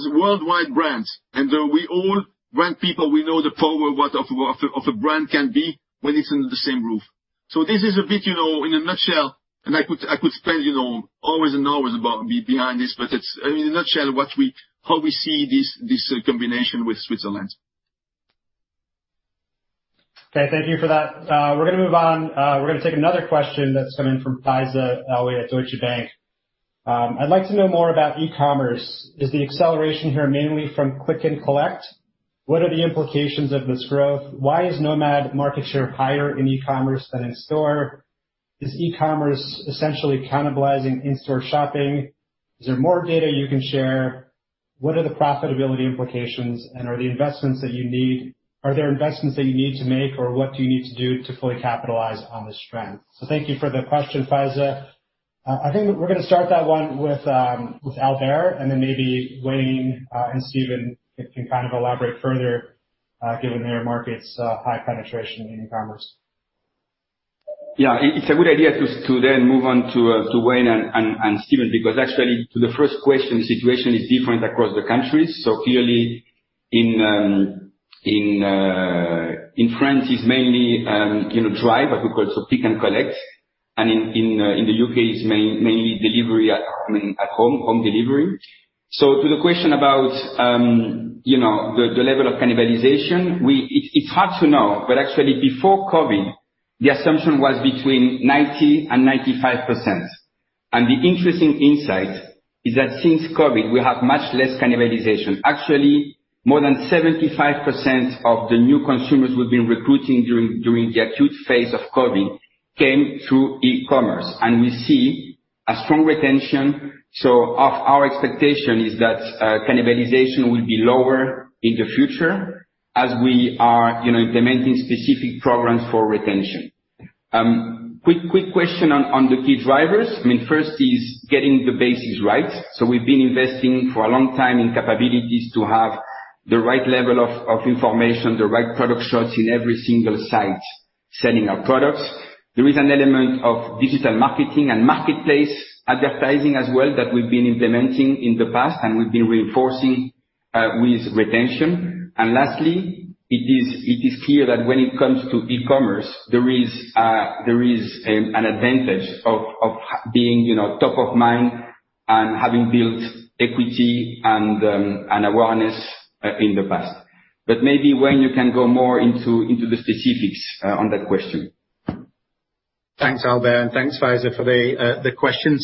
a worldwide brand. We all, brand people, we know the power of what a brand can be when it's under the same roof. This is a bit, in a nutshell, and I could spend hours and hours behind this, but it's, in a nutshell, how we see this combination with Switzerland. Okay, thank you for that. We're going to move on. We're going to take another question that's come in from Faiza Alwy at Deutsche Bank. "I'd like to know more about e-commerce. Is the acceleration here mainly from click and collect? What are the implications of this growth? Why is Nomad market share higher in e-commerce than in store? Is e-commerce essentially cannibalizing in-store shopping? Is there more data you can share? What are the profitability implications? Are there investments that you need to make, or what do you need to do to fully capitalize on this strength?" Thank you for the question, Faiza. I think we're going to start that one with Albert, then maybe Wayne, and Steven can kind of elaborate further, given their market's high penetration in e-commerce. It's a good idea to move on to Wayne and Steven, because actually, to the first question, the situation is different across the countries. Clearly in France, it's mainly drive, what we call pick and collect. In the U.K., it's mainly delivery at home delivery. To the question about the level of cannibalization, it's hard to know, but actually, before COVID, the assumption was between 90%-95%. The interesting insight is that since COVID, we have much less cannibalization. Actually, more than 75% of the new consumers we've been recruiting during the acute phase of COVID came through e-commerce. We see a strong retention, our expectation is that cannibalization will be lower in the future as we are implementing specific programs for retention. Quick question on the key drivers. First is getting the basics right. We've been investing for a long time in capabilities to have the right level of information, the right product shots in every single site selling our products. There is an element of digital marketing and marketplace advertising as well that we've been implementing in the past, and we've been reinforcing, with retention. Lastly, it is clear that when it comes to e-commerce, there is an advantage of being top of mind and having built equity and awareness in the past. Maybe, Wayne, you can go more into the specifics on that question. Thanks, Albert, and thanks, Faiza, for the question.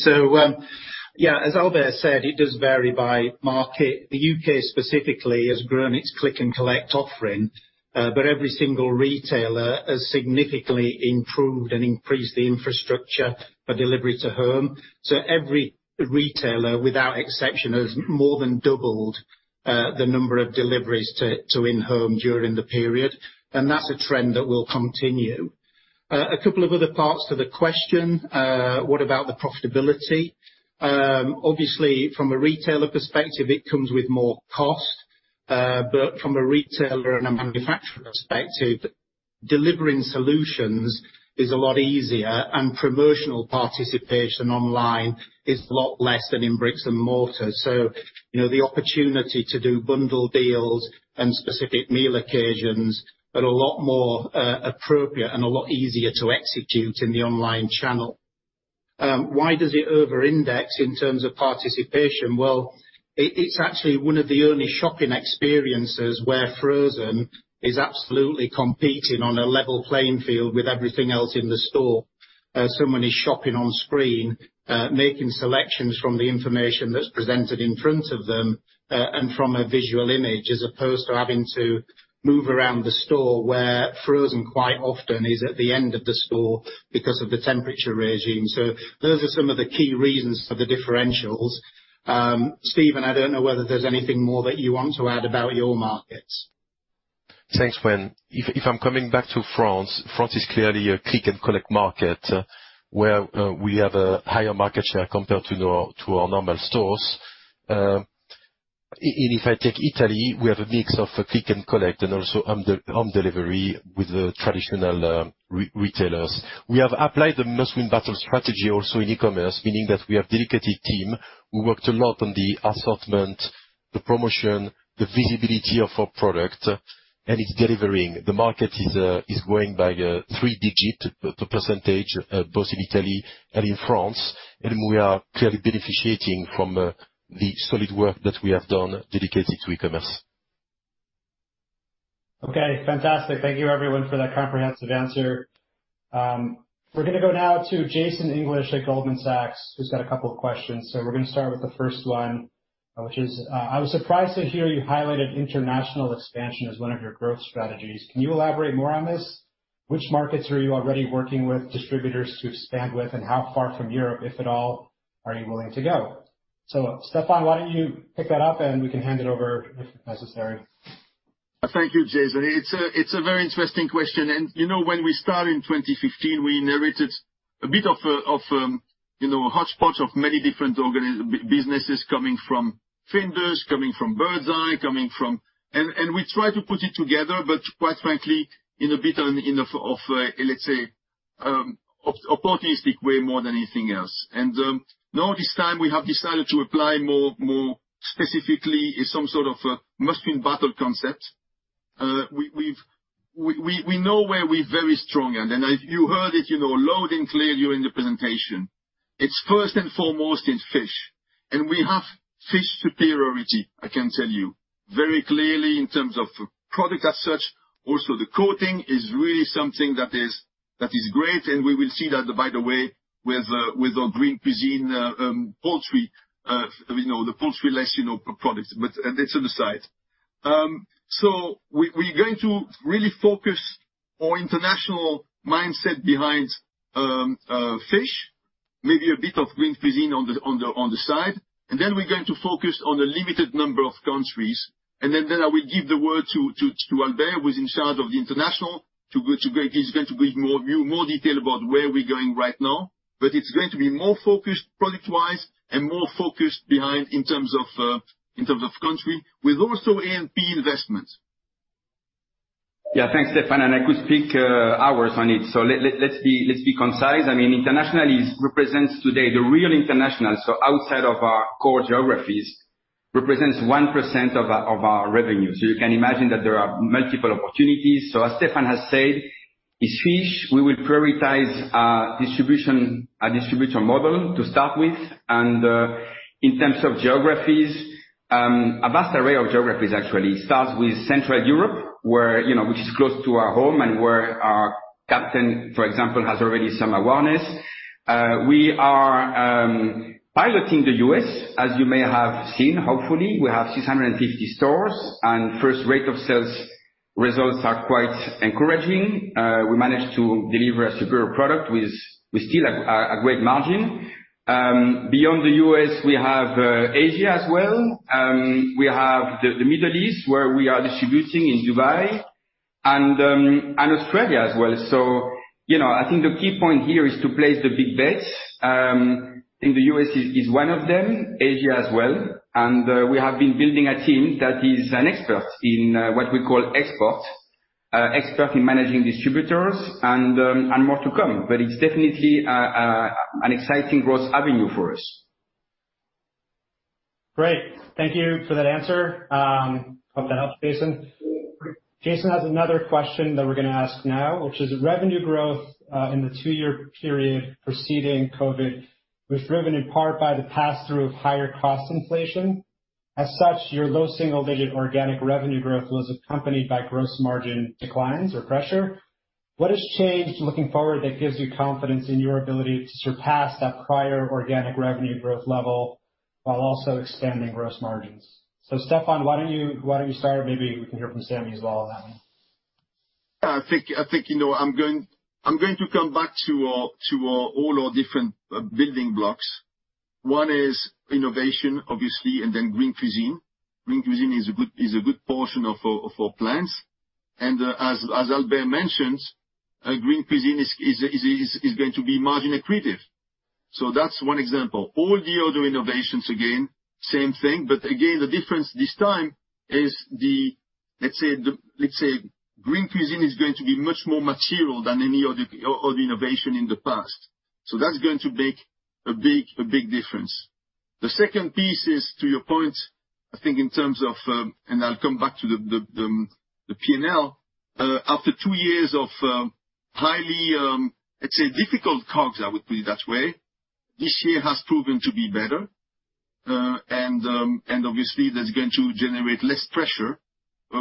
Yeah, as Albert said, it does vary by market. The U.K. specifically has grown its click and collect offering, but every single retailer has significantly improved and increased the infrastructure for delivery to home. Every retailer, without exception, has more than doubled the number of deliveries to in-home during the period. That's a trend that will continue. A couple of other parts to the question, what about the profitability? Obviously, from a retailer perspective, it comes with more cost. From a retailer and a manufacturer perspective, delivering solutions is a lot easier, and promotional participation online is a lot less than in bricks and mortar. The opportunity to do bundle deals and specific meal occasions are a lot more appropriate and a lot easier to execute in the online channel. Why does it over-index in terms of participation? Well, it's actually one of the only shopping experiences where frozen is absolutely competing on a level playing field with everything else in the store. Someone is shopping on screen, making selections from the information that's presented in front of them, and from a visual image, as opposed to having to move around the store where frozen quite often is at the end of the store because of the temperature regime. Those are some of the key reasons for the differentials. Steven, I don't know whether there's anything more that you want to add about your markets. Thanks, Wayne. If I'm coming back to France is clearly a click and collect market, where we have a higher market share compared to our normal stores. If I take Italy, we have a mix of click and collect and also home delivery with the traditional retailers. We have applied the must-win battle strategy also in e-commerce, meaning that we have dedicated team who worked a lot on the assortment, the promotion, the visibility of our product, and it's delivering. The market is growing by three digit percentage, both in Italy and in France, and we are clearly beneficiating from the solid work that we have done dedicated to e-commerce. Okay, fantastic. Thank you everyone for that comprehensive answer. We're going to go now to Jason English at Goldman Sachs, who's got a couple of questions. We're going to start with the first one, which is, I was surprised to hear you highlighted international expansion as one of your growth strategies. Can you elaborate more on this? Which markets are you already working with distributors to expand with, and how far from Europe, if at all, are you willing to go? Stéfan, why don't you pick that up, and we can hand it over if necessary. Thank you, Jason. It's a very interesting question. When we start in 2015, we narrated a bit of a hotspot of many different businesses coming from Findus, coming from Birds Eye, coming from. We try to put it together, but quite frankly, in a bit of, let's say, opportunistic way more than anything else. Now this time we have decided to apply more specifically in some sort of a must-win battle concept. We know where we're very strong, and if you heard it loud and clear during the presentation, it's first and foremost in fish. We have fish superiority, I can tell you, very clearly in terms of product as such. Also, the coating is really something that is great, and we will see that, by the way, with our Green Cuisine poultry, the poultry less products, but that's on the side. We're going to really focus our international mindset behind fish, maybe a bit of Green Cuisine on the side. We're going to focus on a limited number of countries. I will give the word to Albert, who's in charge of the international. He's going to give you more detail about where we're going right now. It's going to be more focused product-wise and more focused behind in terms of country with also A&P investments. Yeah, thanks, Stéfan. I could speak hours on it. Let's be concise. Internationally represents today, the real international, so outside of our core geographies, represents 1% of our revenue. You can imagine that there are multiple opportunities. As Stéfan has said, is fish, we will prioritize our distribution model to start with. In terms of geographies, a vast array of geographies actually starts with Central Europe, which is close to our home and where our Captain, for example, has already some awareness. We are piloting the U.S., as you may have seen, hopefully. We have 650 stores. First rate of sales results are quite encouraging. We managed to deliver a superior product with still a great margin. Beyond the U.S., we have Asia as well. We have the Middle East where we are distributing in Dubai and Australia as well. I think the key point here is to place the big bets. I think the U.S. is one of them, Asia as well. We have been building a team that is an expert in what we call export, expert in managing distributors and more to come. It's definitely an exciting growth avenue for us. Great. Thank you for that answer. Hope that helps Jason. Jason has another question that we're going to ask now, which is, revenue growth in the 2-year period preceding COVID was driven in part by the pass-through of higher cost inflation. As such, your low single-digit organic revenue growth was accompanied by gross margin declines or pressure. What has changed looking forward that gives you confidence in your ability to surpass that prior organic revenue growth level while also expanding gross margins? Stéfan, why don't you start? Maybe we can hear from Samy as well then. I think I'm going to come back to all our different building blocks. One is innovation, obviously, Green Cuisine. Green Cuisine is a good portion of our plans. As Albert mentions, Green Cuisine is going to be margin accretive. That's one example. All the other innovations, again, same thing. Again, the difference this time is, let's say, Green Cuisine is going to be much more material than any other innovation in the past. That's going to make a big difference. The second piece is to your point, I think in terms of and I'll come back to the P&L. After two years of highly, let's say, difficult COGS, I would put it that way, this year has proven to be better. Obviously that's going to generate less pressure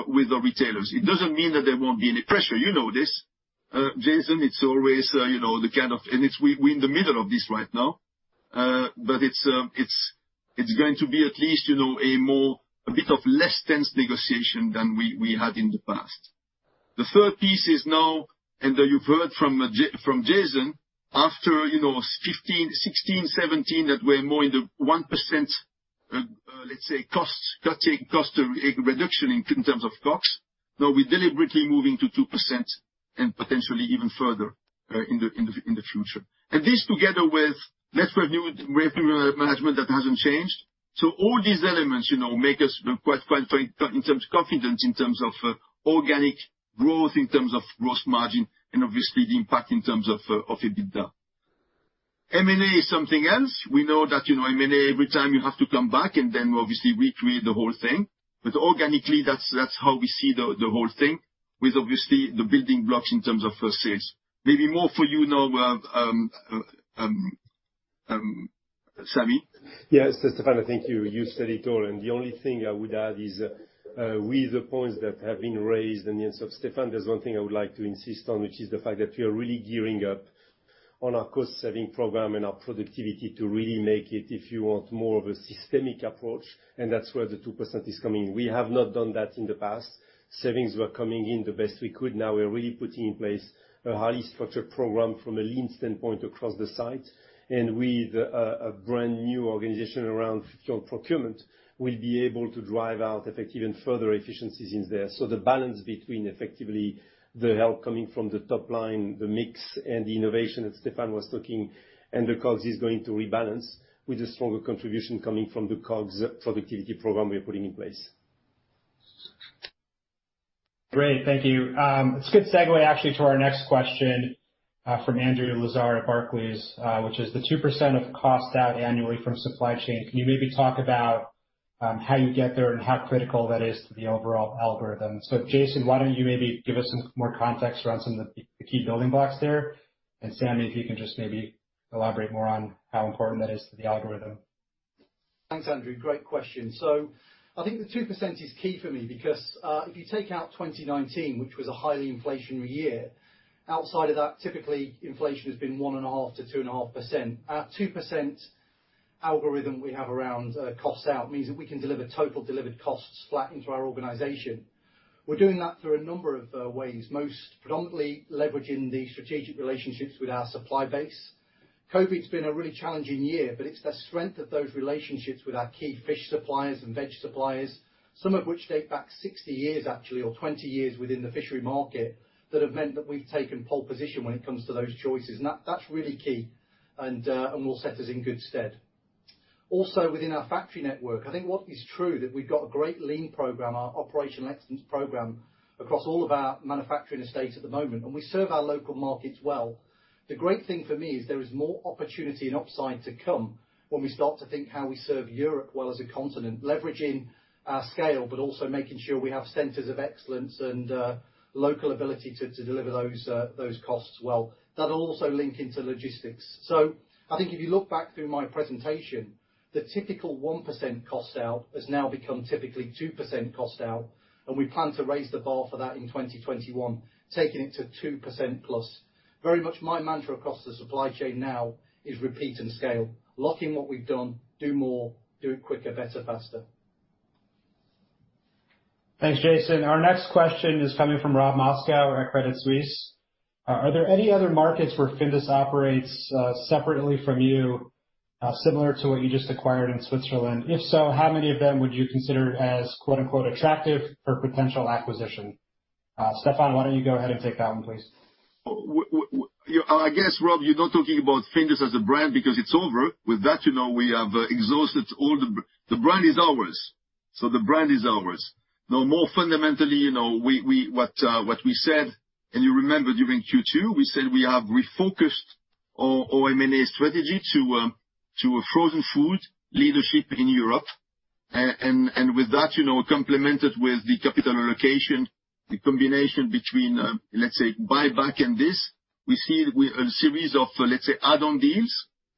with the retailers. It doesn't mean that there won't be any pressure, you know this, Jason, we're in the middle of this right now. It's going to be at least a bit of less tense negotiation than we had in the past. The third piece is now, and you've heard from Jason, after 2015, 2016, 2017, that we're more in the 1% cost reduction in terms of COGS, now we're deliberately moving to 2% and potentially even further in the future. This together with less revenue management, that hasn't changed. All these elements make us quite confident in terms of organic growth, in terms of gross margin, and obviously the impact in terms of EBITDA. M&A is something else. We know that M&A, every time you have to come back and then obviously recreate the whole thing. Organically, that's how we see the whole thing with obviously the building blocks in terms of sales. Maybe more for you now, Sammy. Yes, Stéfan, thank you. You said it all. The only thing I would add is with the points that have been raised and the answer of Stéfan, there's one thing I would like to insist on, which is the fact that we are really gearing up on our cost-saving program and our productivity to really make it, if you want, more of a systemic approach, and that's where the 2% is coming. We have not done that in the past. Savings were coming in the best we could. Now we're really putting in place a highly structured program from a lean standpoint across the site. With a brand new organization around procurement, we'll be able to drive out effective and further efficiencies in there. The balance between effectively the help coming from the top line, the mix, and the innovation that Stéfan was talking and the COGS is going to rebalance with a stronger contribution coming from the COGS productivity program we are putting in place. Great, thank you. It's a good segue actually, to our next question from Andrew Lazar at Barclays, which is the 2% of cost-out annually from supply chain. Can you maybe talk about how you get there and how critical that is to the overall algorithm? Jason, why don't you maybe give us some more context around some of the key building blocks there? Sammy, if you can just maybe elaborate more on how important that is to the algorithm. Thanks, Andrew. Great question. I think the 2% is key for me because, if you take out 2019, which was a highly inflationary year, outside of that, typically inflation has been 1.5% to 2.5%. Our 2% algorithm we have around cost out means that we can deliver total delivered costs flat into our organization. We're doing that through a number of ways, most predominantly leveraging the strategic relationships with our supply base. COVID-19's been a really challenging year, but it's the strength of those relationships with our key fish suppliers and veg suppliers, some of which date back 60 years actually, or 20 years within the fishery market, that have meant that we've taken pole position when it comes to those choices. That's really key and will set us in good stead. Within our factory network, I think what is true that we've got a great lean program, our operational excellence program, across all of our manufacturing estates at the moment, and we serve our local markets well. The great thing for me is there is more opportunity and upside to come when we start to think how we serve Europe well as a continent, leveraging our scale, but also making sure we have centers of excellence and local ability to deliver those costs well. That'll also link into logistics. I think if you look back through my presentation, the typical 1% cost out has now become typically 2% cost out, and we plan to raise the bar for that in 2021, taking it to 2% plus. Very much my mantra across the supply chain now is repeat and scale, locking what we've done, do more, do it quicker, better, faster. Thanks, Jason. Our next question is coming from Robert Moskow at Credit Suisse. Are there any other markets where Findus operates separately from you, similar to what you just acquired in Switzerland? If so, how many of them would you consider as "attractive" for potential acquisition? Stéfan, why don't you go ahead and take that one, please? I guess, Rob, you're not talking about Findus as a brand because it's over. With that, we have exhausted all the brand is ours. The brand is ours. Now, more fundamentally, what we said, and you remember during Q2, we said we have refocused our M&A strategy to a frozen food leadership in Europe. With that, complemented with the capital allocationThe combination between, let's say, buyback and this, we see a series of, let's say, add-on deals,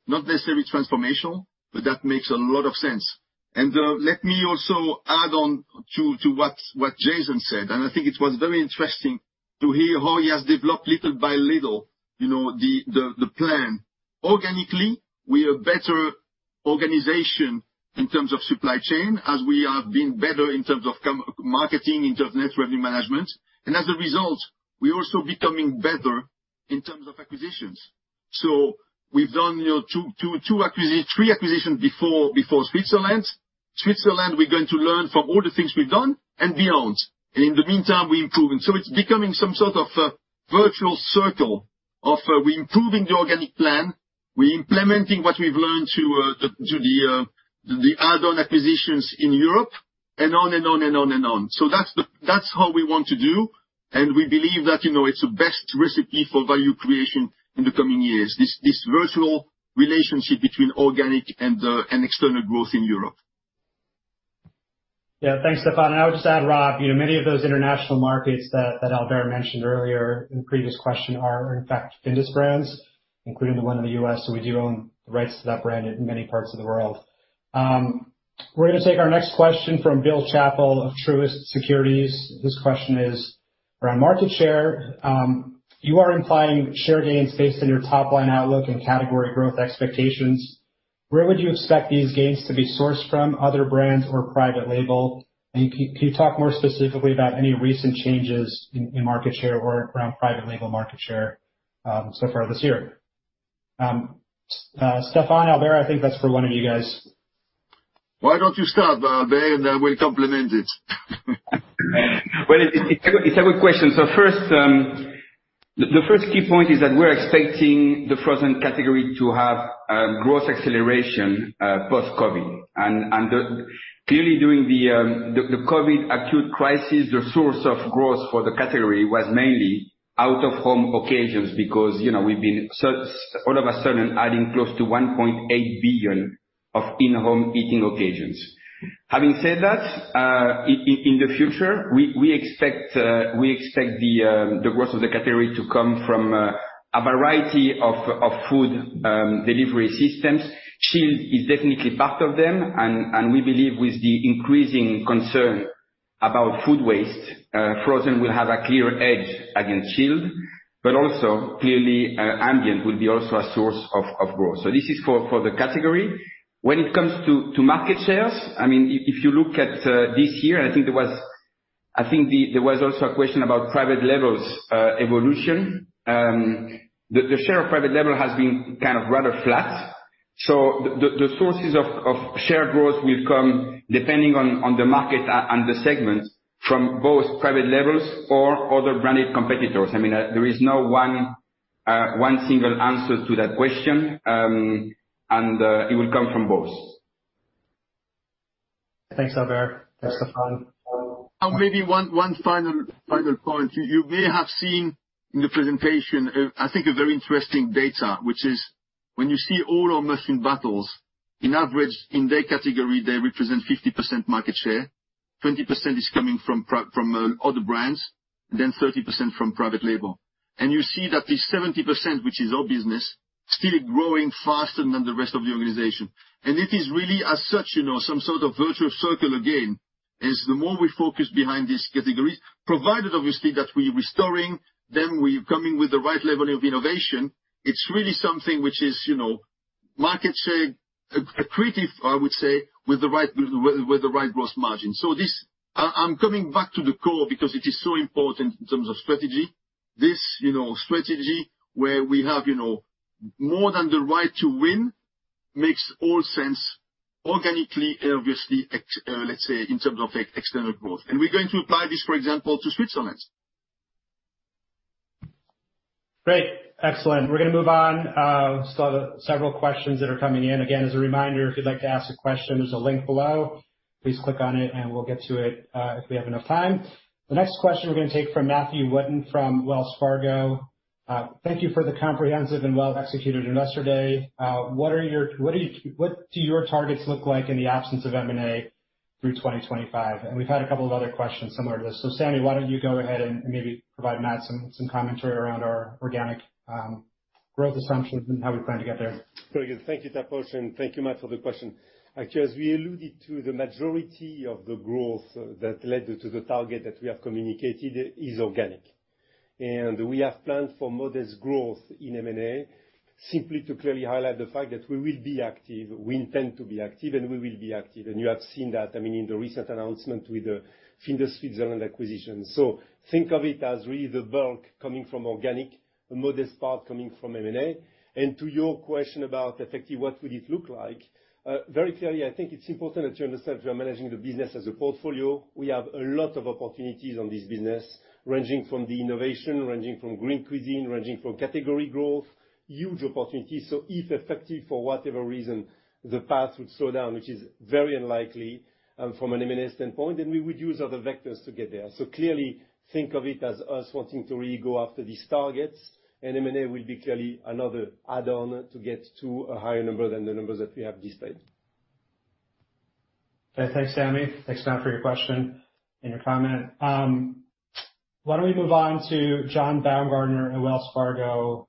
not necessarily transformational, but that makes a lot of sense. Let me also add on to what Jason said, and I think it was very interesting to hear how he has developed, little by little, the plan. Organically, we are a better organization in terms of supply chain, as we have been better in terms of marketing, in terms of net revenue management. As a result, we're also becoming better in terms of acquisitions. We've done three acquisitions before Switzerland. Switzerland, we're going to learn from all the things we've done and beyond. In the meantime, we're improving. It's becoming some sort of virtuous circle of we're improving the organic plan, we're implementing what we've learned to the add-on acquisitions in Europe, and on and on and on and on. That's how we want to do, and we believe that it's the best recipe for value creation in the coming years, this virtual relationship between organic and external growth in Europe. Thanks, Stéfan. I would just add, Rob, many of those international markets that Albert mentioned earlier in the previous question are in fact Findus brands, including the one in the U.S. We do own the rights to that brand in many parts of the world. We're going to take our next question from Bill Chappell of Truist Securities. This question is around market share. You are implying share gains based on your top-line outlook and category growth expectations. Where would you expect these gains to be sourced from, other brands or private label? Can you talk more specifically about any recent changes in market share or around private label market share so far this year? Stéfan, Albert, I think that's for one of you guys. Why don't you start, Albert, and then we'll complement it? Well, it's a good question. The first key point is that we're expecting the frozen category to have growth acceleration post-COVID. Clearly, during the COVID acute crisis, the source of growth for the category was mainly out-of-home occasions because we've been all of a sudden adding close to 1.8 billion of in-home eating occasions. Having said that, in the future, we expect the growth of the category to come from a variety of food delivery systems. Chilled is definitely part of them, and we believe with the increasing concern about food waste, frozen will have a clear edge against chilled. Also, clearly, ambient will be also a source of growth. This is for the category. When it comes to market shares, if you look at this year, and I think there was also a question about private labels evolution, the share of private label has been kind of rather flat. The sources of share growth will come, depending on the market and the segments, from both private labels or other branded competitors. There is no one single answer to that question, and it will come from both. Thanks, Albert. Stéfan? Maybe one final point. You may have seen in the presentation, I think, a very interesting data, which is when you see all our main brands, in average in their category, they represent 50% market share, 20% is coming from other brands, and then 30% from private label. You see that this 70%, which is our business, still growing faster than the rest of the organization. It is really as such, some sort of virtuous circle again, as the more we focus behind these categories, provided obviously that we're restoring them, we're coming with the right level of innovation. It's really something which is market share accretive, I would say, with the right growth margin. I'm coming back to the core because it is so important in terms of strategy. This strategy where we have more than the right to win makes all sense organically, obviously, let's say, in terms of external growth. We're going to apply this, for example, to Switzerland. Great. Excellent. We're going to move on. Still have several questions that are coming in. Again, as a reminder, if you'd like to ask a question, there's a link below. Please click on it and we'll get to it if we have enough time. The next question we're going to take from Matthew Winton from Wells Fargo. Thank you for the comprehensive and well-executed Investor Day. What do your targets look like in the absence of M&A through 2025? We've had a couple of other questions similar to this. Samy, why don't you go ahead and maybe provide Matt some commentary around our organic growth assumptions and how we plan to get there. Very good. Thank you, Taposh, and thank you, Matt, for the question. Actually, as we alluded to, the majority of the growth that led to the target that we have communicated is organic. We have planned for modest growth in M&A, simply to clearly highlight the fact that we will be active, we intend to be active, and we will be active. You have seen that in the recent announcement with the Findus Switzerland acquisition. Think of it as really the bulk coming from organic, the modest part coming from M&A. To your question about effectively what would it look like, very clearly, I think it's important that you understand we are managing the business as a portfolio. We have a lot of opportunities on this business, ranging from the innovation, ranging from Green Cuisine, ranging from category growth, huge opportunities. If effective for whatever reason, the path would slow down, which is very unlikely from an M&A standpoint, then we would use other vectors to get there. Clearly think of it as us wanting to really go after these targets, and M&A will be clearly another add-on to get to a higher number than the numbers that we have displayed. Okay. Thanks, Sammy. Thanks, Tom, for your question and your comment. Why don't we move on to John Baumgartner at Wells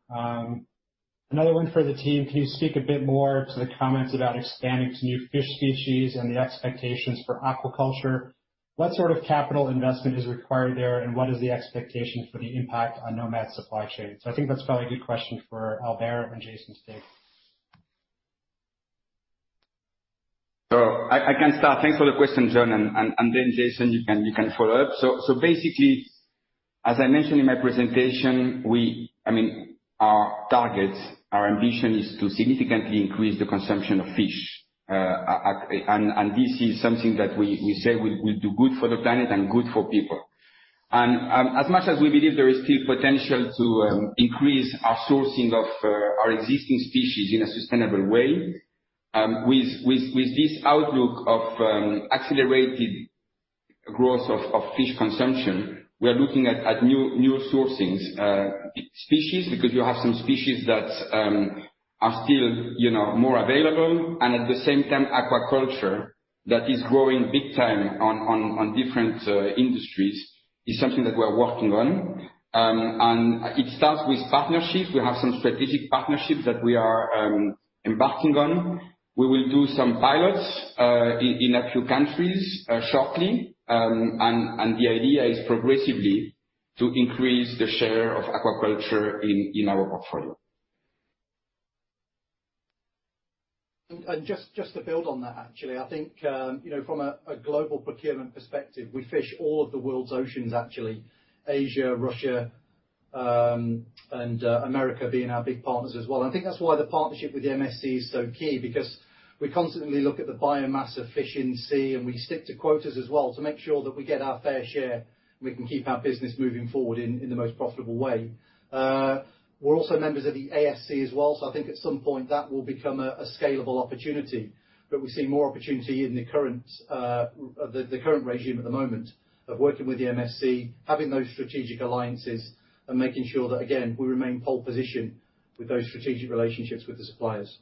Fargo? Another one for the team. Can you speak a bit more to the comments about expanding to new fish species and the expectations for aquaculture? What sort of capital investment is required there, and what is the expectation for the impact on Nomad's supply chain? So I think that's probably a good question for Albert and Jason to take. I can start. Thanks for the question, John, and then Jason, you can follow up. Basically, as I mentioned in my presentation, our targets, our ambition is to significantly increase the consumption of fish. This is something that we say will do good for the planet and good for people. As much as we believe there is still potential to increase our sourcing of our existing species in a sustainable way, with this outlook of accelerated growth of fish consumption, we are looking at new sourcings, species, because you have some species that are still more available. At the same time, aquaculture, that is growing big time on different industries, is something that we're working on. It starts with partnerships. We have some strategic partnerships that we are embarking on. We will do some pilots in a few countries shortly. The idea is progressively to increase the share of aquaculture in our portfolio. Just to build on that, actually, I think from a global procurement perspective, we fish all of the world's oceans, actually. Asia, Russia, and America being our big partners as well. I think that's why the partnership with the MSC is so key, because we constantly look at the biomass of fish in sea, and we stick to quotas as well to make sure that we get our fair share, and we can keep our business moving forward in the most profitable way. We're also members of the ASC as well, so I think at some point that will become a scalable opportunity. We're seeing more opportunity in the current regime at the moment of working with the MSC, having those strategic alliances and making sure that, again, we remain pole position with those strategic relationships with the suppliers.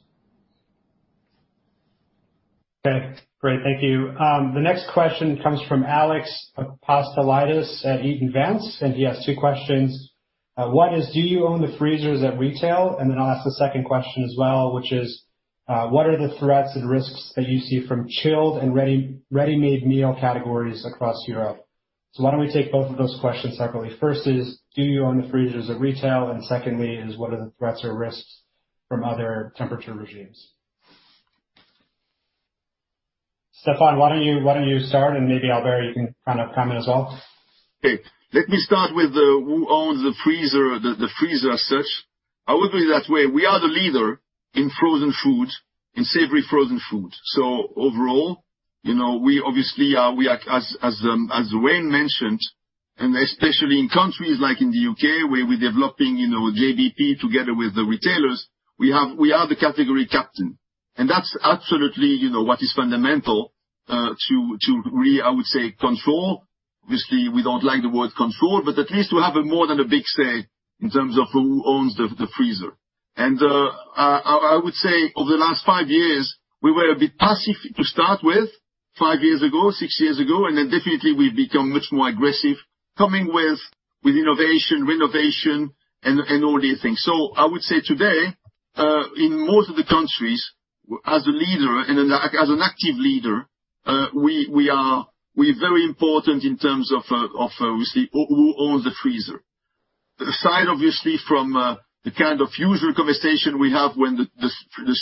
Okay, great. Thank you. The next question comes from Alex Apostolides at Eaton Vance. He has two questions. One is, do you own the freezers at retail? I'll ask the second question as well, which is, what are the threats and risks that you see from chilled and ready-made meal categories across Europe? Why don't we take both of those questions separately. First is, do you own the freezers at retail? Secondly is, what are the threats or risks from other temperature regimes? Stéfan, why don't you start, and maybe Albert, you can comment as well. Okay. Let me start with who owns the freezer as such. I would put it that way, we are the leader in savory frozen food. Overall, we obviously are, as Wayne mentioned, and especially in countries like in the U.K. where we're developing JBP together with the retailers, we are the category captain. That's absolutely what is fundamental to really, I would say, control. Obviously, we don't like the word control, but at least we have more than a big say in terms of who owns the freezer. I would say over the last five years, we were a bit passive to start with, five years ago, six years ago, and then definitely we've become much more aggressive coming with innovation, renovation and all these things. I would say today, in most of the countries, as a leader and as an active leader, we are very important in terms of obviously who owns the freezer. Aside obviously from the kind of usual conversation we have when the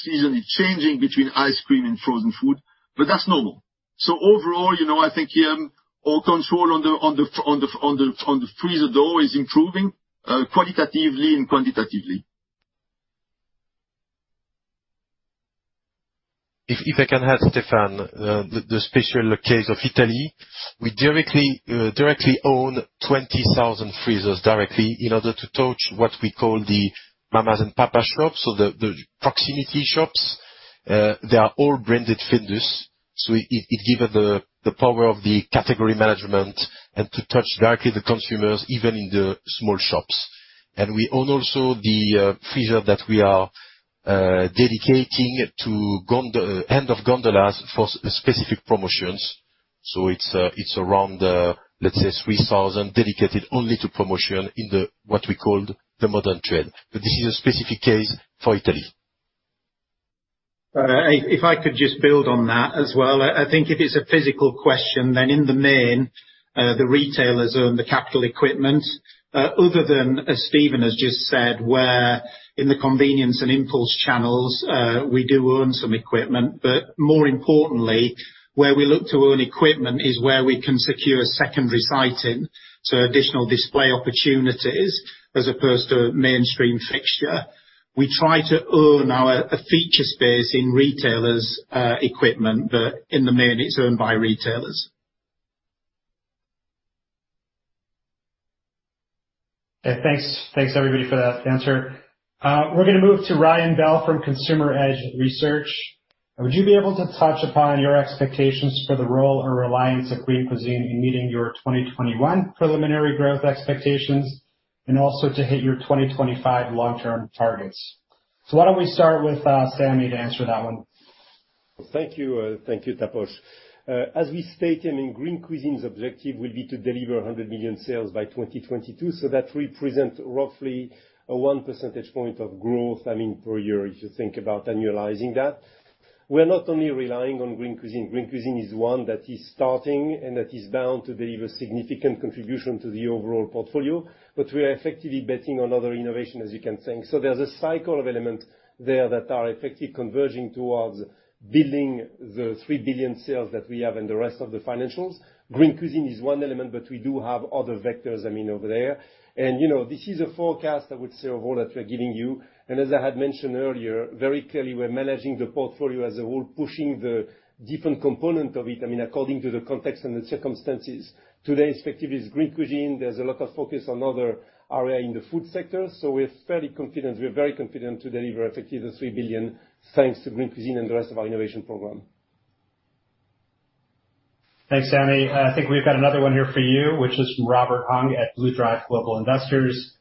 season is changing between ice cream and frozen food, but that's normal. Overall, I think our control on the freezer door is improving qualitatively and quantitatively. If I can add, Stéfan, the special case of Italy, we directly own 20,000 freezers directly in order to touch what we call the mamas and papa shops or the proximity shops. They are all branded Findus. It gives the power of the category management and to touch directly the consumers, even in the small shops. We own also the freezer that we are dedicating to end of gondolas for specific promotions. It's around, let's say 3,000 dedicated only to promotion in the what we call the modern trade. This is a specific case for Italy. If I could just build on that as well. I think if it's a physical question, in the main, the retailers own the capital equipment. Other than, as Stéfan has just said, where in the convenience and impulse channels, we do own some equipment, more importantly, where we look to own equipment is where we can secure secondary siting. Additional display opportunities as opposed to mainstream fixture. We try to own our feature space in retailers' equipment, in the main, it's owned by retailers. Okay, thanks everybody for that answer. We're going to move to Ryan Bell from Consumer Edge Research. Would you be able to touch upon your expectations for the role or reliance of Green Cuisine in meeting your 2021 preliminary growth expectations and also to hit your 2025 long-term targets? Why don't we start with Samy to answer that one? Thank you, Taposh. As we stated, Green Cuisine's objective will be to deliver 100 million sales by 2022. That will present roughly a one percentage point of growth, per year, if you think about annualizing that. We're not only relying on Green Cuisine. Green Cuisine is one that is starting and that is bound to deliver significant contribution to the overall portfolio, but we are effectively betting on other innovation, as you can think. There's a cycle of elements there that are effectively converging towards building the 3 billion sales that we have in the rest of the financials. Green Cuisine is one element, but we do have other vectors over there. This is a forecast, I would say, overall, that we're giving you. As I had mentioned earlier, very clearly, we are managing the portfolio as a whole, pushing the different component of it, according to the context and the circumstances. Today, effectively, it is Green Cuisine. There is a lot of focus on other areas in the food sector. We are very confident to deliver effectively the 3 billion thanks to Green Cuisine and the rest of our innovation program. Thanks, Sammy. I think we've got another one here for you, which is from Robert Hong at BlueDrive Global Investors.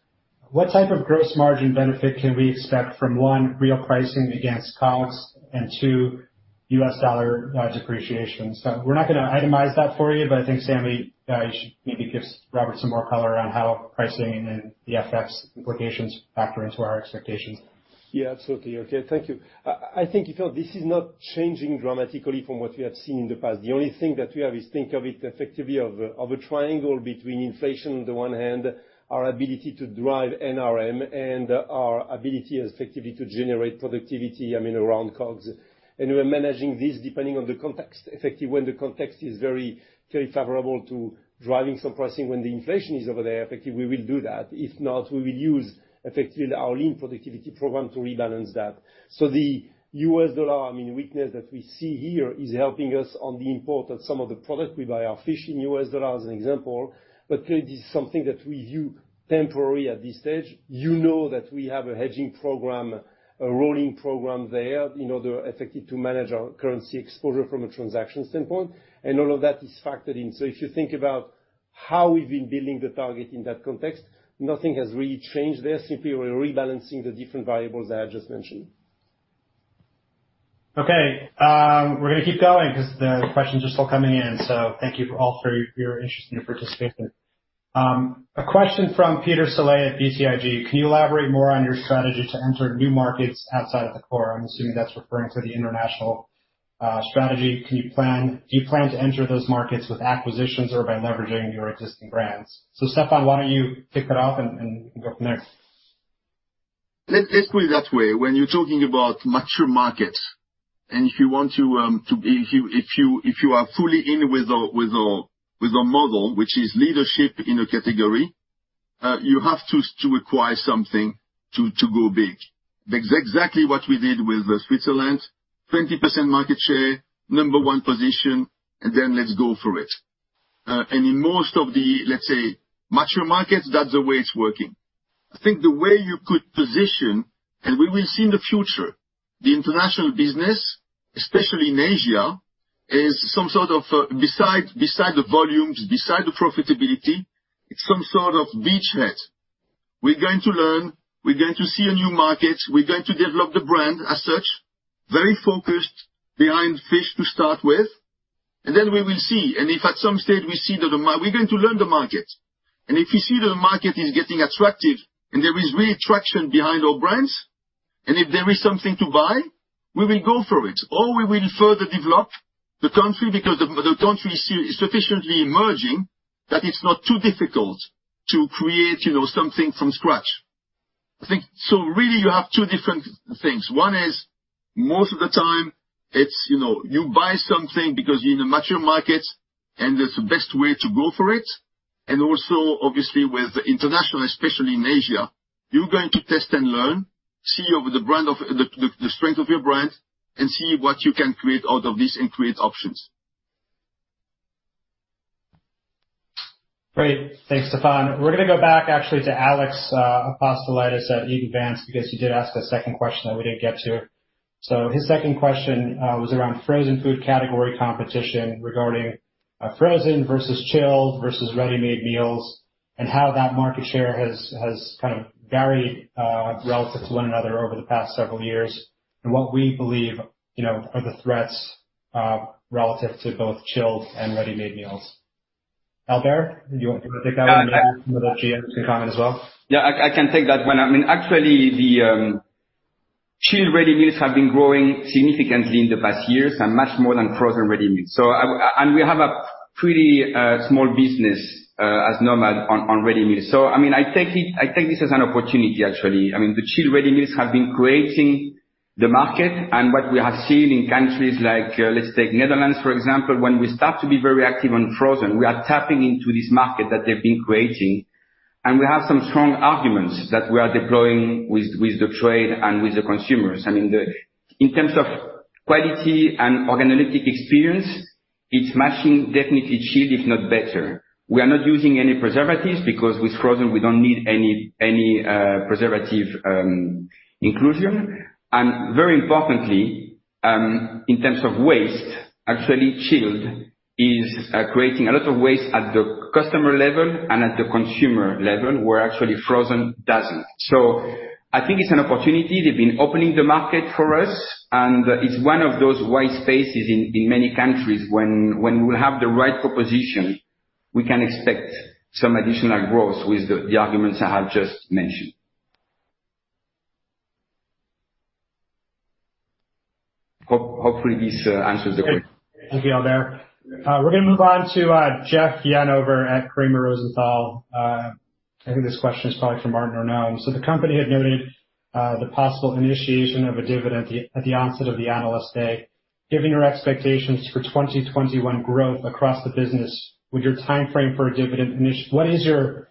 What type of gross margin benefit can we expect from, one, real pricing against COGS, and two, U.S. dollar depreciation? We're not going to itemize that for you, but I think Sammy, you should maybe give Robert some more color around how pricing and the FX implications factor into our expectations. Yeah, absolutely. Okay. Thank you. I think this is not changing dramatically from what we have seen in the past. The only thing that we have is think of it effectively of a triangle between inflation on the one hand, our ability to drive NRM, and our ability effectively to generate productivity, around COGS. We're managing this depending on the context. Effectively, when the context is very favorable to driving some pricing when the inflation is over there, effectively, we will do that. If not, we will use effectively our lean productivity program to rebalance that. The US dollar weakness that we see here is helping us on the import of some of the product we buy, our fish in US dollar as an example. Clearly, this is something that we view temporary at this stage. You know that we have a hedging program, a rolling program there in order effectively to manage our currency exposure from a transaction standpoint. All of that is factored in. If you think about how we've been building the target in that context, nothing has really changed there. Simply, we're rebalancing the different variables that I just mentioned. Okay. We're going to keep going because the questions are still coming in. Thank you all for your interest and your participation. A question from Peter Saleh at BTIG. Can you elaborate more on your strategy to enter new markets outside of the core? I'm assuming that's referring to the international strategy. Do you plan to enter those markets with acquisitions or by leveraging your existing brands? Stéfan, why don't you kick that off, and we can go from there. Let's put it that way. When you're talking about mature markets, and if you are fully in with a model, which is leadership in a category, you have to acquire something to go big. Exactly what we did with Switzerland, 20% market share, number one position, and then let's go for it. In most of the, let's say, mature markets, that's the way it's working. I think the way you could position, and we will see in the future, the international business, especially in Asia, beside the volumes, beside the profitability, it's some sort of beachhead. We're going to learn, we're going to see a new market, we're going to develop the brand as such, very focused behind fish to start with, and then we will see. We're going to learn the market. If we see the market is getting attractive and there is really traction behind our brands, and if there is something to buy, we will go for it. We will further develop the country because the country is sufficiently emerging that it's not too difficult to create something from scratch. Really you have two different things. One is, most of the time you buy something because you're in a mature market, and that's the best way to go for it. Also, obviously with international, especially in Asia, you're going to test and learn, see the strength of your brand, and see what you can create out of this and create options. Great. Thanks, Stéfan. We're going to go back actually to Alex Apostolidis at Eaton Vance because he did ask a second question that we didn't get to. His second question was around frozen food category competition regarding frozen versus chilled versus ready-made meals and how that market share has kind of varied relative to one another over the past several years. What we believe are the threats relative to both chilled and ready-made meals. Albert, do you want to take that one? The GM can comment as well. Yeah, I can take that one. Actually, the chilled ready meals have been growing significantly in the past years and much more than frozen ready meals. We have a pretty small business as Nomad on ready meals. I take this as an opportunity, actually. The chilled ready meals have been creating the market, and what we have seen in countries like, let's take Netherlands, for example, when we start to be very active on frozen, we are tapping into this market that they've been creating, and we have some strong arguments that we are deploying with the trade and with the consumers. In terms of quality and organoleptic experience, it's matching definitely chilled, if not better. We are not using any preservatives because with frozen, we don't need any preservative inclusion. Very importantly, in terms of waste, actually chilled is creating a lot of waste at the customer level and at the consumer level, where actually frozen doesn't. I think it's an opportunity. They've been opening the market for us, and it's one of those wide spaces in many countries when we'll have the right proposition, we can expect some additional growth with the arguments I have just mentioned. Hopefully, this answers the question. Thank you, Albert. We're going to move on to Jeff Yen over at Cramer Rosenthal. I think this question is probably for Martin or Noam. The company had noted the possible initiation of a dividend at the onset of the Analyst Day. Given your expectations for 2021 growth across the business, what is your timeframe for a dividend initiation,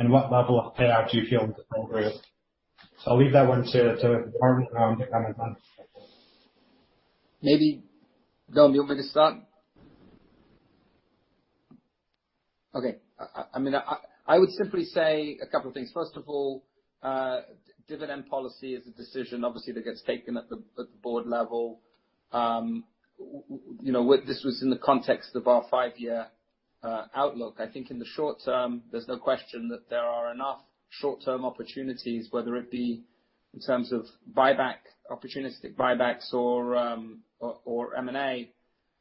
and what level of payout do you feel is appropriate? I'll leave that one to Martin to comment on. Maybe, Noam, you want me to start? Okay. I would simply say a couple of things. First of all, dividend policy is a decision, obviously, that gets taken at the board level. I think in the short term, there's no question that there are enough short-term opportunities, whether it be in terms of opportunistic buybacks or M&A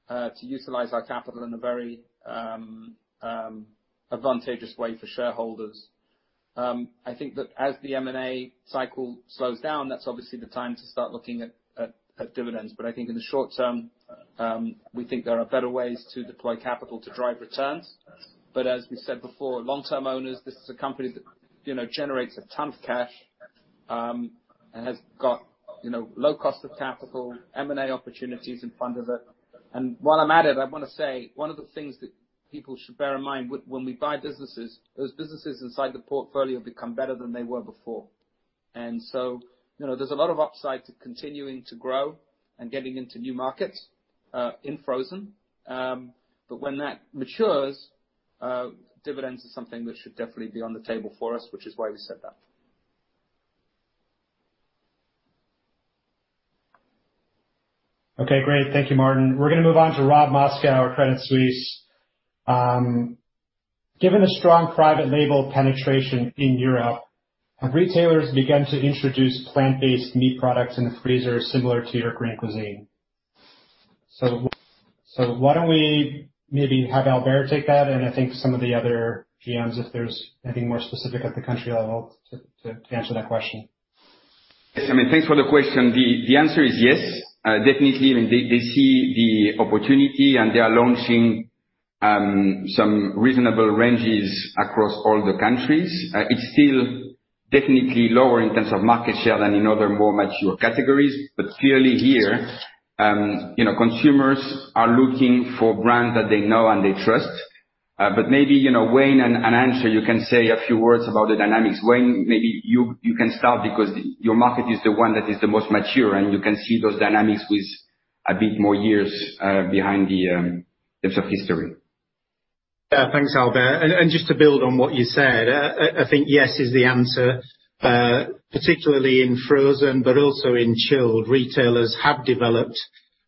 to utilize our capital in a very advantageous way for shareholders. I think that as the M&A cycle slows down, that's obviously the time to start looking at dividends. I think in the short term, we think there are better ways to deploy capital to drive returns. As we said before, long-term owners, this is a company that generates a ton of cash, and has got low cost of capital, M&A opportunities in front of it. While I'm at it, I want to say, one of the things that people should bear in mind, when we buy businesses, those businesses inside the portfolio become better than they were before. There's a lot of upside to continuing to grow and getting into new markets in frozen. When that matures, dividends is something which should definitely be on the table for us, which is why we said that. Okay, great. Thank you, Martin. We're going to move on to Robert Moskow at Credit Suisse. Given the strong private label penetration in Europe, have retailers begun to introduce plant-based meat products in the freezer similar to your Green Cuisine? Why don't we maybe have Albert take that, and I think some of the other GMs, if there's anything more specific at the country level to answer that question. Yes. Thanks for the question. The answer is yes. Definitely, they see the opportunity, and they are launching some reasonable ranges across all the countries. It's still definitely lower in terms of market share than in other more mature categories. Clearly here, consumers are looking for brands that they know and they trust. Maybe, Wayne and Antje, you can say a few words about the dynamics. Wayne, maybe you can start because your market is the one that is the most mature, and you can see those dynamics with a bit more years behind the depth of history. Thanks, Albert. Just to build on what you said, I think yes is the answer particularly in frozen, but also in chilled, retailers have developed,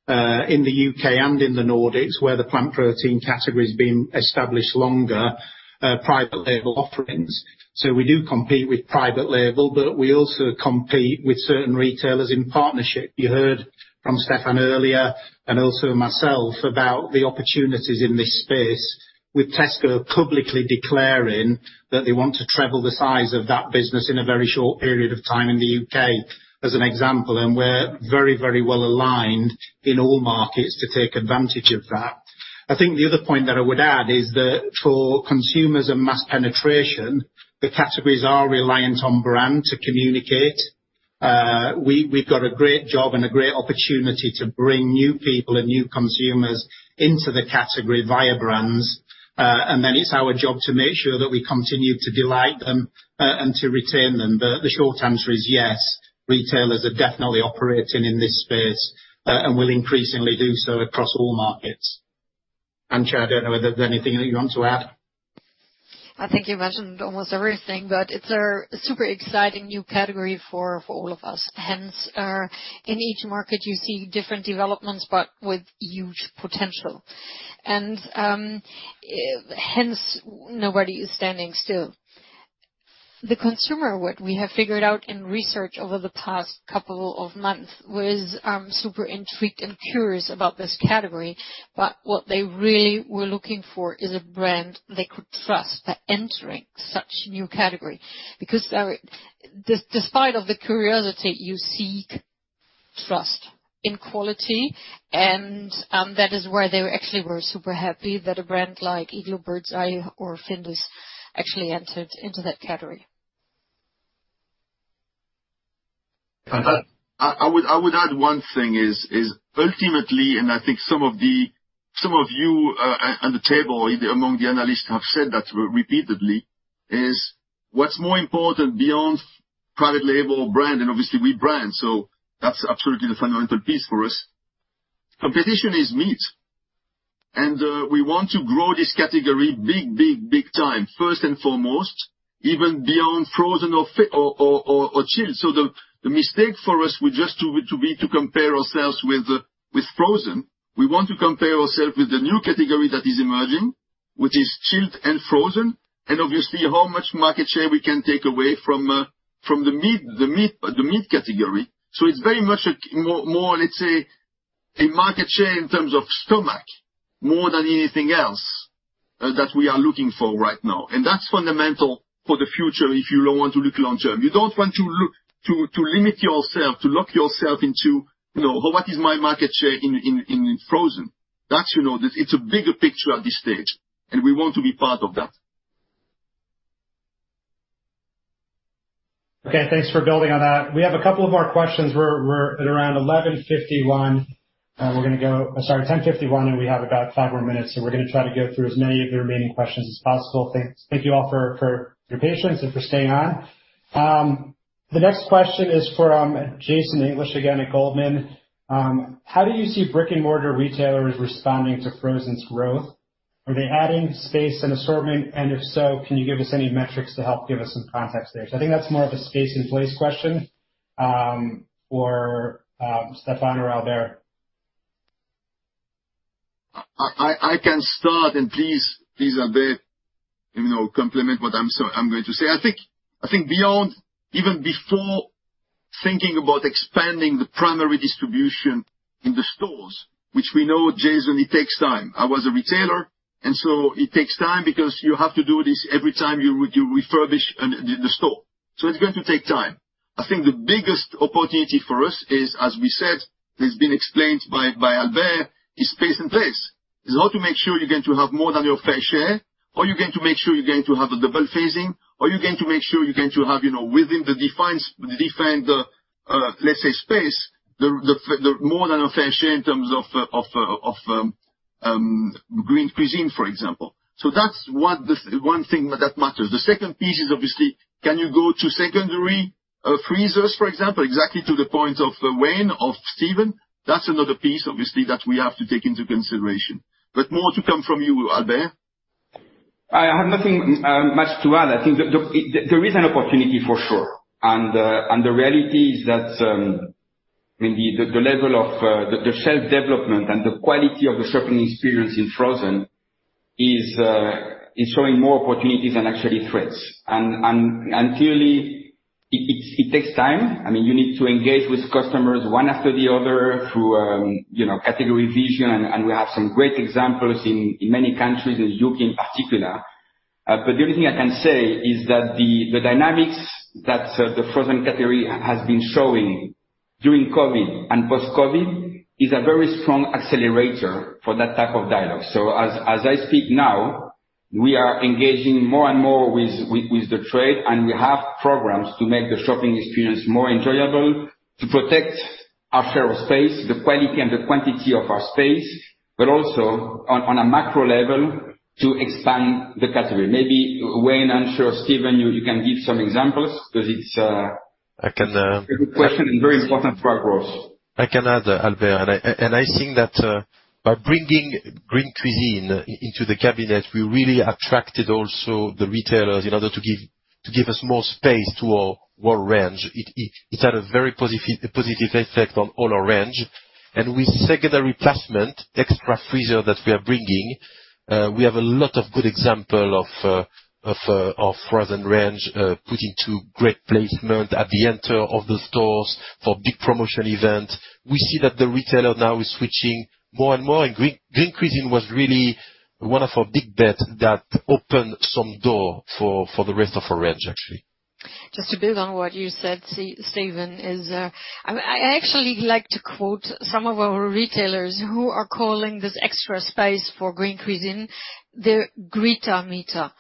in the U.K. and in the Nordics, where the plant protein category has been established longer, private label offerings. We do compete with private label, but we also compete with certain retailers in partnership. You heard from Stéfan earlier, and also myself, about the opportunities in this space with Tesco publicly declaring that they want to treble the size of that business in a very short period of time in the U.K., as an example. We're very well-aligned in all markets to take advantage of that. I think the other point that I would add is that for consumers and mass penetration, the categories are reliant on brand to communicate. We've got a great job and a great opportunity to bring new people and new consumers into the category via brands. Then it's our job to make sure that we continue to delight them and to retain them. The short answer is yes, retailers are definitely operating in this space and will increasingly do so across all markets. Antje, I don't know whether there's anything that you want to add. I think you mentioned almost everything, but it's a super exciting new category for all of us. In each market you see different developments, but with huge potential. Nobody is standing still. The consumer, what we have figured out in research over the past couple of months, was super intrigued and curious about this category. What they really were looking for is a brand they could trust for entering such new category. Despite of the curiosity, you seek trust in quality, and that is where they actually were super happy that a brand like Iglo Birds Eye or Findus actually entered into that category. Martin. I would add one thing, is ultimately, I think some of you on the table among the analysts have said that repeatedly, what's more important beyond private label or brand. Obviously we brand, so that's absolutely the fundamental piece for us. Competition is meat. We want to grow this category big time, first and foremost, even beyond frozen or chilled. The mistake for us would just to be to compare ourselves with frozen. We want to compare ourselves with the new category that is emerging, which is chilled and frozen, and obviously how much market share we can take away from the meat category. It's very much more, let's say, a market share in terms of stomach more than anything else that we are looking for right now. That's fundamental for the future if you want to look long-term. You don't want to limit yourself, to lock yourself into what is my market share in frozen. It's a bigger picture at this stage, and we want to be part of that. Okay, thanks for building on that. We have a couple of more questions. We're at around 11:51 A.M. We're going to go Sorry, 10:51 A.M., and we have about five more minutes, so we're going to try to get through as many of your remaining questions as possible. Thank you all for your patience and for staying on. The next question is from Jason English, again, at Goldman. How do you see brick-and-mortar retailers responding to frozen's growth? Are they adding space and assortment? If so, can you give us any metrics to help give us some context there? I think that's more of a space and place question for Stéfan or Albert. I can start, and please, Albert, complement what I'm going to say. I think even before thinking about expanding the primary distribution in the stores, which we know, Jason, it takes time. I was a retailer, it takes time because you have to do this every time you refurbish the store. It's going to take time. I think the biggest opportunity for us is, as we said, it's been explained by Albert, is space and place. Is how to make sure you're going to have more than your fair share, or you're going to make sure you're going to have a double phasing, or you're going to make sure you're going to have within the defined, let's say, space, more than a fair share in terms of Green Cuisine, for example. That's one thing that matters. The second piece is obviously, can you go to secondary freezers, for example, exactly to the point of Wayne, of Steven? That's another piece, obviously, that we have to take into consideration. More to come from you, Albert. I have nothing much to add. I think there is an opportunity for sure. The reality is that the level of the shelf development and the quality of the shopping experience in frozen is showing more opportunities than actually threats. Clearly, it takes time. You need to engage with customers one after the other through category vision, and we have some great examples in many countries, in the U.K. in particular. The only thing I can say is that the dynamics that the frozen category has been showing during COVID and post-COVID is a very strong accelerator for that type of dialogue. As I speak now, we are engaging more and more with the trade, and we have programs to make the shopping experience more enjoyable, to protect our share of space, the quality and the quantity of our space, but also on a macro level, to expand the category. Maybe Wayne, I'm sure, Steven, you can give some examples. I can- A good question and very important for our growth. I can add, Albert. I think that by bringing Green Cuisine into the cabinet, we really attracted also the retailers in order to give us more space to our range. It's had a very positive effect on all our range. With secondary placement, extra freezer that we are bringing, we have a lot of good example of frozen range, putting two great placement at the enter of the stores for big promotion event. We see that the retailer now is switching more and more, Green Cuisine was really one of our big bet that opened some door for the rest of our range, actually. Just to build on what you said, Steven. I actually like to quote some of our retailers who are calling this extra space for Green Cuisine the Greta meter.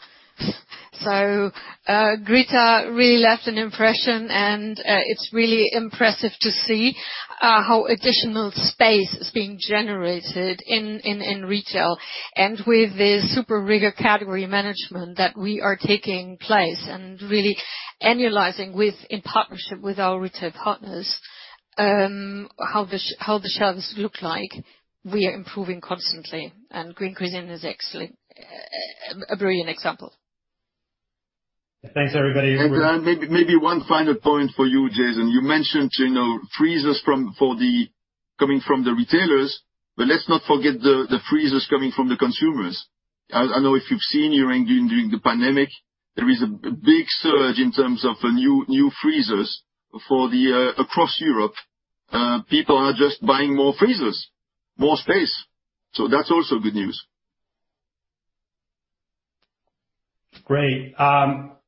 Greta really left an impression, and it's really impressive to see how additional space is being generated in retail and with the super rigor category management that we are taking place and really annualizing in partnership with our retail partners how the shelves look like. We are improving constantly, and Green Cuisine is actually a brilliant example. Thanks, everybody. Maybe one final point for you, Jason. You mentioned freezers coming from the retailers, let's not forget the freezers coming from the consumers. I know if you've seen here during the pandemic, there is a big surge in terms of new freezers across Europe. People are just buying more freezers, more space. That's also good news. Great.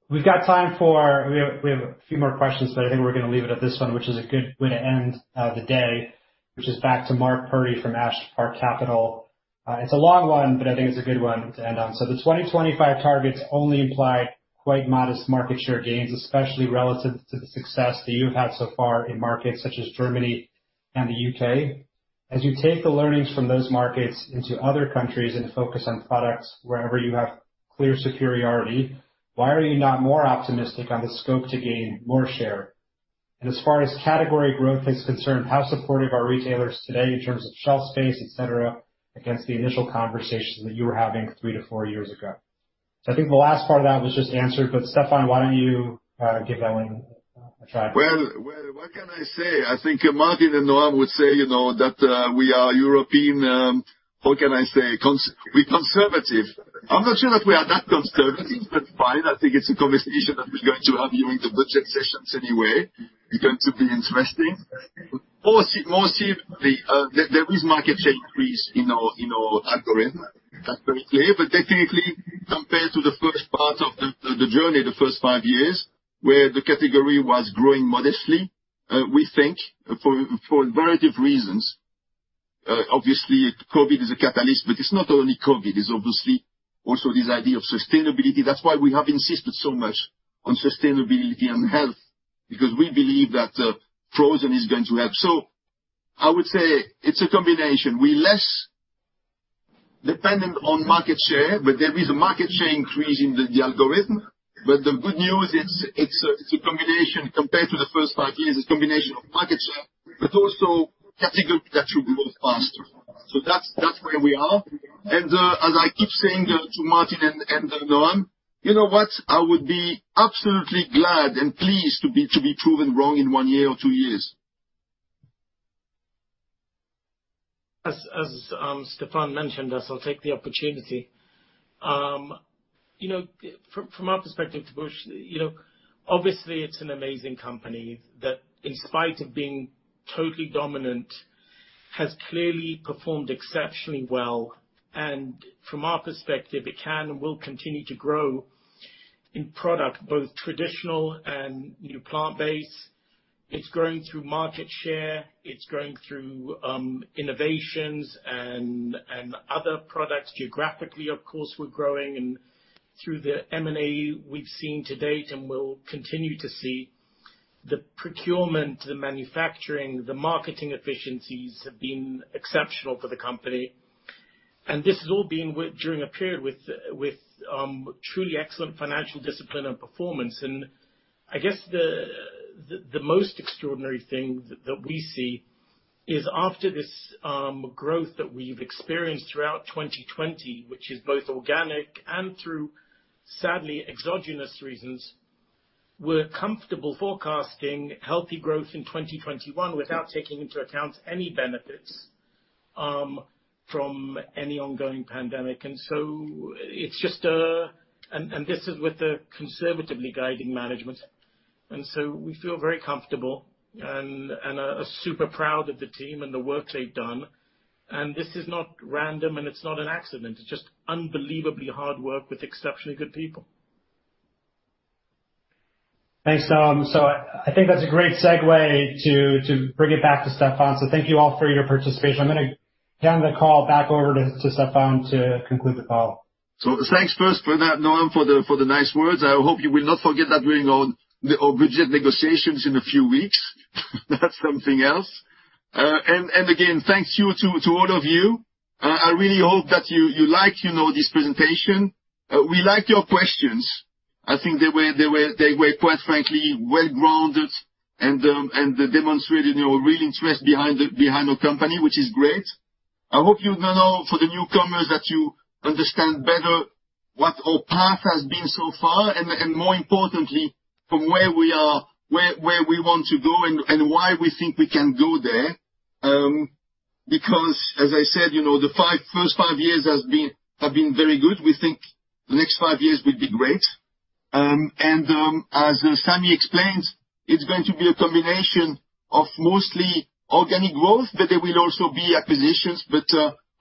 We have a few more questions, but I think we're going to leave it at this one, which is a good way to end the day, which is back to Mark Purdy from Ash Park Capital. It's a long one, but I think it's a good one to end on. The 2025 targets only imply quite modest market share gains, especially relative to the success that you've had so far in markets such as Germany and the U.K. As you take the learnings from those markets into other countries and focus on products wherever you have clear superiority, why are you not more optimistic on the scope to gain more share? As far as category growth is concerned, how supportive are retailers today in terms of shelf space, et cetera, against the initial conversations that you were having three to four years ago? I think the last part of that was just answered, but Stéphane, why don't you give that one a try? What can I say? I think Martin and Noam would say that we are European. How can I say? We're conservative. I'm not sure that we are that conservative, but fine. I think it's a conversation that we're going to have during the budget sessions anyway. It's going to be interesting. Mostly, there is market share increase in our algorithm, that's very clear. Technically, compared to the first part of the journey, the first five years, where the category was growing modestly, we think for a variety of reasons, obviously COVID is a catalyst, but it's not only COVID. There's obviously also this idea of sustainability. That's why we have insisted so much on sustainability and health, because we believe that frozen is going to help. I would say it's a combination. We're less dependent on market share, but there is a market share increase in the algorithm. The good news, it's a combination compared to the first five years, it's a combination of market share, but also category that should grow faster. That's where we are. As I keep saying to Martin and Noam, you know what? I would be absolutely glad and pleased to be proven wrong in one year or two years. As Stéfan mentioned, I'll take the opportunity. From our perspective, TIBCO, obviously it's an amazing company that in spite of being totally dominant, has clearly performed exceptionally well. From our perspective, it can and will continue to grow in product, both traditional and new plant-based. It's growing through market share. It's growing through innovations and other products. Geographically, of course, we're growing. Through the M&A we've seen to date and will continue to see, the procurement, the manufacturing, the marketing efficiencies have been exceptional for the company. This has all been during a period with truly excellent financial discipline and performance. I guess the most extraordinary thing that we see is after this growth that we've experienced throughout 2020, which is both organic and through, sadly, exogenous reasons, we're comfortable forecasting healthy growth in 2021 without taking into account any benefits from any ongoing pandemic. This is with the conservatively guiding management. We feel very comfortable and are super proud of the team and the work they've done. This is not random, and it's not an accident. It's just unbelievably hard work with exceptionally good people. Thanks, Noam. I think that's a great segue to bring it back to Stéfan. Thank you all for your participation. I'm going to hand the call back over to Stéfan to conclude the call. Thanks first for that, Noam, for the nice words. I hope you will not forget that during our budget negotiations in a few weeks. That's something else. Again, thanks to all of you. I really hope that you like this presentation. We liked your questions. I think they were, quite frankly, well-grounded and demonstrated your real interest behind our company, which is great. I hope you now, for the newcomers, that you understand better what our path has been so far, and more importantly, from where we are, where we want to go, and why we think we can go there. As I said, the first five years have been very good. We think the next five years will be great. As Samy explained, it's going to be a combination of mostly organic growth, but there will also be acquisitions.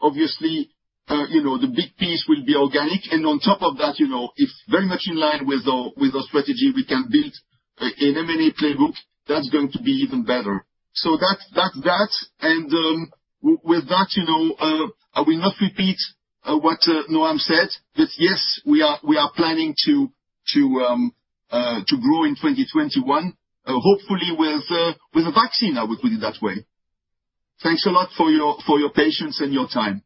Obviously, the big piece will be organic. On top of that, it's very much in line with our strategy we can build an M&A playbook that's going to be even better. That's that. With that, I will not repeat what Noam said. That yes, we are planning to grow in 2021, hopefully with a vaccine, I will put it that way. Thanks a lot for your patience and your time.